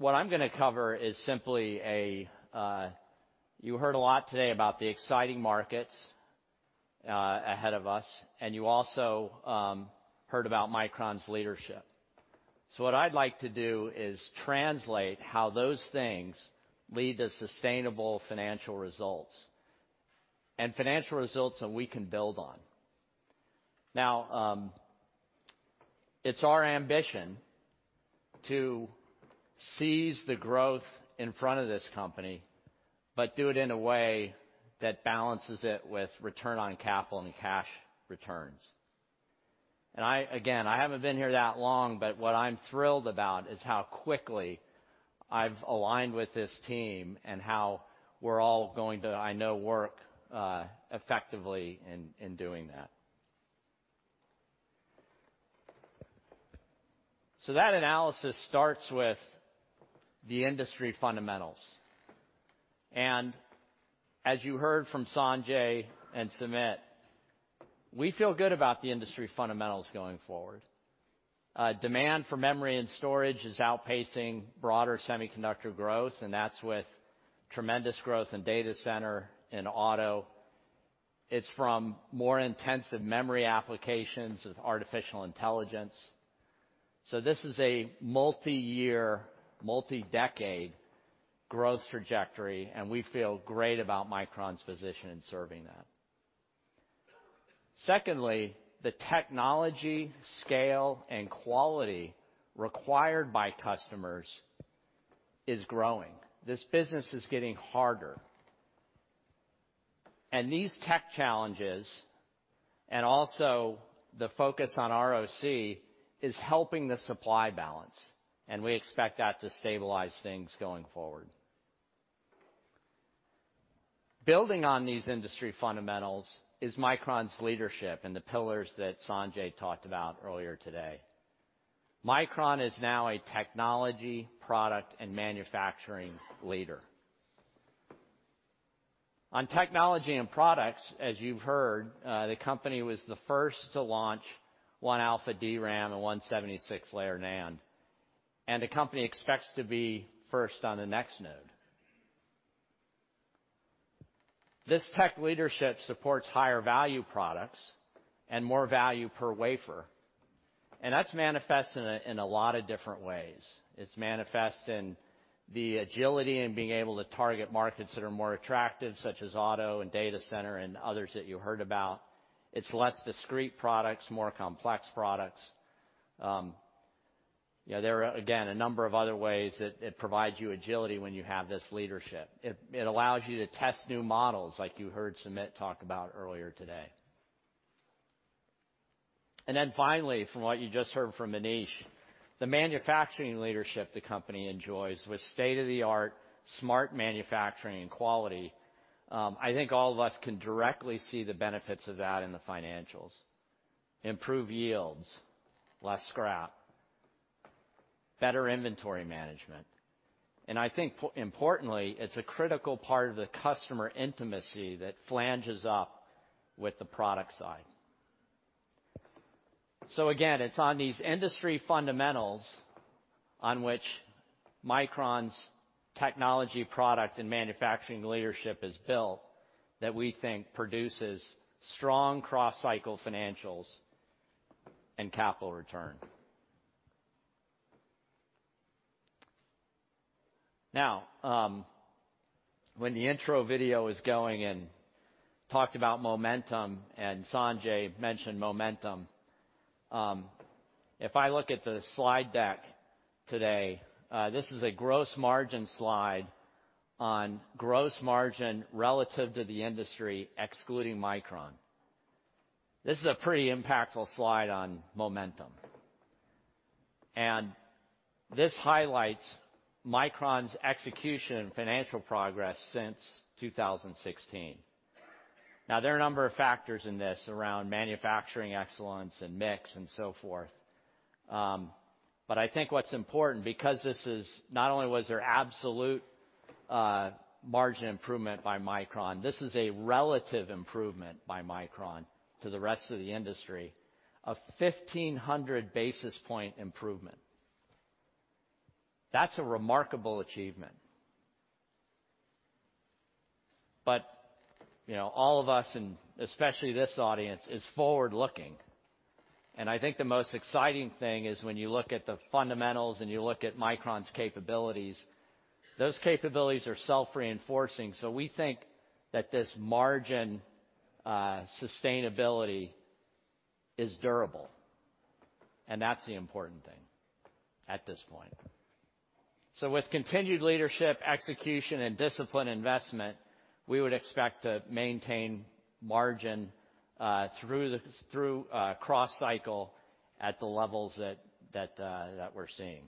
[SPEAKER 14] what I'm gonna cover is simply a. You heard a lot today about the exciting markets ahead of us, and you also heard about Micron's leadership. What I'd like to do is translate how those things lead to sustainable financial results and financial results that we can build on. It's our ambition to seize the growth in front of this company, but do it in a way that balances it with return on capital and cash returns. I, again, I haven't been here that long, but what I'm thrilled about is how quickly I've aligned with this team and how we're all going to, I know, work effectively in doing that. That analysis starts with the industry fundamentals. As you heard from Sanjay and Sumit, we feel good about the industry fundamentals going forward. Demand for memory and storage is outpacing broader semiconductor growth, and that's with tremendous growth in data center and auto. It's from more intensive memory applications with artificial intelligence. This is a multi-year, multi-decade growth trajectory, and we feel great about Micron's position in serving that. Secondly, the technology, scale, and quality required by customers is growing. This business is getting harder. These tech challenges, and also the focus on ROC, is helping the supply balance, and we expect that to stabilize things going forward. Building on these industry fundamentals is Micron's leadership and the pillars that Sanjay talked about earlier today. Micron is now a technology, product, and manufacturing leader. On technology and products, as you've heard, the company was the first to launch one alpha DRAM and 176-layer NAND, and the company expects to be first on the next node. This tech leadership supports higher value products and more value per wafer, and that's manifest in a lot of different ways. It's manifest in the agility in being able to target markets that are more attractive, such as auto and data center and others that you heard about. It's less discrete products, more complex products. You know, there are again a number of other ways that it provides you agility when you have this leadership. It allows you to test new models like you heard Sumit talk about earlier today. Then finally, from what you just heard from Manish, the manufacturing leadership the company enjoys with state-of-the-art smart manufacturing and quality, I think all of us can directly see the benefits of that in the financials. Improved yields, less scrap, better inventory management. I think, importantly, it's a critical part of the customer intimacy that lines up with the product side. Again, it's on these industry fundamentals on which Micron's technology, product, and manufacturing leadership is built that we think produces strong cross-cycle financials and capital return. Now, when the intro video was going and talked about momentum, and Sanjay mentioned momentum, if I look at the slide deck today, this is a gross margin slide on gross margin relative to the industry, excluding Micron. This is a pretty impactful slide on momentum. This highlights Micron's execution and financial progress since 2016. Now, there are a number of factors in this around manufacturing excellence and mix and so forth. I think what's important, because this is not only was there absolute margin improvement by Micron, this is a relative improvement by Micron to the rest of the industry, a 1,500 basis point improvement. That's a remarkable achievement. You know, all of us, and especially this audience, is forward-looking. I think the most exciting thing is when you look at the fundamentals and you look at Micron's capabilities, those capabilities are self-reinforcing. We think that this margin sustainability is durable, and that's the important thing at this point. With continued leadership, execution, and disciplined investment, we would expect to maintain margin through the cross-cycle at the levels that we're seeing.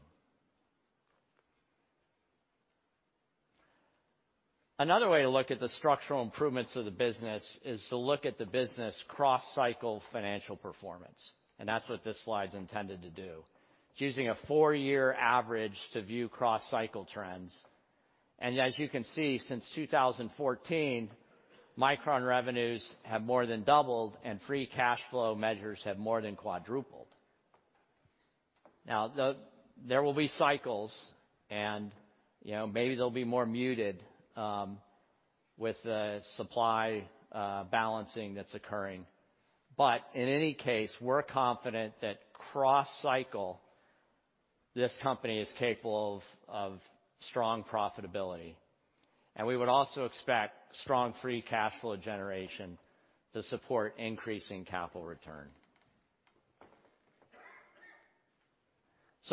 [SPEAKER 14] Another way to look at the structural improvements of the business is to look at the business cross-cycle financial performance, and that's what this slide's intended to do. It's using a four year average to view cross-cycle trends. As you can see, since 2014, Micron revenues have more than doubled, and free cash flow measures have more than quadrupled. There will be cycles, and, you know, maybe they'll be more muted with the supply balancing that's occurring. In any case, we're confident that cross-cycle, this company is capable of strong profitability. We would also expect strong free cash flow generation to support increasing capital return.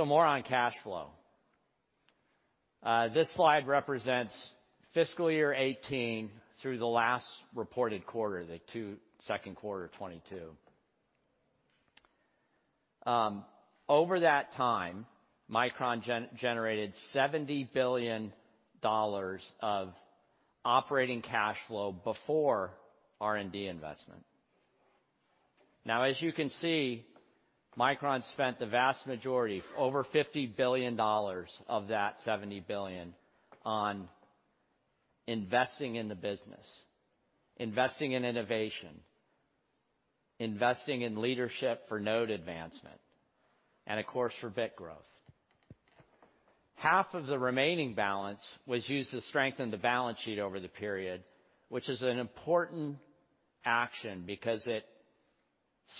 [SPEAKER 14] More on cash flow. This slide represents fiscal year 2018 through the last reported quarter, the second quarter of 2022. Over that time, Micron generated $70 billion of operating cash flow before R&D investment. Now, as you can see, Micron spent the vast majority, over $50 billion of that $70 billion, on investing in the business, investing in innovation, investing in leadership for node advancement, and of course, for bit growth. Half of the remaining balance was used to strengthen the balance sheet over the period, which is an important action because it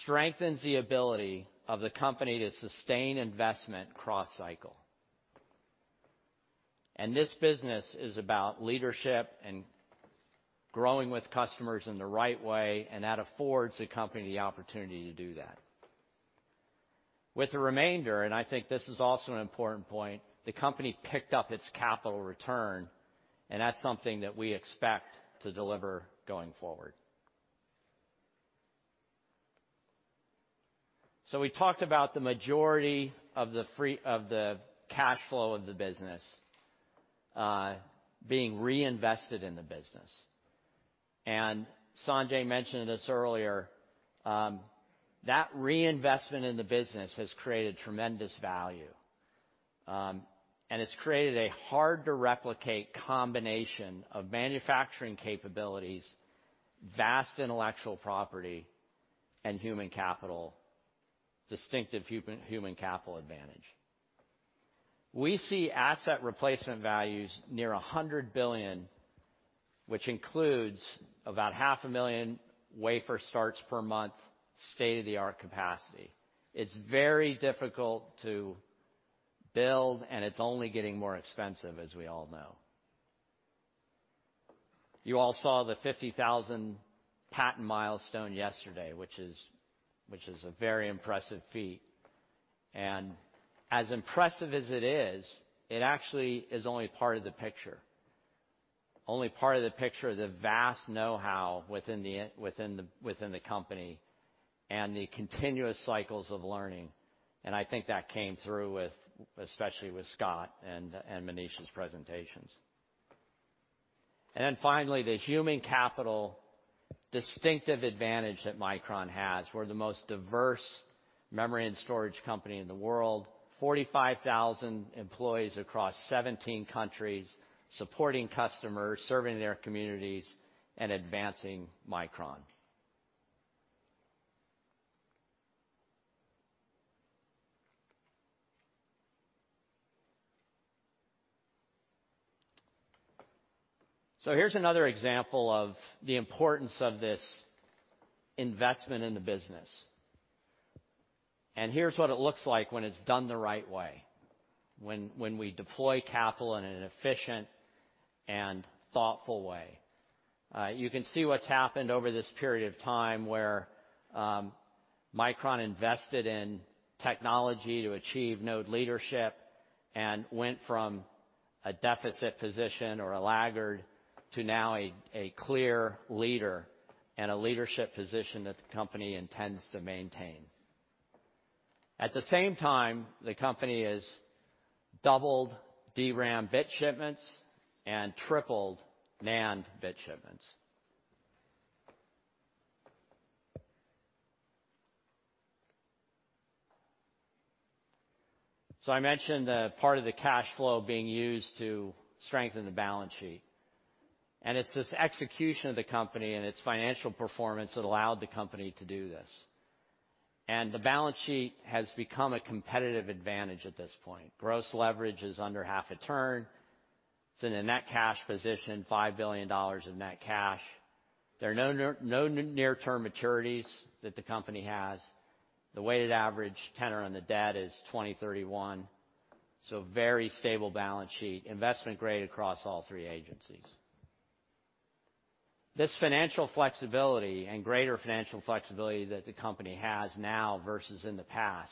[SPEAKER 14] strengthens the ability of the company to sustain investment cross-cycle. This business is about leadership and growing with customers in the right way, and that affords the company the opportunity to do that. With the remainder, and I think this is also an important point, the company picked up its capital return, and that's something that we expect to deliver going forward. We talked about the majority of the free cash flow of the business being reinvested in the business. Sanjay mentioned this earlier, that reinvestment in the business has created tremendous value, and it's created a hard-to-replicate combination of manufacturing capabilities, vast intellectual property, and human capital, distinctive human capital advantage. We see asset replacement values near $100 billion, which includes about 500,000 wafer starts per month, state-of-the-art capacity. It's very difficult to build, and it's only getting more expensive, as we all know. You all saw the 50,000 patent milestone yesterday, which is a very impressive feat. As impressive as it is, it actually is only part of the picture. Only part of the picture of the vast know-how within the company and the continuous cycles of learning. I think that came through with, especially with Scott and Manish's presentations. Then finally, the human capital distinctive advantage that Micron has. We're the most diverse memory and storage company in the world. 45,000 employees across 17 countries supporting customers, serving their communities, and advancing Micron. Here's another example of the importance of this investment in the business. Here's what it looks like when it's done the right way, when we deploy capital in an efficient and thoughtful way. You can see what's happened over this period of time, where Micron invested in technology to achieve node leadership and went from a deficit position or a laggard to now a clear leader and a leadership position that the company intends to maintain. At the same time, the company has doubled DRAM bit shipments and tripled NAND bit shipments. I mentioned a part of the cash flow being used to strengthen the balance sheet, and it's this execution of the company and its financial performance that allowed the company to do this. The balance sheet has become a competitive advantage at this point. Gross leverage is under half a turn. It's in a net cash position, $5 billion in net cash. There are no near-term maturities that the company has. The weighted average tenor on the debt is 2031, so very stable balance sheet, investment grade across all three agencies. This financial flexibility and greater financial flexibility that the company has now versus in the past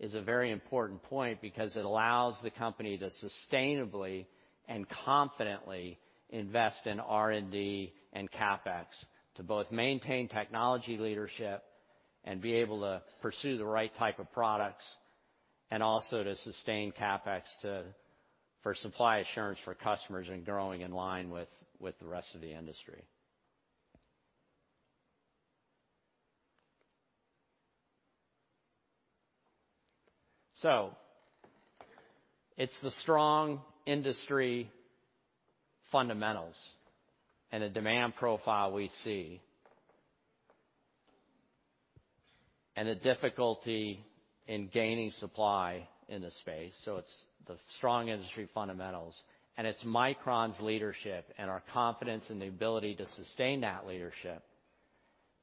[SPEAKER 14] is a very important point because it allows the company to sustainably and confidently invest in R&D and CapEx to both maintain technology leadership and be able to pursue the right type of products, and also to sustain CapEx for supply assurance for customers and growing in line with the rest of the industry. It's the strong industry fundamentals and the demand profile we see, and the difficulty in gaining supply in the space. It's the strong industry fundamentals, and it's Micron's leadership and our confidence in the ability to sustain that leadership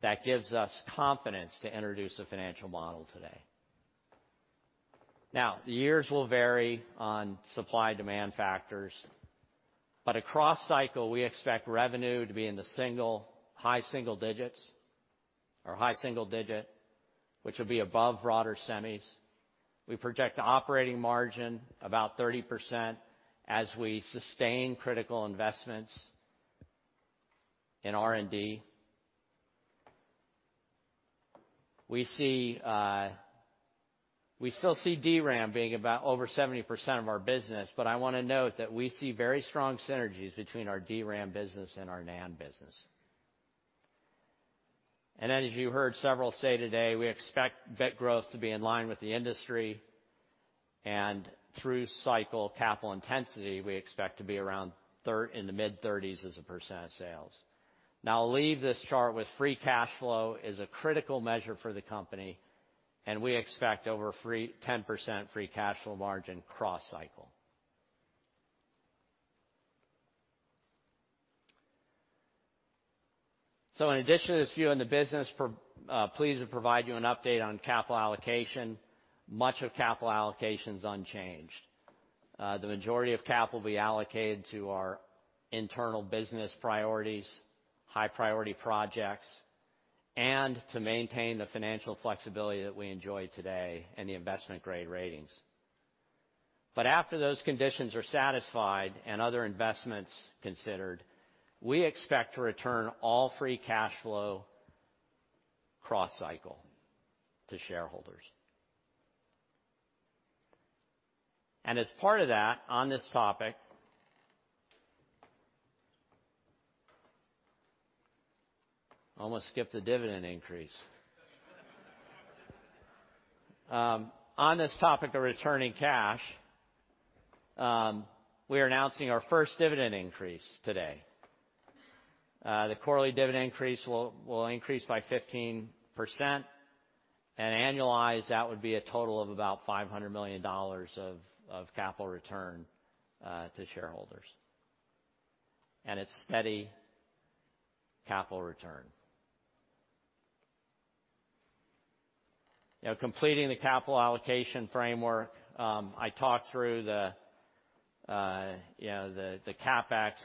[SPEAKER 14] that gives us confidence to introduce a financial model today. Now, the years will vary on supply-demand factors, but across the cycle, we expect revenue to be in the high single digits, which will be above broader semis. We project the operating margin about 30% as we sustain critical investments in R&D. We still see DRAM being over 70% of our business, but I wanna note that we see very strong synergies between our DRAM business and our NAND business. As you heard several say today, we expect bit growth to be in line with the industry, and through the cycle capital intensity, we expect to be in the mid-30s% of sales. Now I'll leave this chart with free cash flow is a critical measure for the company, and we expect over the cycle 10% free cash flow margin cross-cycle. In addition to this view in the business, we're pleased to provide you an update on capital allocation. Much of capital allocation's unchanged. The majority of CapEx will be allocated to our internal business priorities, high-priority projects, and to maintain the financial flexibility that we enjoy today and the investment-grade ratings. After those conditions are satisfied and other investments considered, we expect to return all free cash flow cross-cycle to shareholders. As part of that, on this topic, almost skipped the dividend increase. On this topic of returning cash, we are announcing our first dividend increase today. The quarterly dividend will increase by 15%, and annualized, that would be a total of about $500 million of capital return to shareholders. It's steady capital return. You know, completing the capital allocation framework, I talked through the CapEx.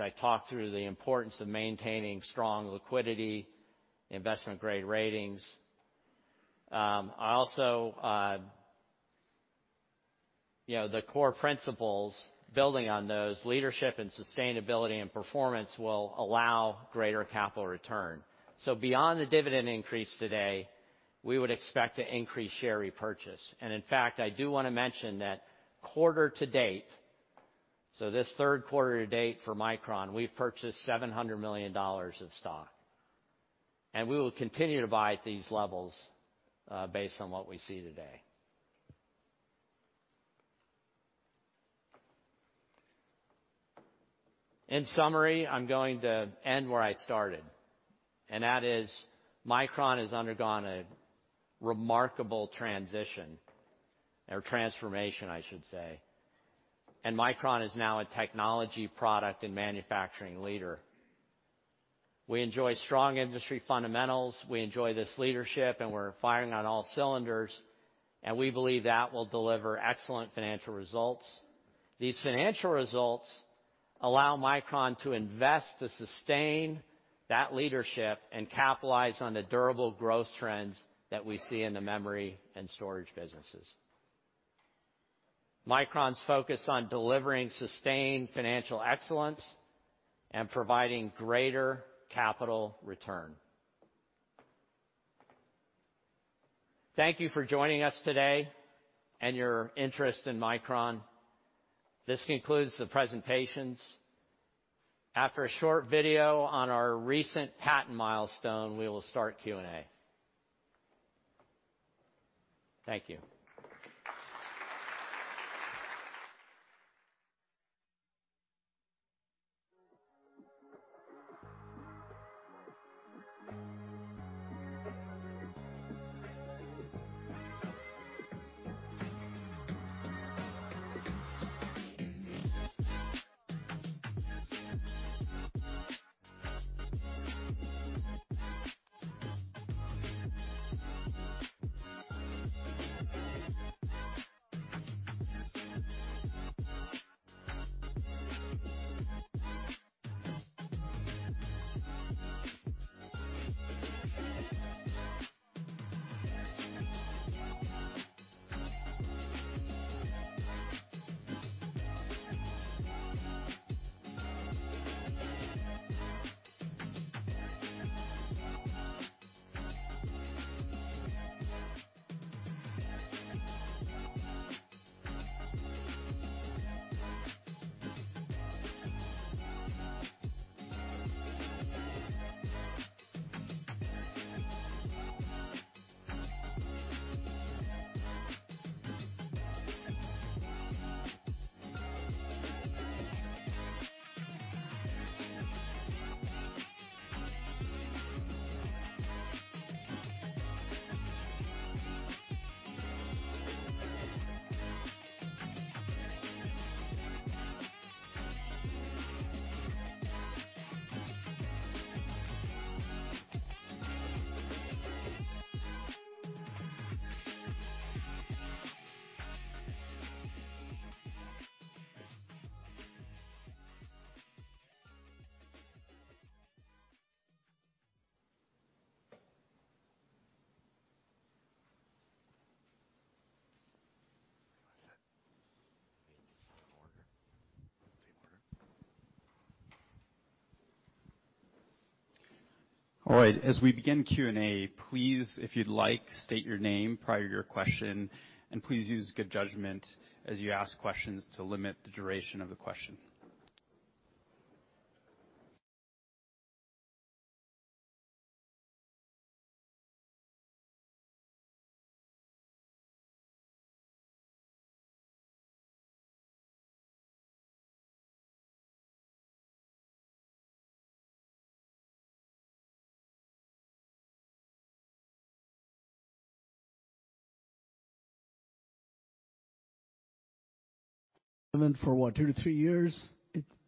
[SPEAKER 14] I talked through the importance of maintaining strong liquidity, investment-grade ratings. I also, you know, the core principles, building on those, leadership and sustainability and performance will allow greater capital return. Beyond the dividend increase today, we would expect to increase share repurchase. In fact, I do wanna mention that quarter to date, so this third quarter to date for Micron, we've purchased $700 million of stock, and we will continue to buy at these levels, based on what we see today. In summary, I'm going to end where I started, and that is Micron has undergone a remarkable transition or transformation, I should say, and Micron is now a technology product and manufacturing leader. We enjoy strong industry fundamentals, we enjoy this leadership, and we're firing on all cylinders, and we believe that will deliver excellent financial results. These financial results allow Micron to invest to sustain that leadership and capitalize on the durable growth trends that we see in the memory and storage businesses. Micron's focus on delivering sustained financial excellence and providing greater capital return. Thank you for joining us today and your interest in Micron. This concludes the presentations. After a short video on our recent patent milestone, we will start Q&A. Thank you.
[SPEAKER 1] All right. As we begin Q&A, please, if you'd like, state your name prior to your question, and please use good judgment as you ask questions to limit the duration of the question.
[SPEAKER 15] Then for what? 2-3 years,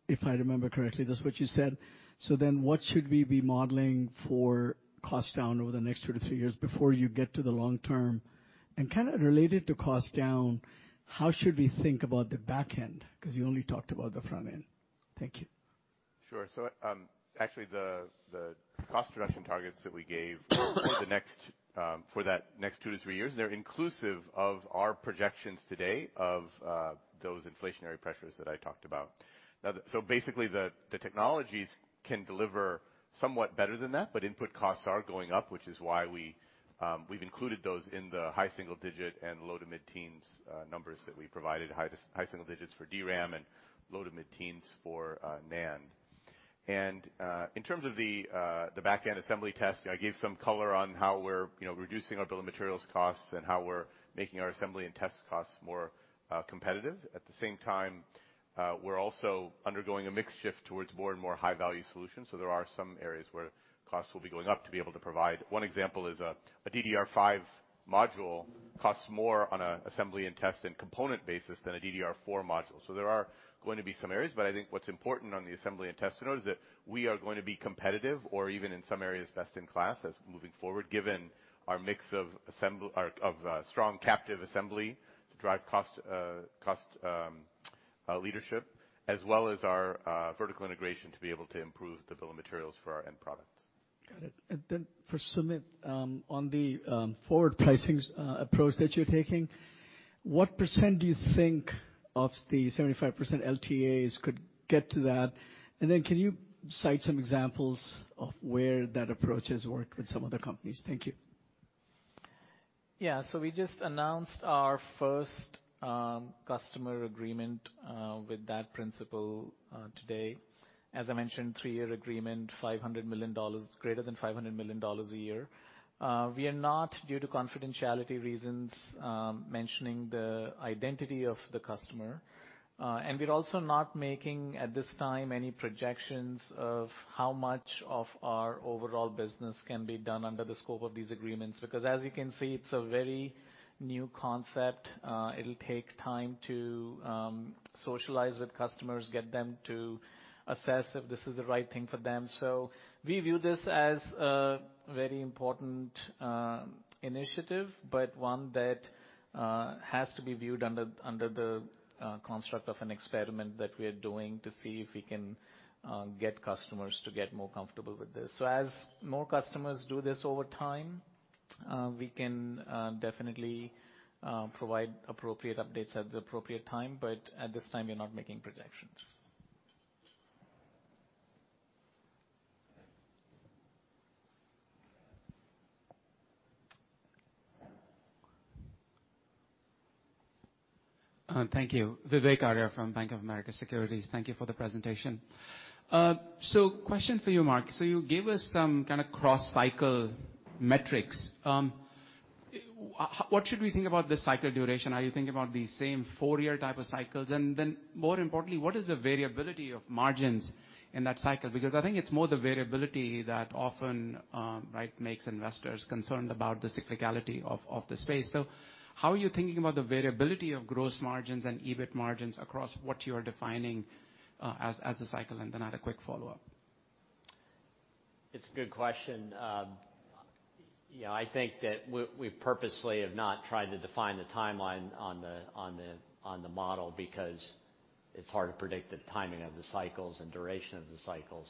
[SPEAKER 15] if I remember correctly. That's what you said. What should we be modeling for cost down over the next 2-3 years before you get to the long term? Kind of related to cost down, how should we think about the back end? Because you only talked about the front end. Thank you.
[SPEAKER 13] Sure. Actually, the cost reduction targets that we gave for that next 2-3 years, they're inclusive of our projections today of those inflationary pressures that I talked about. Now, basically, the technologies can deliver somewhat better than that, but input costs are going up, which is why we've included those in the high single-digit and low- to mid-teens numbers that we provided. High single digits% for DRAM and low- to mid-teens% for NAND. In terms of the back-end assembly test, I gave some color on how we're, you know, reducing our bill of materials costs and how we're making our assembly and test costs more competitive. At the same time, we're also undergoing a mix shift towards more and more high-value solutions. There are some areas where costs will be going up to be able to provide. One example is a DDR5 module costs more on an assembly and test and component basis than a DDR4 module. There are going to be some areas, but I think what's important on the assembly and test to note is that we are going to be competitive or even in some areas, best in class going forward, given our mix of strong captive assembly to drive cost leadership as well as our vertical integration to be able to improve the bill of materials for our end products.
[SPEAKER 15] Got it. Then for Sumit, on the forward pricing approach that you're taking, what % do you think of the 75% LTAs could get to that? Then can you cite some examples of where that approach has worked with some other companies? Thank you.
[SPEAKER 5] Yeah. We just announced our first customer agreement with that principle today. As I mentioned, three year agreement, $500 million, greater than $500 million a year. We are not, due to confidentiality reasons, mentioning the identity of the customer. And we're also not making at this time any projections of how much of our overall business can be done under the scope of these agreements. Because as you can see, it's a very new concept. It'll take time to socialize with customers, get them to assess if this is the right thing for them. We view this as a very important initiative, but one that has to be viewed under the construct of an experiment that we're doing to see if we can get customers to get more comfortable with this. As more customers do this over time, we can definitely provide appropriate updates at the appropriate time. At this time, we're not making projections.
[SPEAKER 16] Thank you. Vivek Arya from Bank of America Securities. Thank you for the presentation. Question for you, Mark. You gave us some kind of cross-cycle metrics. What should we think about the cycle duration? Are you thinking about the same four year type of cycles? Then more importantly, what is the variability of margins in that cycle? Because I think it's more the variability that often right makes investors concerned about the cyclicality of the space. How are you thinking about the variability of gross margins and EBIT margins across what you are defining as a cycle? Then I had a quick follow-up.
[SPEAKER 14] It's a good question. You know, I think that we purposely have not tried to define the timeline on the model because it's hard to predict the timing of the cycles and duration of the cycles.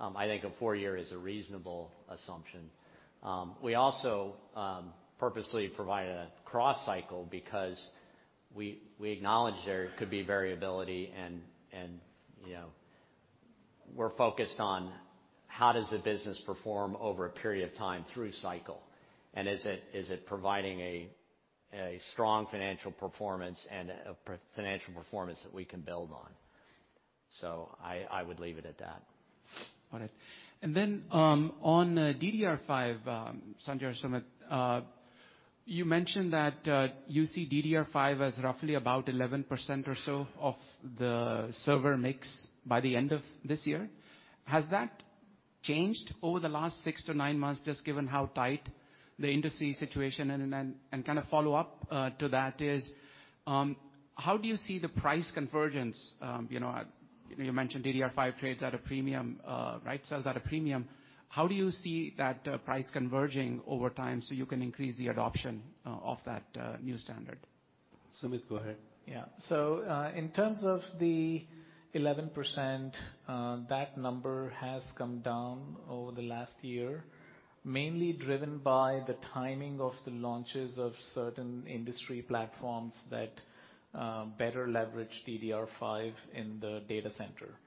[SPEAKER 14] I think a four year is a reasonable assumption. We also purposely provide a cross cycle because we acknowledge there could be variability and, you know, we're focused on How does a business perform over a period of time through cycle? Is it providing a strong financial performance and a predictable financial performance that we can build on? I would leave it at that.
[SPEAKER 16] All right. On DDR5, Sanjay, Sumit, you mentioned that you see DDR5 as roughly about 11% or so of the server mix by the end of this year. Has that changed over the last 6-9 months, just given how tight the industry situation? A kind of follow-up to that is, how do you see the price convergence, you know, you mentioned DDR5 trades at a premium, right, sells at a premium. How do you see that price converging over time so you can increase the adoption of that new standard?
[SPEAKER 2] Sumit, go ahead.
[SPEAKER 5] Yeah. In terms of the 11%, that number has come down over the last year, mainly driven by the timing of the launches of certain industry platforms that better leverage DDR5 in the data center.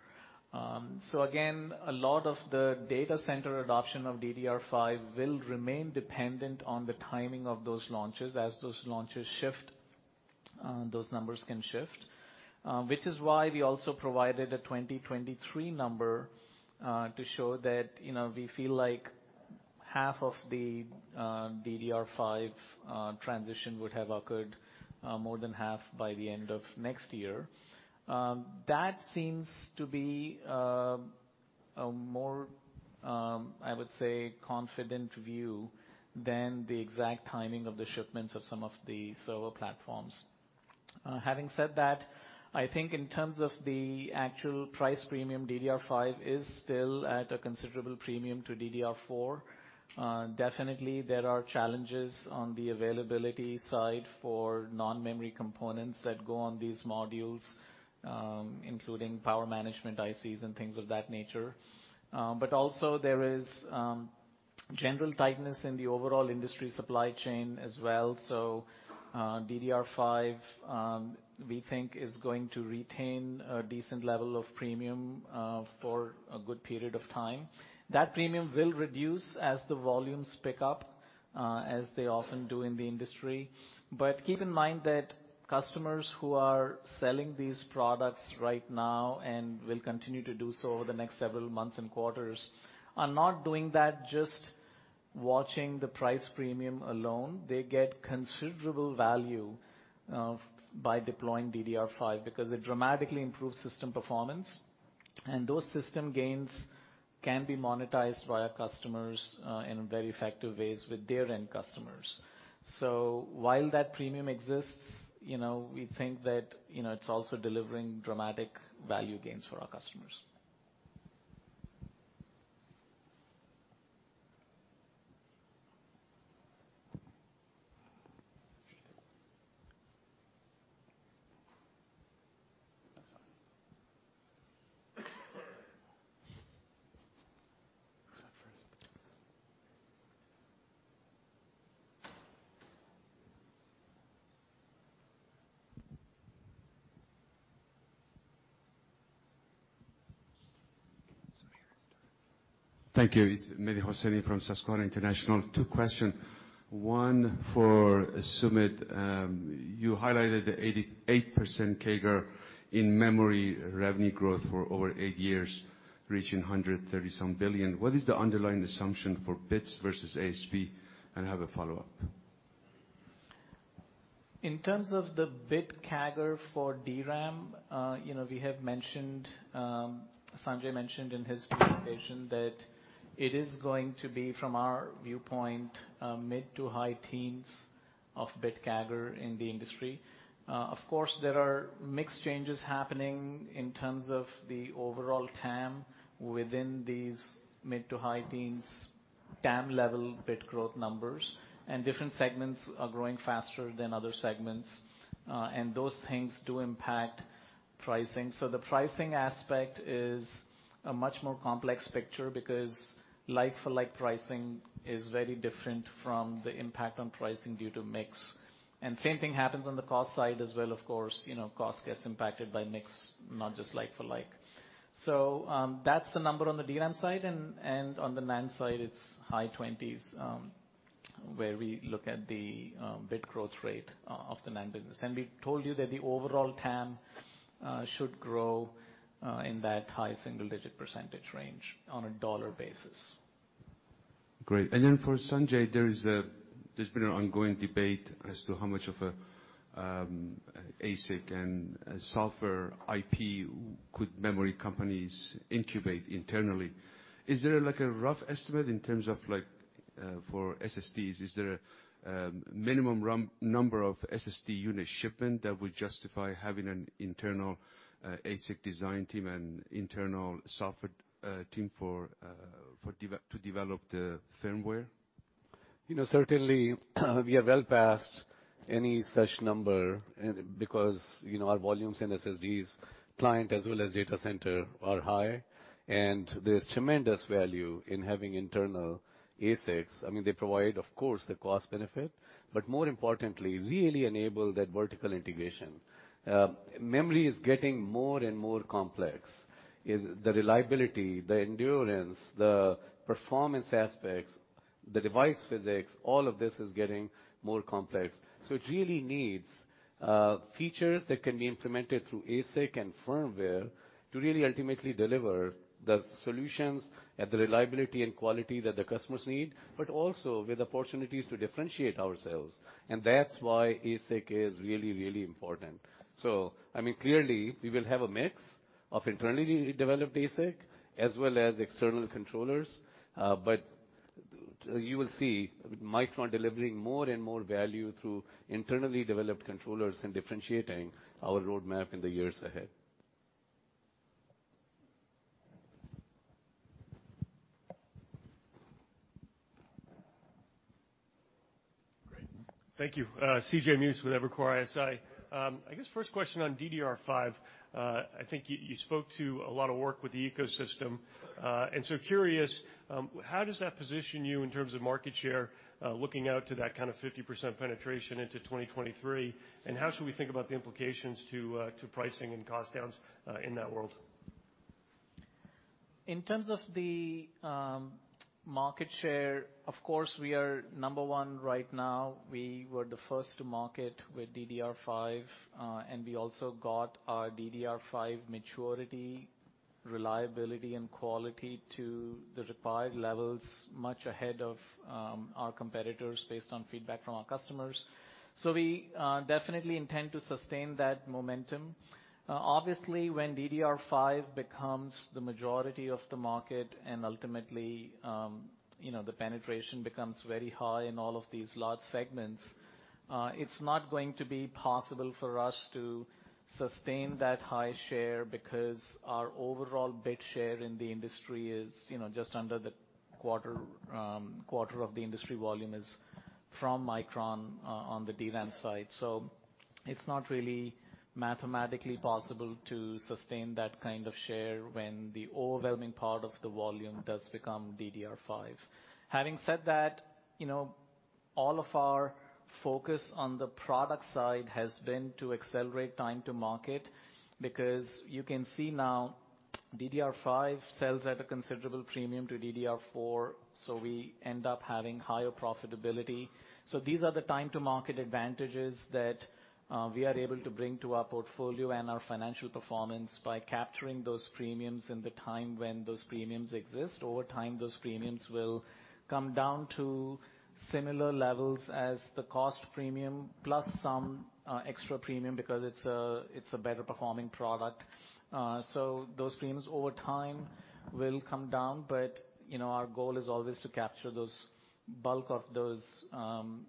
[SPEAKER 5] Again, a lot of the data center adoption of DDR5 will remain dependent on the timing of those launches. As those launches shift, those numbers can shift, which is why we also provided a 2023 number to show that, you know, we feel like half of the DDR5 transition would have occurred, more than half by the end of next year. That seems to be a more, I would say, confident view than the exact timing of the shipments of some of the server platforms. Having said that, I think in terms of the actual price premium, DDR5 is still at a considerable premium to DDR4. Definitely there are challenges on the availability side for non-memory components that go on these modules, including power management ICs and things of that nature. Also there is general tightness in the overall industry supply chain as well. DDR5 we think is going to retain a decent level of premium for a good period of time. That premium will reduce as the volumes pick up, as they often do in the industry. Keep in mind that customers who are selling these products right now and will continue to do so over the next several months and quarters are not doing that just watching the price premium alone. They get considerable value by deploying DDR5 because it dramatically improves system performance, and those system gains can be monetized by our customers in very effective ways with their end customers. While that premium exists, you know, we think that, you know, it's also delivering dramatic value gains for our customers.
[SPEAKER 17] Thank you. It's Mehdi Hosseini from Susquehanna International Group. Two questions. One for Sumit Sadana. You highlighted the 88% CAGR in memory revenue growth for over 8 years, reaching $130-some billion. What is the underlying assumption for bits versus ASP? I have a follow-up.
[SPEAKER 5] In terms of the bit CAGR for DRAM, you know, we have mentioned, Sanjay mentioned in his presentation that it is going to be, from our viewpoint, a mid- to high-teens bit CAGR in the industry. Of course, there are mix changes happening in terms of the overall TAM within these mid- to high-teens TAM level bit growth numbers and different segments are growing faster than other segments, and those things do impact pricing. So the pricing aspect is a much more complex picture because like for like pricing is very different from the impact on pricing due to mix. Same thing happens on the cost side as well, of course, you know, cost gets impacted by mix, not just like for like. That's the number on the DRAM side and on the NAND side, it's high 20s where we look at the bit growth rate of the NAND business. We told you that the overall TAM should grow in that high single-digit % range on a dollar basis.
[SPEAKER 17] Great. Then for Sanjay, there's been an ongoing debate as to how much of a ASIC and software IP could memory companies incubate internally. Is there like a rough estimate in terms of like for SSDs? Is there a minimum run number of SSD unit shipment that would justify having an internal ASIC design team and internal software team for to develop the firmware?
[SPEAKER 2] You know, certainly, we are well past any such number and because, you know, our volumes in SSDs, client as well as data center are high, and there's tremendous value in having internal ASICs. I mean, they provide, of course, the cost benefit, but more importantly, really enable that vertical integration. Memory is getting more and more complex. The reliability, the endurance, the performance aspects, the device physics, all of this is getting more complex. It really needs features that can be implemented through ASIC and firmware to really ultimately deliver the solutions at the reliability and quality that the customers need, but also with opportunities to differentiate ourselves. That's why ASIC is really, really important. I mean, clearly, we will have a mix of internally developed ASIC as well as external controllers. You will see Micron delivering more and more value through internally developed controllers and differentiating our roadmap in the years ahead.
[SPEAKER 18] Great. Thank you. C.J. Muse with Evercore ISI. I guess first question on DDR5. I think you spoke to a lot of work with the ecosystem. Curious, how does that position you in terms of market share, looking out to that kind of 50% penetration into 2023? And how should we think about the implications to pricing and cost downs, in that world?
[SPEAKER 5] In terms of the market share, of course, we are number one right now. We were the first to market with DDR5, and we also got our DDR5 maturity, reliability, and quality to the required levels much ahead of our competitors based on feedback from our customers. We definitely intend to sustain that momentum. Obviously, when DDR5 becomes the majority of the market and ultimately, you know, the penetration becomes very high in all of these large segments, it's not going to be possible for us to sustain that high share because our overall bit share in the industry is, you know, just under the quarter of the industry volume is from Micron, on the DRAM side. It's not really mathematically possible to sustain that kind of share when the overwhelming part of the volume does become DDR5. Having said that, you know, all of our focus on the product side has been to accelerate time to market, because you can see now DDR5 sells at a considerable premium to DDR4, so we end up having higher profitability. These are the time to market advantages that we are able to bring to our portfolio and our financial performance by capturing those premiums in the time when those premiums exist. Over time, those premiums will come down to similar levels as the cost premium plus some extra premium because it's a better performing product. Those premiums over time will come down, but you know, our goal is always to capture the bulk of those premiums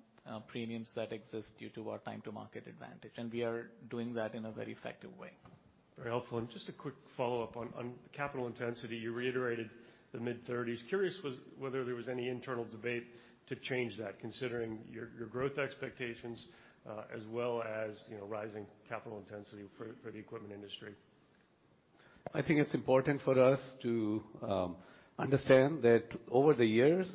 [SPEAKER 5] that exist due to our time to market advantage. We are doing that in a very effective way.
[SPEAKER 18] Very helpful. Just a quick follow-up on capital intensity, you reiterated the mid thirties. Curious was whether there was any internal debate to change that, considering your growth expectations, as well as rising capital intensity for the equipment industry.
[SPEAKER 2] I think it's important for us to understand that over the years,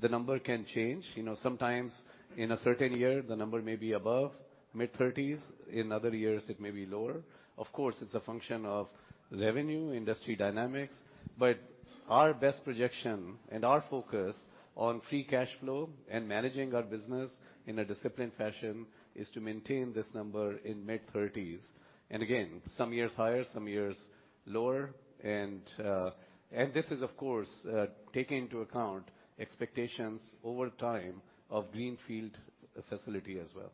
[SPEAKER 2] the number can change. You know, sometimes in a certain year, the number may be above mid-30s%, in other years, it may be lower. Of course, it's a function of revenue, industry dynamics, but our best projection and our focus on free cash flow and managing our business in a disciplined fashion is to maintain this number in mid-30s%. Again, some years higher, some years lower. This is, of course, taking into account expectations over time of greenfield facility as well.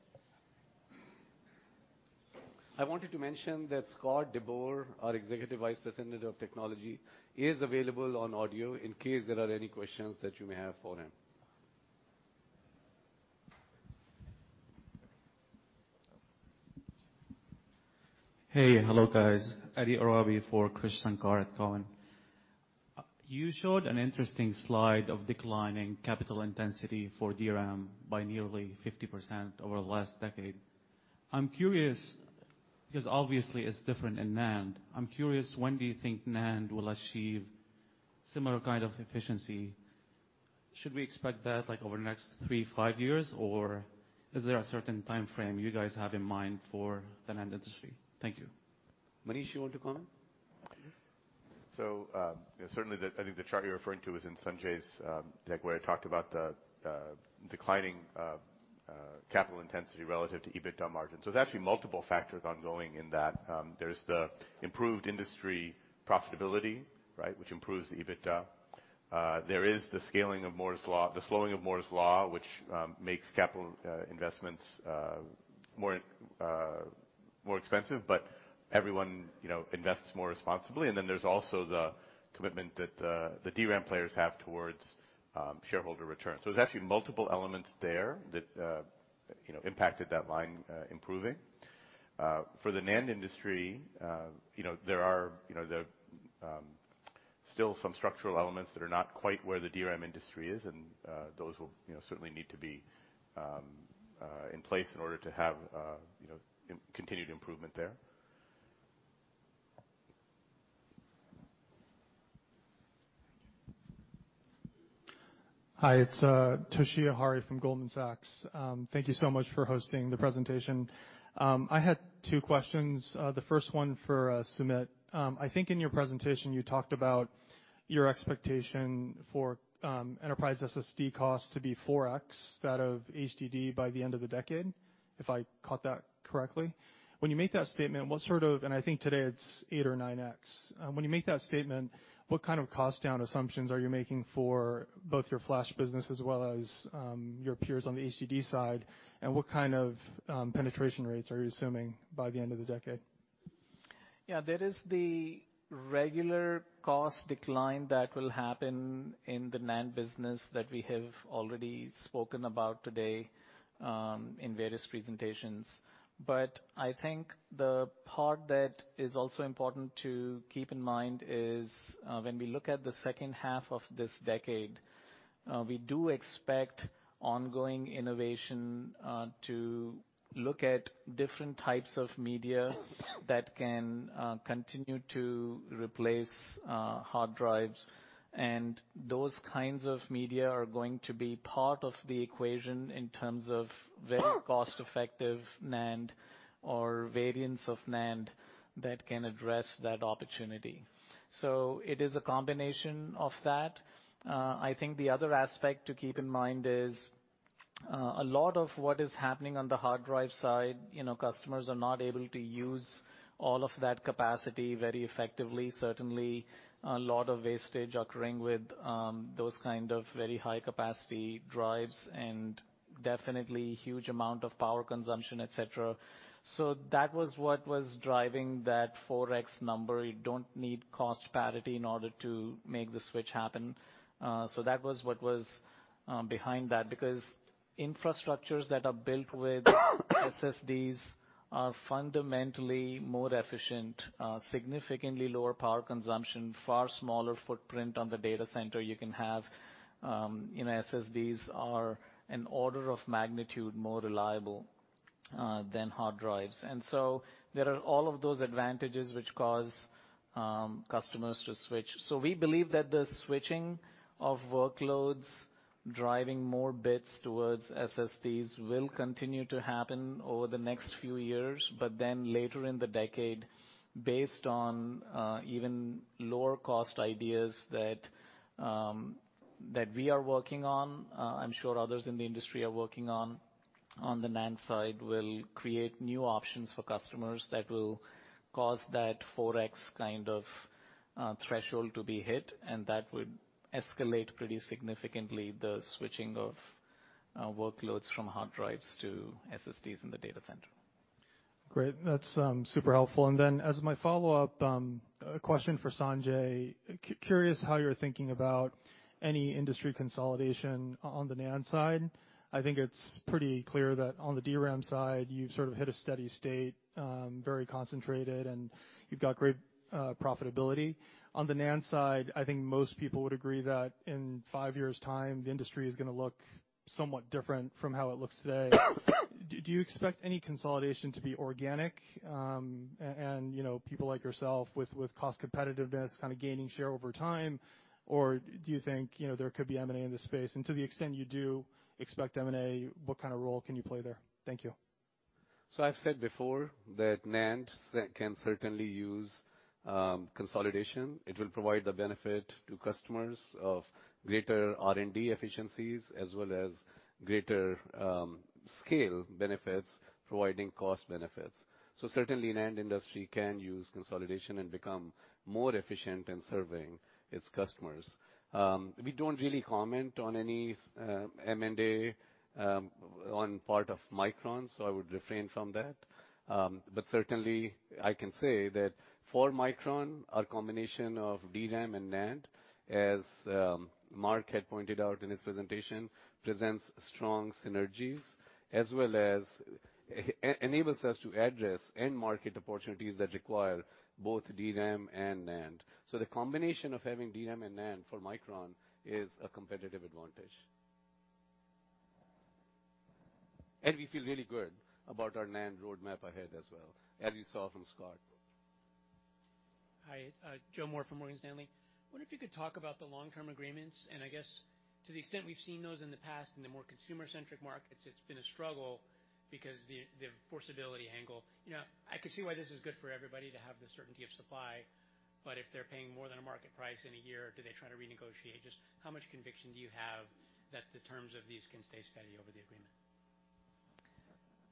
[SPEAKER 2] I wanted to mention that Scott DeBoer, our Executive Vice President of Technology, is available on audio in case there are any questions that you may have for him.
[SPEAKER 19] Hey. Hello, guys. Eddy Orabi for Krish Sankar at Cowen. You showed an interesting slide of declining capital intensity for DRAM by nearly 50% over the last decade. I'm curious, because obviously it's different in NAND. I'm curious, when do you think NAND will achieve similar kind of efficiency? Should we expect that like over the next 3, 5 years, or is there a certain timeframe you guys have in mind for the NAND industry? Thank you.
[SPEAKER 2] Manish, you want to comment?
[SPEAKER 13] Certainly the chart you're referring to is in Sanjay's deck, where I talked about the declining capital intensity relative to EBITDA margin. There's actually multiple factors ongoing in that. There's the improved industry profitability, right, which improves the EBITDA. There is the scaling of Moore's Law, the slowing of Moore's Law, which makes capital investments more expensive, but everyone, you know, invests more responsibly. Then there's also the commitment that the DRAM players have towards shareholder returns. There's actually multiple elements there that, you know, impacted that line improving. For the NAND industry, you know, there are, you know, still some structural elements that are not quite where the DRAM industry is, and those will, you know, certainly need to be in place in order to have, you know, continued improvement there.
[SPEAKER 20] Hi, it's Toshiya Hari from Goldman Sachs. Thank you so much for hosting the presentation. I had two questions. The first one for Sumit Sadana. I think in your presentation you talked about your expectation for enterprise SSD costs to be 4x that of HDD by the end of the decade, if I caught that correctly. When you make that statement, I think today it's 8 or 9x. When you make that statement, what kind of cost down assumptions are you making for both your flash business as well as your peers on the HDD side? What kind of penetration rates are you assuming by the end of the decade?
[SPEAKER 5] Yeah, that is the regular cost decline that will happen in the NAND business that we have already spoken about today, in various presentations. I think the part that is also important to keep in mind is, when we look at the second half of this decade, we do expect ongoing innovation, to look at different types of media that can, continue to replace, hard drives. Those kinds of media are going to be part of the equation in terms of very cost effective NAND or variants of NAND that can address that opportunity. It is a combination of that. I think the other aspect to keep in mind is, a lot of what is happening on the hard drive side, you know, customers are not able to use all of that capacity very effectively. Certainly a lot of wastage occurring with those kind of very high capacity drives and definitely huge amount of power consumption, etc. That was what was driving that 4x number. You don't need cost parity in order to make the switch happen. That was what was behind that. Because infrastructures that are built with SSDs are fundamentally more efficient, significantly lower power consumption, far smaller footprint on the data center you can have. You know, SSDs are an order of magnitude more reliable than hard drives. There are all of those advantages which cause customers to switch. We believe that the switching of workloads driving more bits towards SSDs will continue to happen over the next few years. Later in the decade, based on even lower cost ideas that we are working on, I'm sure others in the industry are working on the NAND side will create new options for customers that will cause that 4x kind of threshold to be hit, and that would escalate pretty significantly the switching of workloads from hard drives to SSDs in the data center.
[SPEAKER 20] Great. That's super helpful. As my follow-up question for Sanjay, curious how you're thinking about any industry consolidation on the NAND side. I think it's pretty clear that on the DRAM side you've sort of hit a steady state, very concentrated, and you've got great profitability. On the NAND side, I think most people would agree that in five years' time, the industry is gonna look somewhat different from how it looks today. Do you expect any consolidation to be organic? And, you know, people like yourself with cost competitiveness kind of gaining share over time. Or do you think, you know, there could be M&A in this space? And to the extent you do expect M&A, what kind of role can you play there? Thank you.
[SPEAKER 2] I've said before that NAND can certainly use consolidation. It will provide the benefit to customers of greater R&D efficiencies as well as greater scale benefits, providing cost benefits. Certainly NAND industry can use consolidation and become more efficient in serving its customers. We don't really comment on any M&A on part of Micron, so I would refrain from that. Certainly I can say that for Micron, our combination of DRAM and NAND, as Mark had pointed out in his presentation, presents strong synergies as well as enables us to address end market opportunities that require both DRAM and NAND. The combination of having DRAM and NAND for Micron is a competitive advantage. We feel really good about our NAND roadmap ahead as well, as you saw from Scott.
[SPEAKER 21] Hi, Joe Moore from Morgan Stanley. Wonder if you could talk about the long-term agreements, and I guess to the extent we've seen those in the past in the more consumer-centric markets, it's been a struggle because the enforceability angle. You know, I could see why this is good for everybody to have the certainty of supply. If they're paying more than a market price in a year, do they try to renegotiate? Just how much conviction do you have that the terms of these can stay steady over the agreement?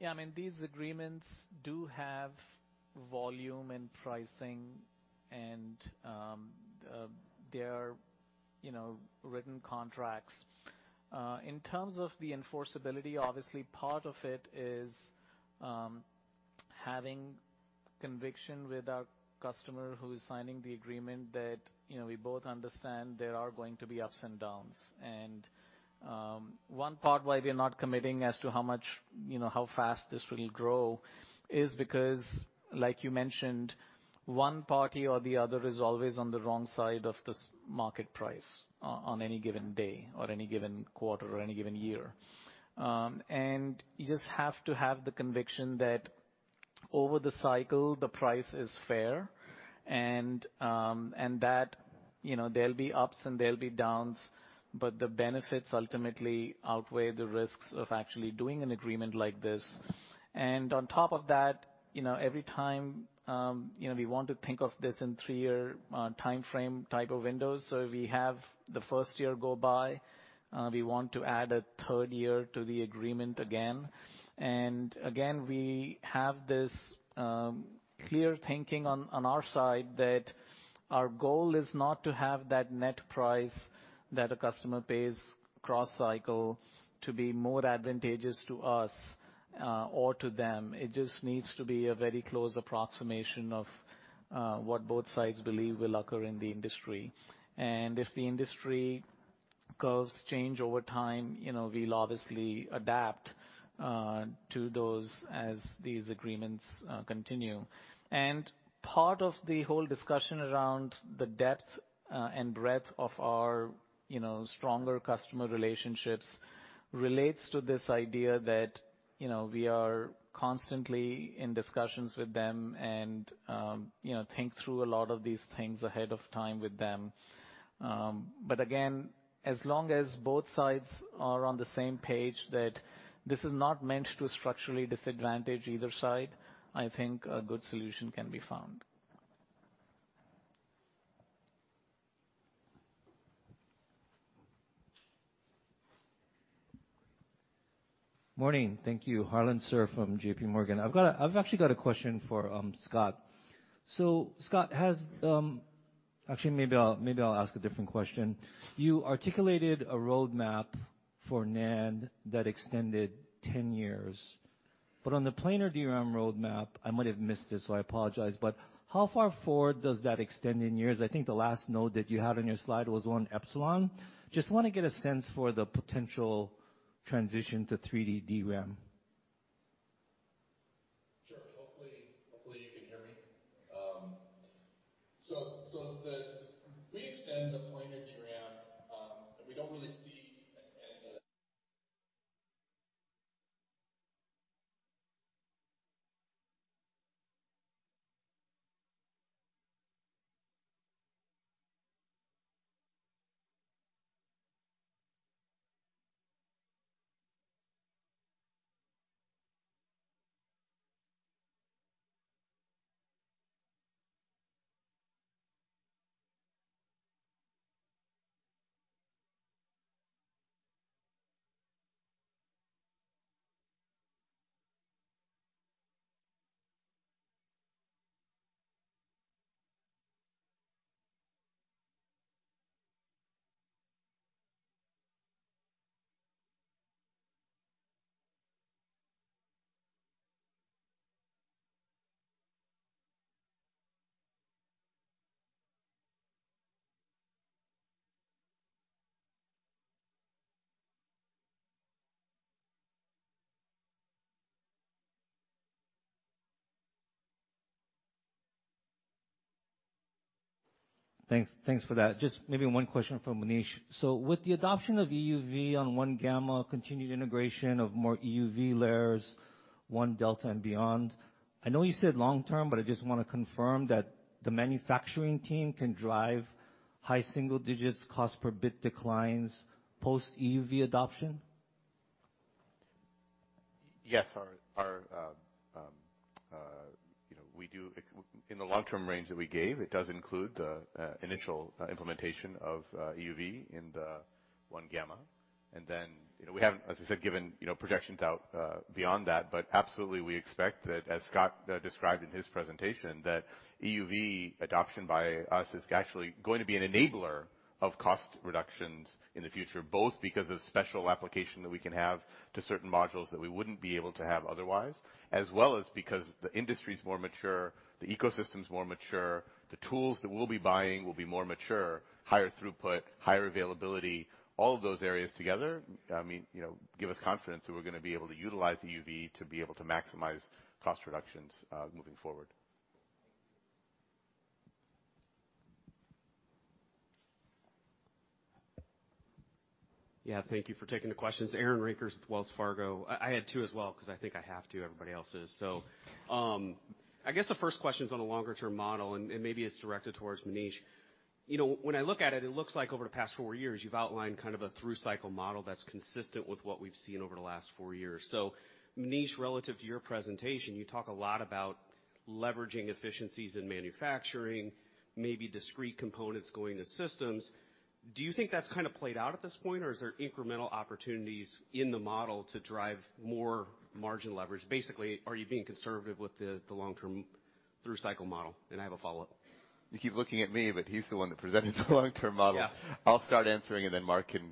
[SPEAKER 5] Yeah, I mean, these agreements do have volume and pricing and, they are, you know, written contracts. In terms of the enforceability, obviously part of it is having conviction with our customer who is signing the agreement that, you know, we both understand there are going to be ups and downs. One part why we are not committing as to how much, you know, how fast this will grow is because, like you mentioned, one party or the other is always on the wrong side of this market price on any given day or any given quarter or any given year. You just have to have the conviction that over the cycle, the price is fair and that, you know, there'll be ups and there'll be downs, but the benefits ultimately outweigh the risks of actually doing an agreement like this. On top of that, you know, every time, you know, we want to think of this in three year timeframe type of windows. So if we have the first year go by, we want to add a third year to the agreement again. And again, we have this clear thinking on our side that our goal is not to have that net price that a customer pays cross-cycle to be more advantageous to us or to them. It just needs to be a very close approximation of what both sides believe will occur in the industry. And if the industry curves change over time, you know, we'll obviously adapt to those as these agreements continue. Part of the whole discussion around the depth and breadth of our, you know, stronger customer relationships relates to this idea that, you know, we are constantly in discussions with them and, you know, think through a lot of these things ahead of time with them. Again, as long as both sides are on the same page that this is not meant to structurally disadvantage either side, I think a good solution can be found.
[SPEAKER 22] Morning. Thank you. Harlan Sur from J.P. Morgan. I've actually got a question for Scott. Actually, maybe I'll ask a different question. You articulated a roadmap for NAND that extended 10 years, but on the planar DRAM roadmap, I might have missed it, so I apologize, but how far forward does that extend in years? I think the last note that you had on your slide was on Epsilon. Just want to get a sense for the potential transition to 3D DRAM.
[SPEAKER 23] Sure. Hopefully you can hear me. We extend the planar DRAM, and we don't really see.
[SPEAKER 22] Thanks, thanks for that. Just maybe one question for Manish. With the adoption of EUV on one gamma, continued integration of more EUV layers, one delta and beyond, I know you said long term, but I just wanna confirm that the manufacturing team can drive high single digits cost per bit declines post-EUV adoption.
[SPEAKER 13] Yes. You know, in the long term range that we gave, it does include the initial implementation of EUV in the one gamma. You know, we haven't, as I said, given projections out beyond that. Absolutely, we expect that, as Scott described in his presentation, that EUV adoption by us is actually going to be an enabler of cost reductions in the future, both because of special application that we can have to certain modules that we wouldn't be able to have otherwise, as well as because the industry's more mature, the ecosystem's more mature, the tools that we'll be buying will be more mature, higher throughput, higher availability. All of those areas together, I mean, you know, give us confidence that we're gonna be able to utilize EUV to be able to maximize cost reductions moving forward.
[SPEAKER 22] Thank you.
[SPEAKER 24] Thank you for taking the questions. Aaron Rakers with Wells Fargo. I had two as well, 'cause I think I have to. Everybody else is. I guess the first question's on a longer term model, and maybe it's directed towards Manish. You know, when I look at it looks like over the past four years, you've outlined kind of a through cycle model that's consistent with what we've seen over the last four years. Manish, relative to your presentation, you talk a lot about leveraging efficiencies in manufacturing, maybe discrete components going to systems. Do you think that's kind of played out at this point, or is there incremental opportunities in the model to drive more margin leverage? Basically, are you being conservative with the long term through cycle model? I have a follow-up.
[SPEAKER 13] You keep looking at me, but he's the one that presented the long-term model.
[SPEAKER 24] Yeah.
[SPEAKER 13] I'll start answering, and then Mark can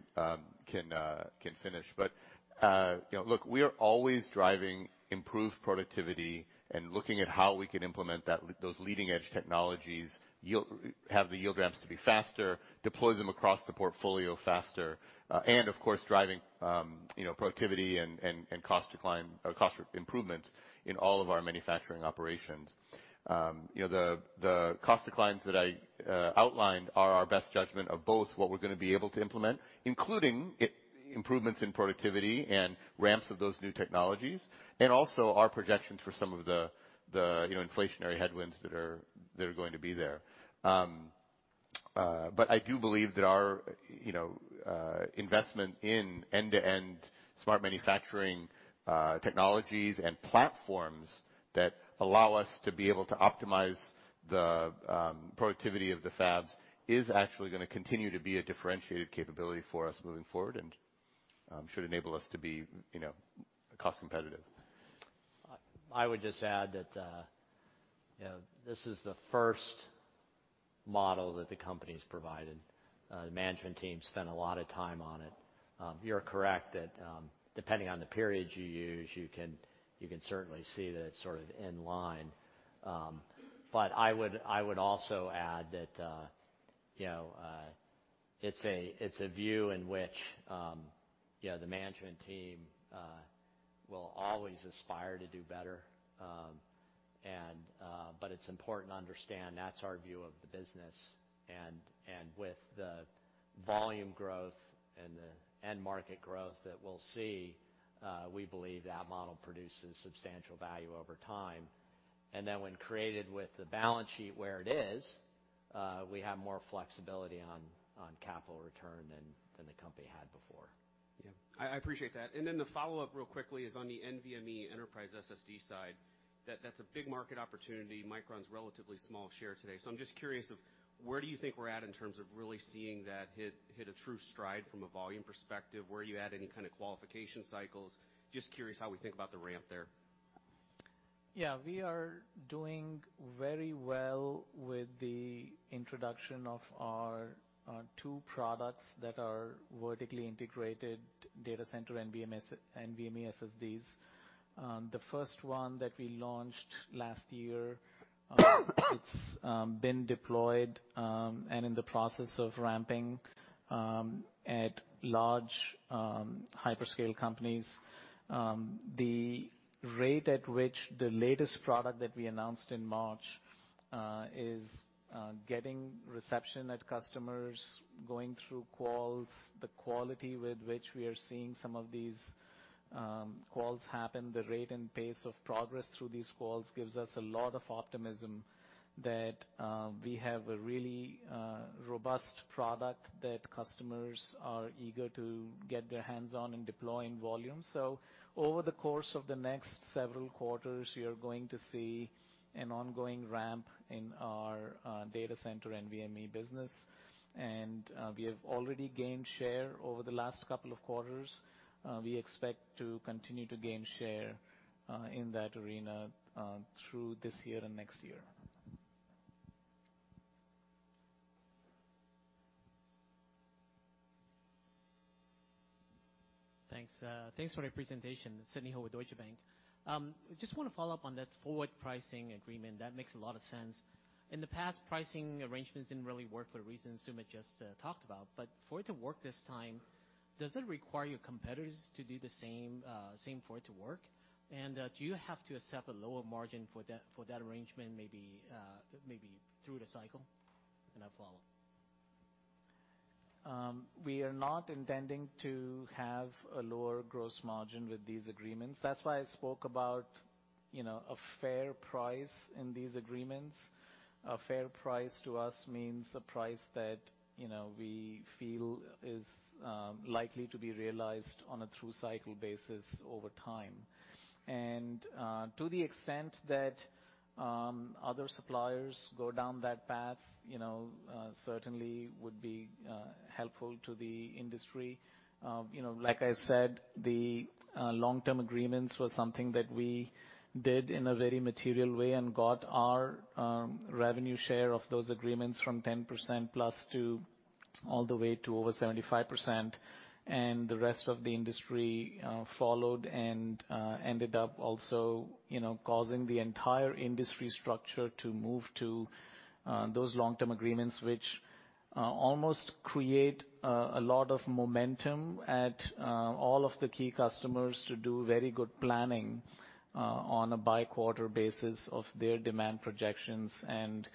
[SPEAKER 13] finish. You know, look, we are always driving improved productivity and looking at how we can implement those leading-edge technologies. Yields have to ramp faster, deploy them across the portfolio faster, and of course, driving productivity and cost decline or cost improvements in all of our manufacturing operations. You know, the cost declines that I outlined are our best judgment of both what we're gonna be able to implement, including improvements in productivity and ramps of those new technologies, and also our projections for some of the, you know, inflationary headwinds that are going to be there. I do believe that our, you know, investment in end-to-end smart manufacturing technologies and platforms that allow us to be able to optimize the productivity of the fabs is actually gonna continue to be a differentiated capability for us moving forward, and should enable us to be, you know, cost competitive.
[SPEAKER 14] I would just add that, you know, this is the first model that the company's provided. The management team spent a lot of time on it. You're correct that, depending on the periods you use, you can certainly see that it's sort of in line. I would also add that, you know, it's a view in which, you know, the management team will always aspire to do better. It's important to understand that's our view of the business and, with the volume growth and the end market growth that we'll see, we believe that model produces substantial value over time. When combined with the balance sheet where it is, we have more flexibility on capital return than the company had before.
[SPEAKER 24] Yeah, I appreciate that. Then the follow-up real quickly is on the NVMe enterprise SSD side, that's a big market opportunity, Micron's relatively small share today. I'm just curious of where do you think we're at in terms of really seeing that hit a true stride from a volume perspective? Where are you at in any kind of qualification cycles? Just curious how we think about the ramp there.
[SPEAKER 5] Yeah. We are doing very well with the introduction of our two products that are vertically integrated data center NVMe SSDs. The first one that we launched last year, it's been deployed and in the process of ramping at large hyperscale companies. The rate at which the latest product that we announced in March is getting reception at customers, going through quals, the quality with which we are seeing some of these quals happen, the rate and pace of progress through these quals gives us a lot of optimism that we have a really robust product that customers are eager to get their hands on and deploy in volume. Over the course of the next several quarters, you're going to see an ongoing ramp in our data center NVMe business. We have already gained share over the last couple of quarters. We expect to continue to gain share in that arena through this year and next year.
[SPEAKER 25] Thanks. Thanks for your presentation. Sidney Ho with Deutsche Bank. Just wanna follow up on that forward pricing agreement, that makes a lot of sense. In the past, pricing arrangements didn't really work for the reasons Sumit just talked about. For it to work this time, does it require your competitors to do the same for it to work? Do you have to accept a lower margin for that arrangement, maybe through the cycle? I'll follow up.
[SPEAKER 5] We are not intending to have a lower gross margin with these agreements. That's why I spoke about, you know, a fair price in these agreements. A fair price to us means a price that, you know, we feel is likely to be realized on a through cycle basis over time. To the extent that other suppliers go down that path, you know, certainly would be helpful to the industry. You know, like I said, the long-term agreements were something that we did in a very material way and got our revenue share of those agreements from 10% plus to all the way to over 75%. The rest of the industry followed and ended up also, you know, causing the entire industry structure to move to those long-term agreements, which almost create a lot of momentum at all of the key customers to do very good planning on a by quarter basis of their demand projections, and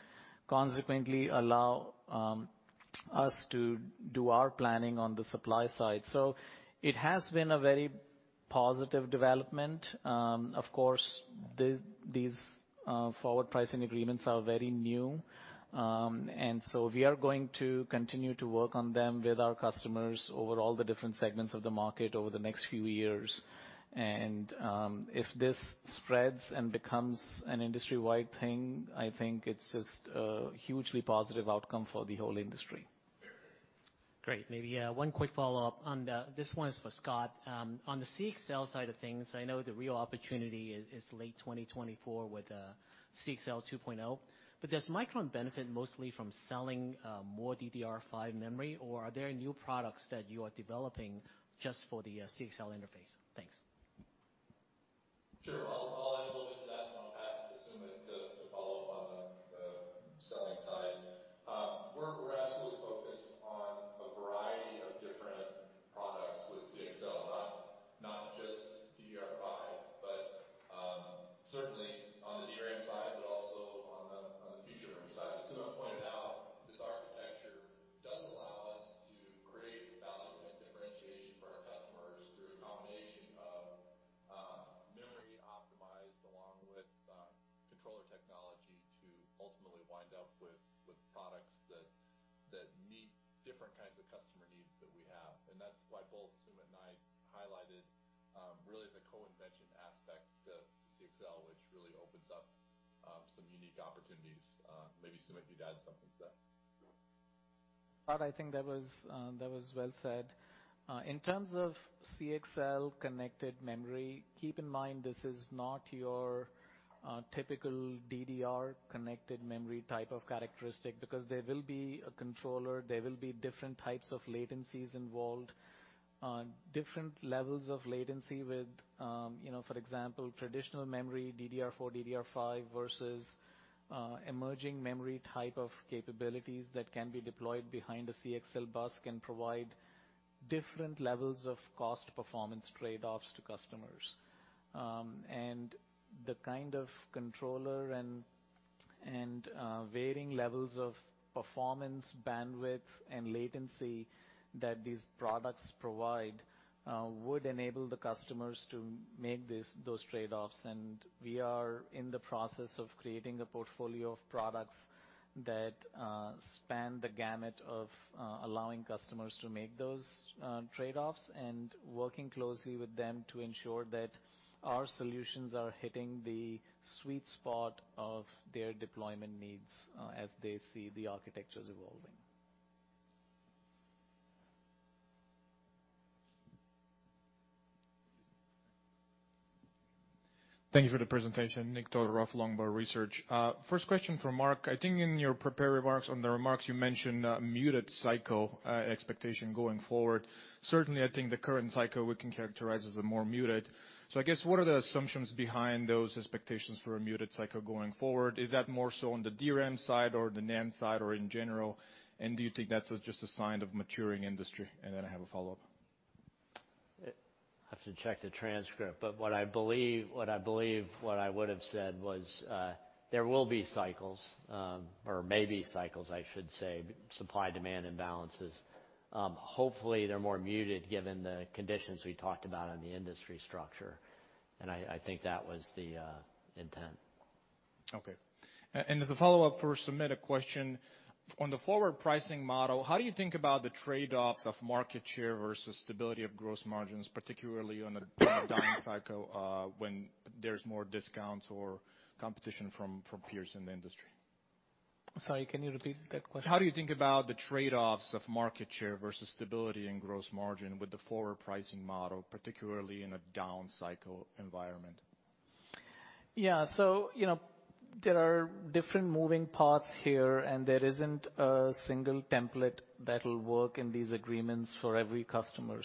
[SPEAKER 5] consequently allow us to do our planning on the supply side. It has been a very positive development. Of course, these forward pricing agreements are very new. We are going to continue to work on them with our customers over all the different segments of the market over the next few years. If this spreads and becomes an industry-wide thing, I think it's just a hugely positive outcome for the whole industry.
[SPEAKER 25] Great. Maybe one quick follow-up. This one is for Scott. On the CXL side of things, I know the real opportunity is late 2024 with CXL 2.0. Does Micron benefit mostly from selling more DDR5 memory, or are there new products that you are developing just for the CXL interface? Thanks.
[SPEAKER 23] Sure. I'll add a little bit to that, and I'll pass it to Sumit to follow up on the selling side. We're absolutely focused on a variety of different products with CXL, not just DDR5, but certainly on the DRAM side, but also on the future RAM side. As Sumit pointed out, this architecture. Combination of memory optimized along with controller technology to ultimately wind up with products that meet different kinds of customer needs that we have. That's why both Sumit and I highlighted really the co-invention aspect to CXL, which really opens up some unique opportunities. Maybe, Sumit, you'd add something to that.
[SPEAKER 5] I think that was well said. In terms of CXL connected memory, keep in mind this is not your typical DDR connected memory type of characteristic because there will be a controller, there will be different types of latencies involved. On different levels of latency with, you know, for example, traditional memory, DDR4, DDR5, versus emerging memory type of capabilities that can be deployed behind a CXL bus, can provide different levels of cost performance trade-offs to customers. And the kind of controller and varying levels of performance, bandwidth, and latency that these products provide would enable the customers to make this, those trade-offs. We are in the process of creating a portfolio of products that span the gamut of allowing customers to make those trade-offs, and working closely with them to ensure that our solutions are hitting the sweet spot of their deployment needs as they see the architectures evolving.
[SPEAKER 26] Thank you for the presentation. Nik Todorov, Longbow Research. First question for Mark. I think in your prepared remarks, you mentioned a muted cycle expectation going forward. Certainly, I think the current cycle we can characterize as a more muted. I guess, what are the assumptions behind those expectations for a muted cycle going forward? Is that more so on the DRAM side or the NAND side or in general? And do you think that's just a sign of maturing industry? And then I have a follow-up.
[SPEAKER 14] I have to check the transcript, but what I believe what I would have said was, there will be cycles, or may be cycles, I should say, supply-demand imbalances. Hopefully, they're more muted given the conditions we talked about on the industry structure, and I think that was the intent.
[SPEAKER 26] Okay. As a follow-up for Sumit, a question. On the forward pricing model, how do you think about the trade-offs of market share versus stability of gross margins, particularly on a down cycle, when there's more discounts or competition from peers in the industry?
[SPEAKER 5] Sorry, can you repeat that question?
[SPEAKER 26] How do you think about the trade-offs of market share versus stability and gross margin with the forward pricing model, particularly in a down cycle environment?
[SPEAKER 5] Yeah. You know, there are different moving parts here, and there isn't a single template that will work in these agreements for every customer.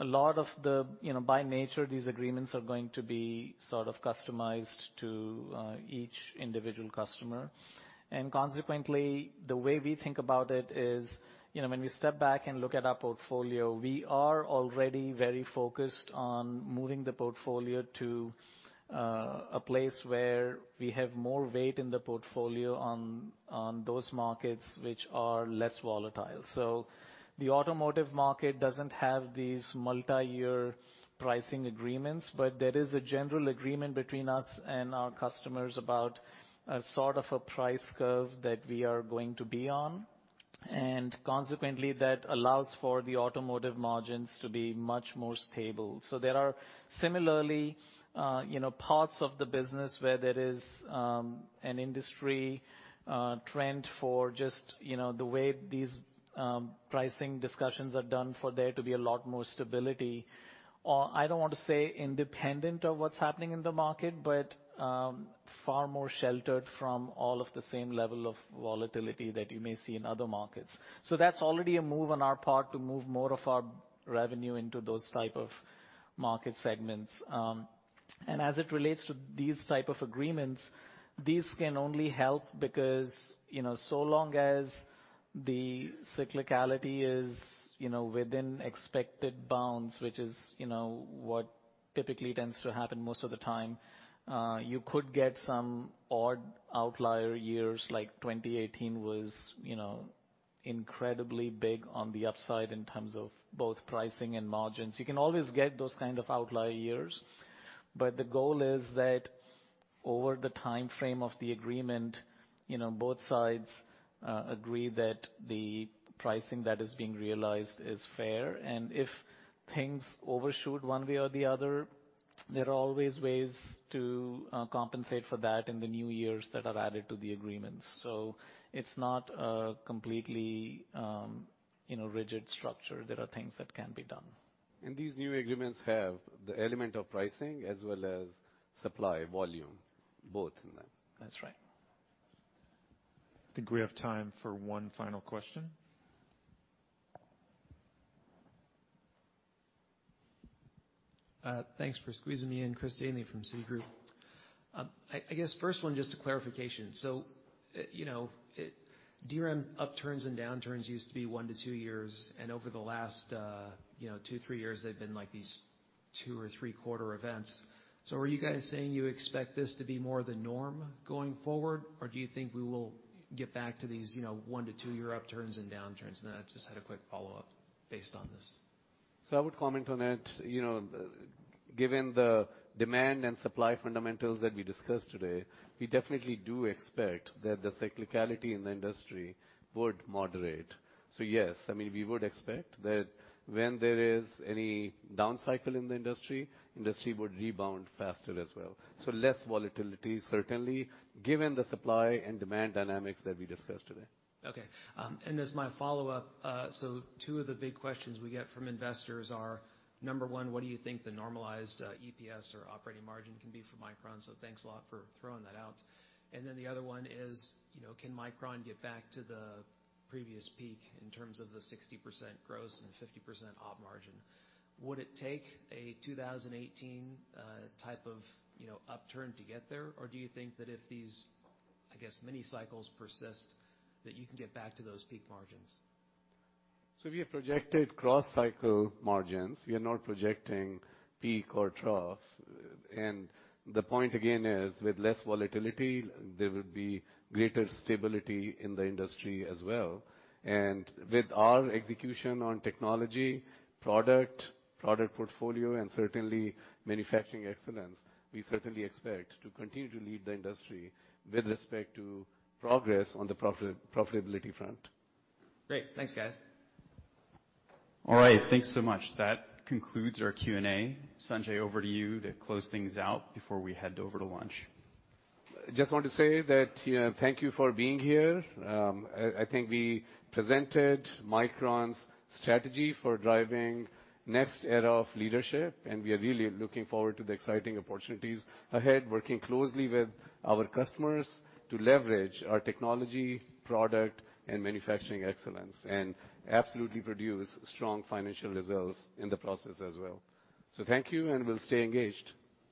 [SPEAKER 5] A lot of the, you know, by nature, these agreements are going to be sort of customized to each individual customer. Consequently, the way we think about it is, you know, when we step back and look at our portfolio, we are already very focused on moving the portfolio to a place where we have more weight in the portfolio on those markets which are less volatile. The automotive market doesn't have these multi-year pricing agreements, but there is a general agreement between us and our customers about a sort of a price curve that we are going to be on. Consequently, that allows for the automotive margins to be much more stable. There are similarly, you know, parts of the business where there is, an industry, trend for just, you know, the way these, pricing discussions are done for there to be a lot more stability. I don't want to say independent of what's happening in the market, but, far more sheltered from all of the same level of volatility that you may see in other markets. That's already a move on our part to move more of our revenue into those type of market segments. As it relates to these type of agreements, these can only help because, you know, so long as the cyclicality is, you know, within expected bounds, which is, you know, what typically tends to happen most of the time, you could get some odd outlier years, like 2018 was, you know, incredibly big on the upside in terms of both pricing and margins. You can always get those kind of outlier years, but the goal is that over the timeframe of the agreement, you know, both sides agree that the pricing that is being realized is fair. If things overshoot one way or the other, there are always ways to compensate for that in the new years that are added to the agreements. It's not a completely, you know, rigid structure. There are things that can be done.
[SPEAKER 26] These new agreements have the element of pricing as well as supply volume, both in them.
[SPEAKER 5] That's right.
[SPEAKER 9] I think we have time for one final question.
[SPEAKER 27] Thanks for squeezing me in. Chris Danely from Citi. I guess first one, just a clarification. You know, DRAM upturns and downturns used to be 1-2 years, and over the last, you know, 2-3 years, they've been like these 2 or 3 quarter events. Are you guys saying you expect this to be more the norm going forward, or do you think we will get back to these, you know, 1-2 year upturns and downturns? I just had a quick follow-up based on this.
[SPEAKER 2] I would comment on it. You know, given the demand and supply fundamentals that we discussed today, we definitely do expect that the cyclicality in the industry would moderate. Yes, I mean, we would expect that when there is any down cycle in the industry would rebound faster as well. Less volatility certainly, given the supply and demand dynamics that we discussed today.
[SPEAKER 27] Okay. As my follow-up, two of the big questions we get from investors are, number one, what do you think the normalized EPS or operating margin can be for Micron? Thanks a lot for throwing that out. Then the other one is, you know, can Micron get back to the previous peak in terms of the 60% gross and 50% op margin? Would it take a 2018-type upturn to get there? Or do you think that if these, I guess, mini cycles persist, that you can get back to those peak margins?
[SPEAKER 2] We have projected cross-cycle margins. We are not projecting peak or trough. The point, again, is with less volatility, there will be greater stability in the industry as well. With our execution on technology, product portfolio, and certainly manufacturing excellence, we certainly expect to continue to lead the industry with respect to progress on the profit, profitability front.
[SPEAKER 27] Great. Thanks, guys.
[SPEAKER 1] All right. Thanks so much. That concludes our Q&A. Sanjay, over to you to close things out before we head over to lunch.
[SPEAKER 2] Just want to say that, you know, thank you for being here. I think we presented Micron's strategy for driving next era of leadership, and we are really looking forward to the exciting opportunities ahead, working closely with our customers to leverage our technology, product, and manufacturing excellence, and absolutely produce strong financial results in the process as well. Thank you, and we'll stay engaged.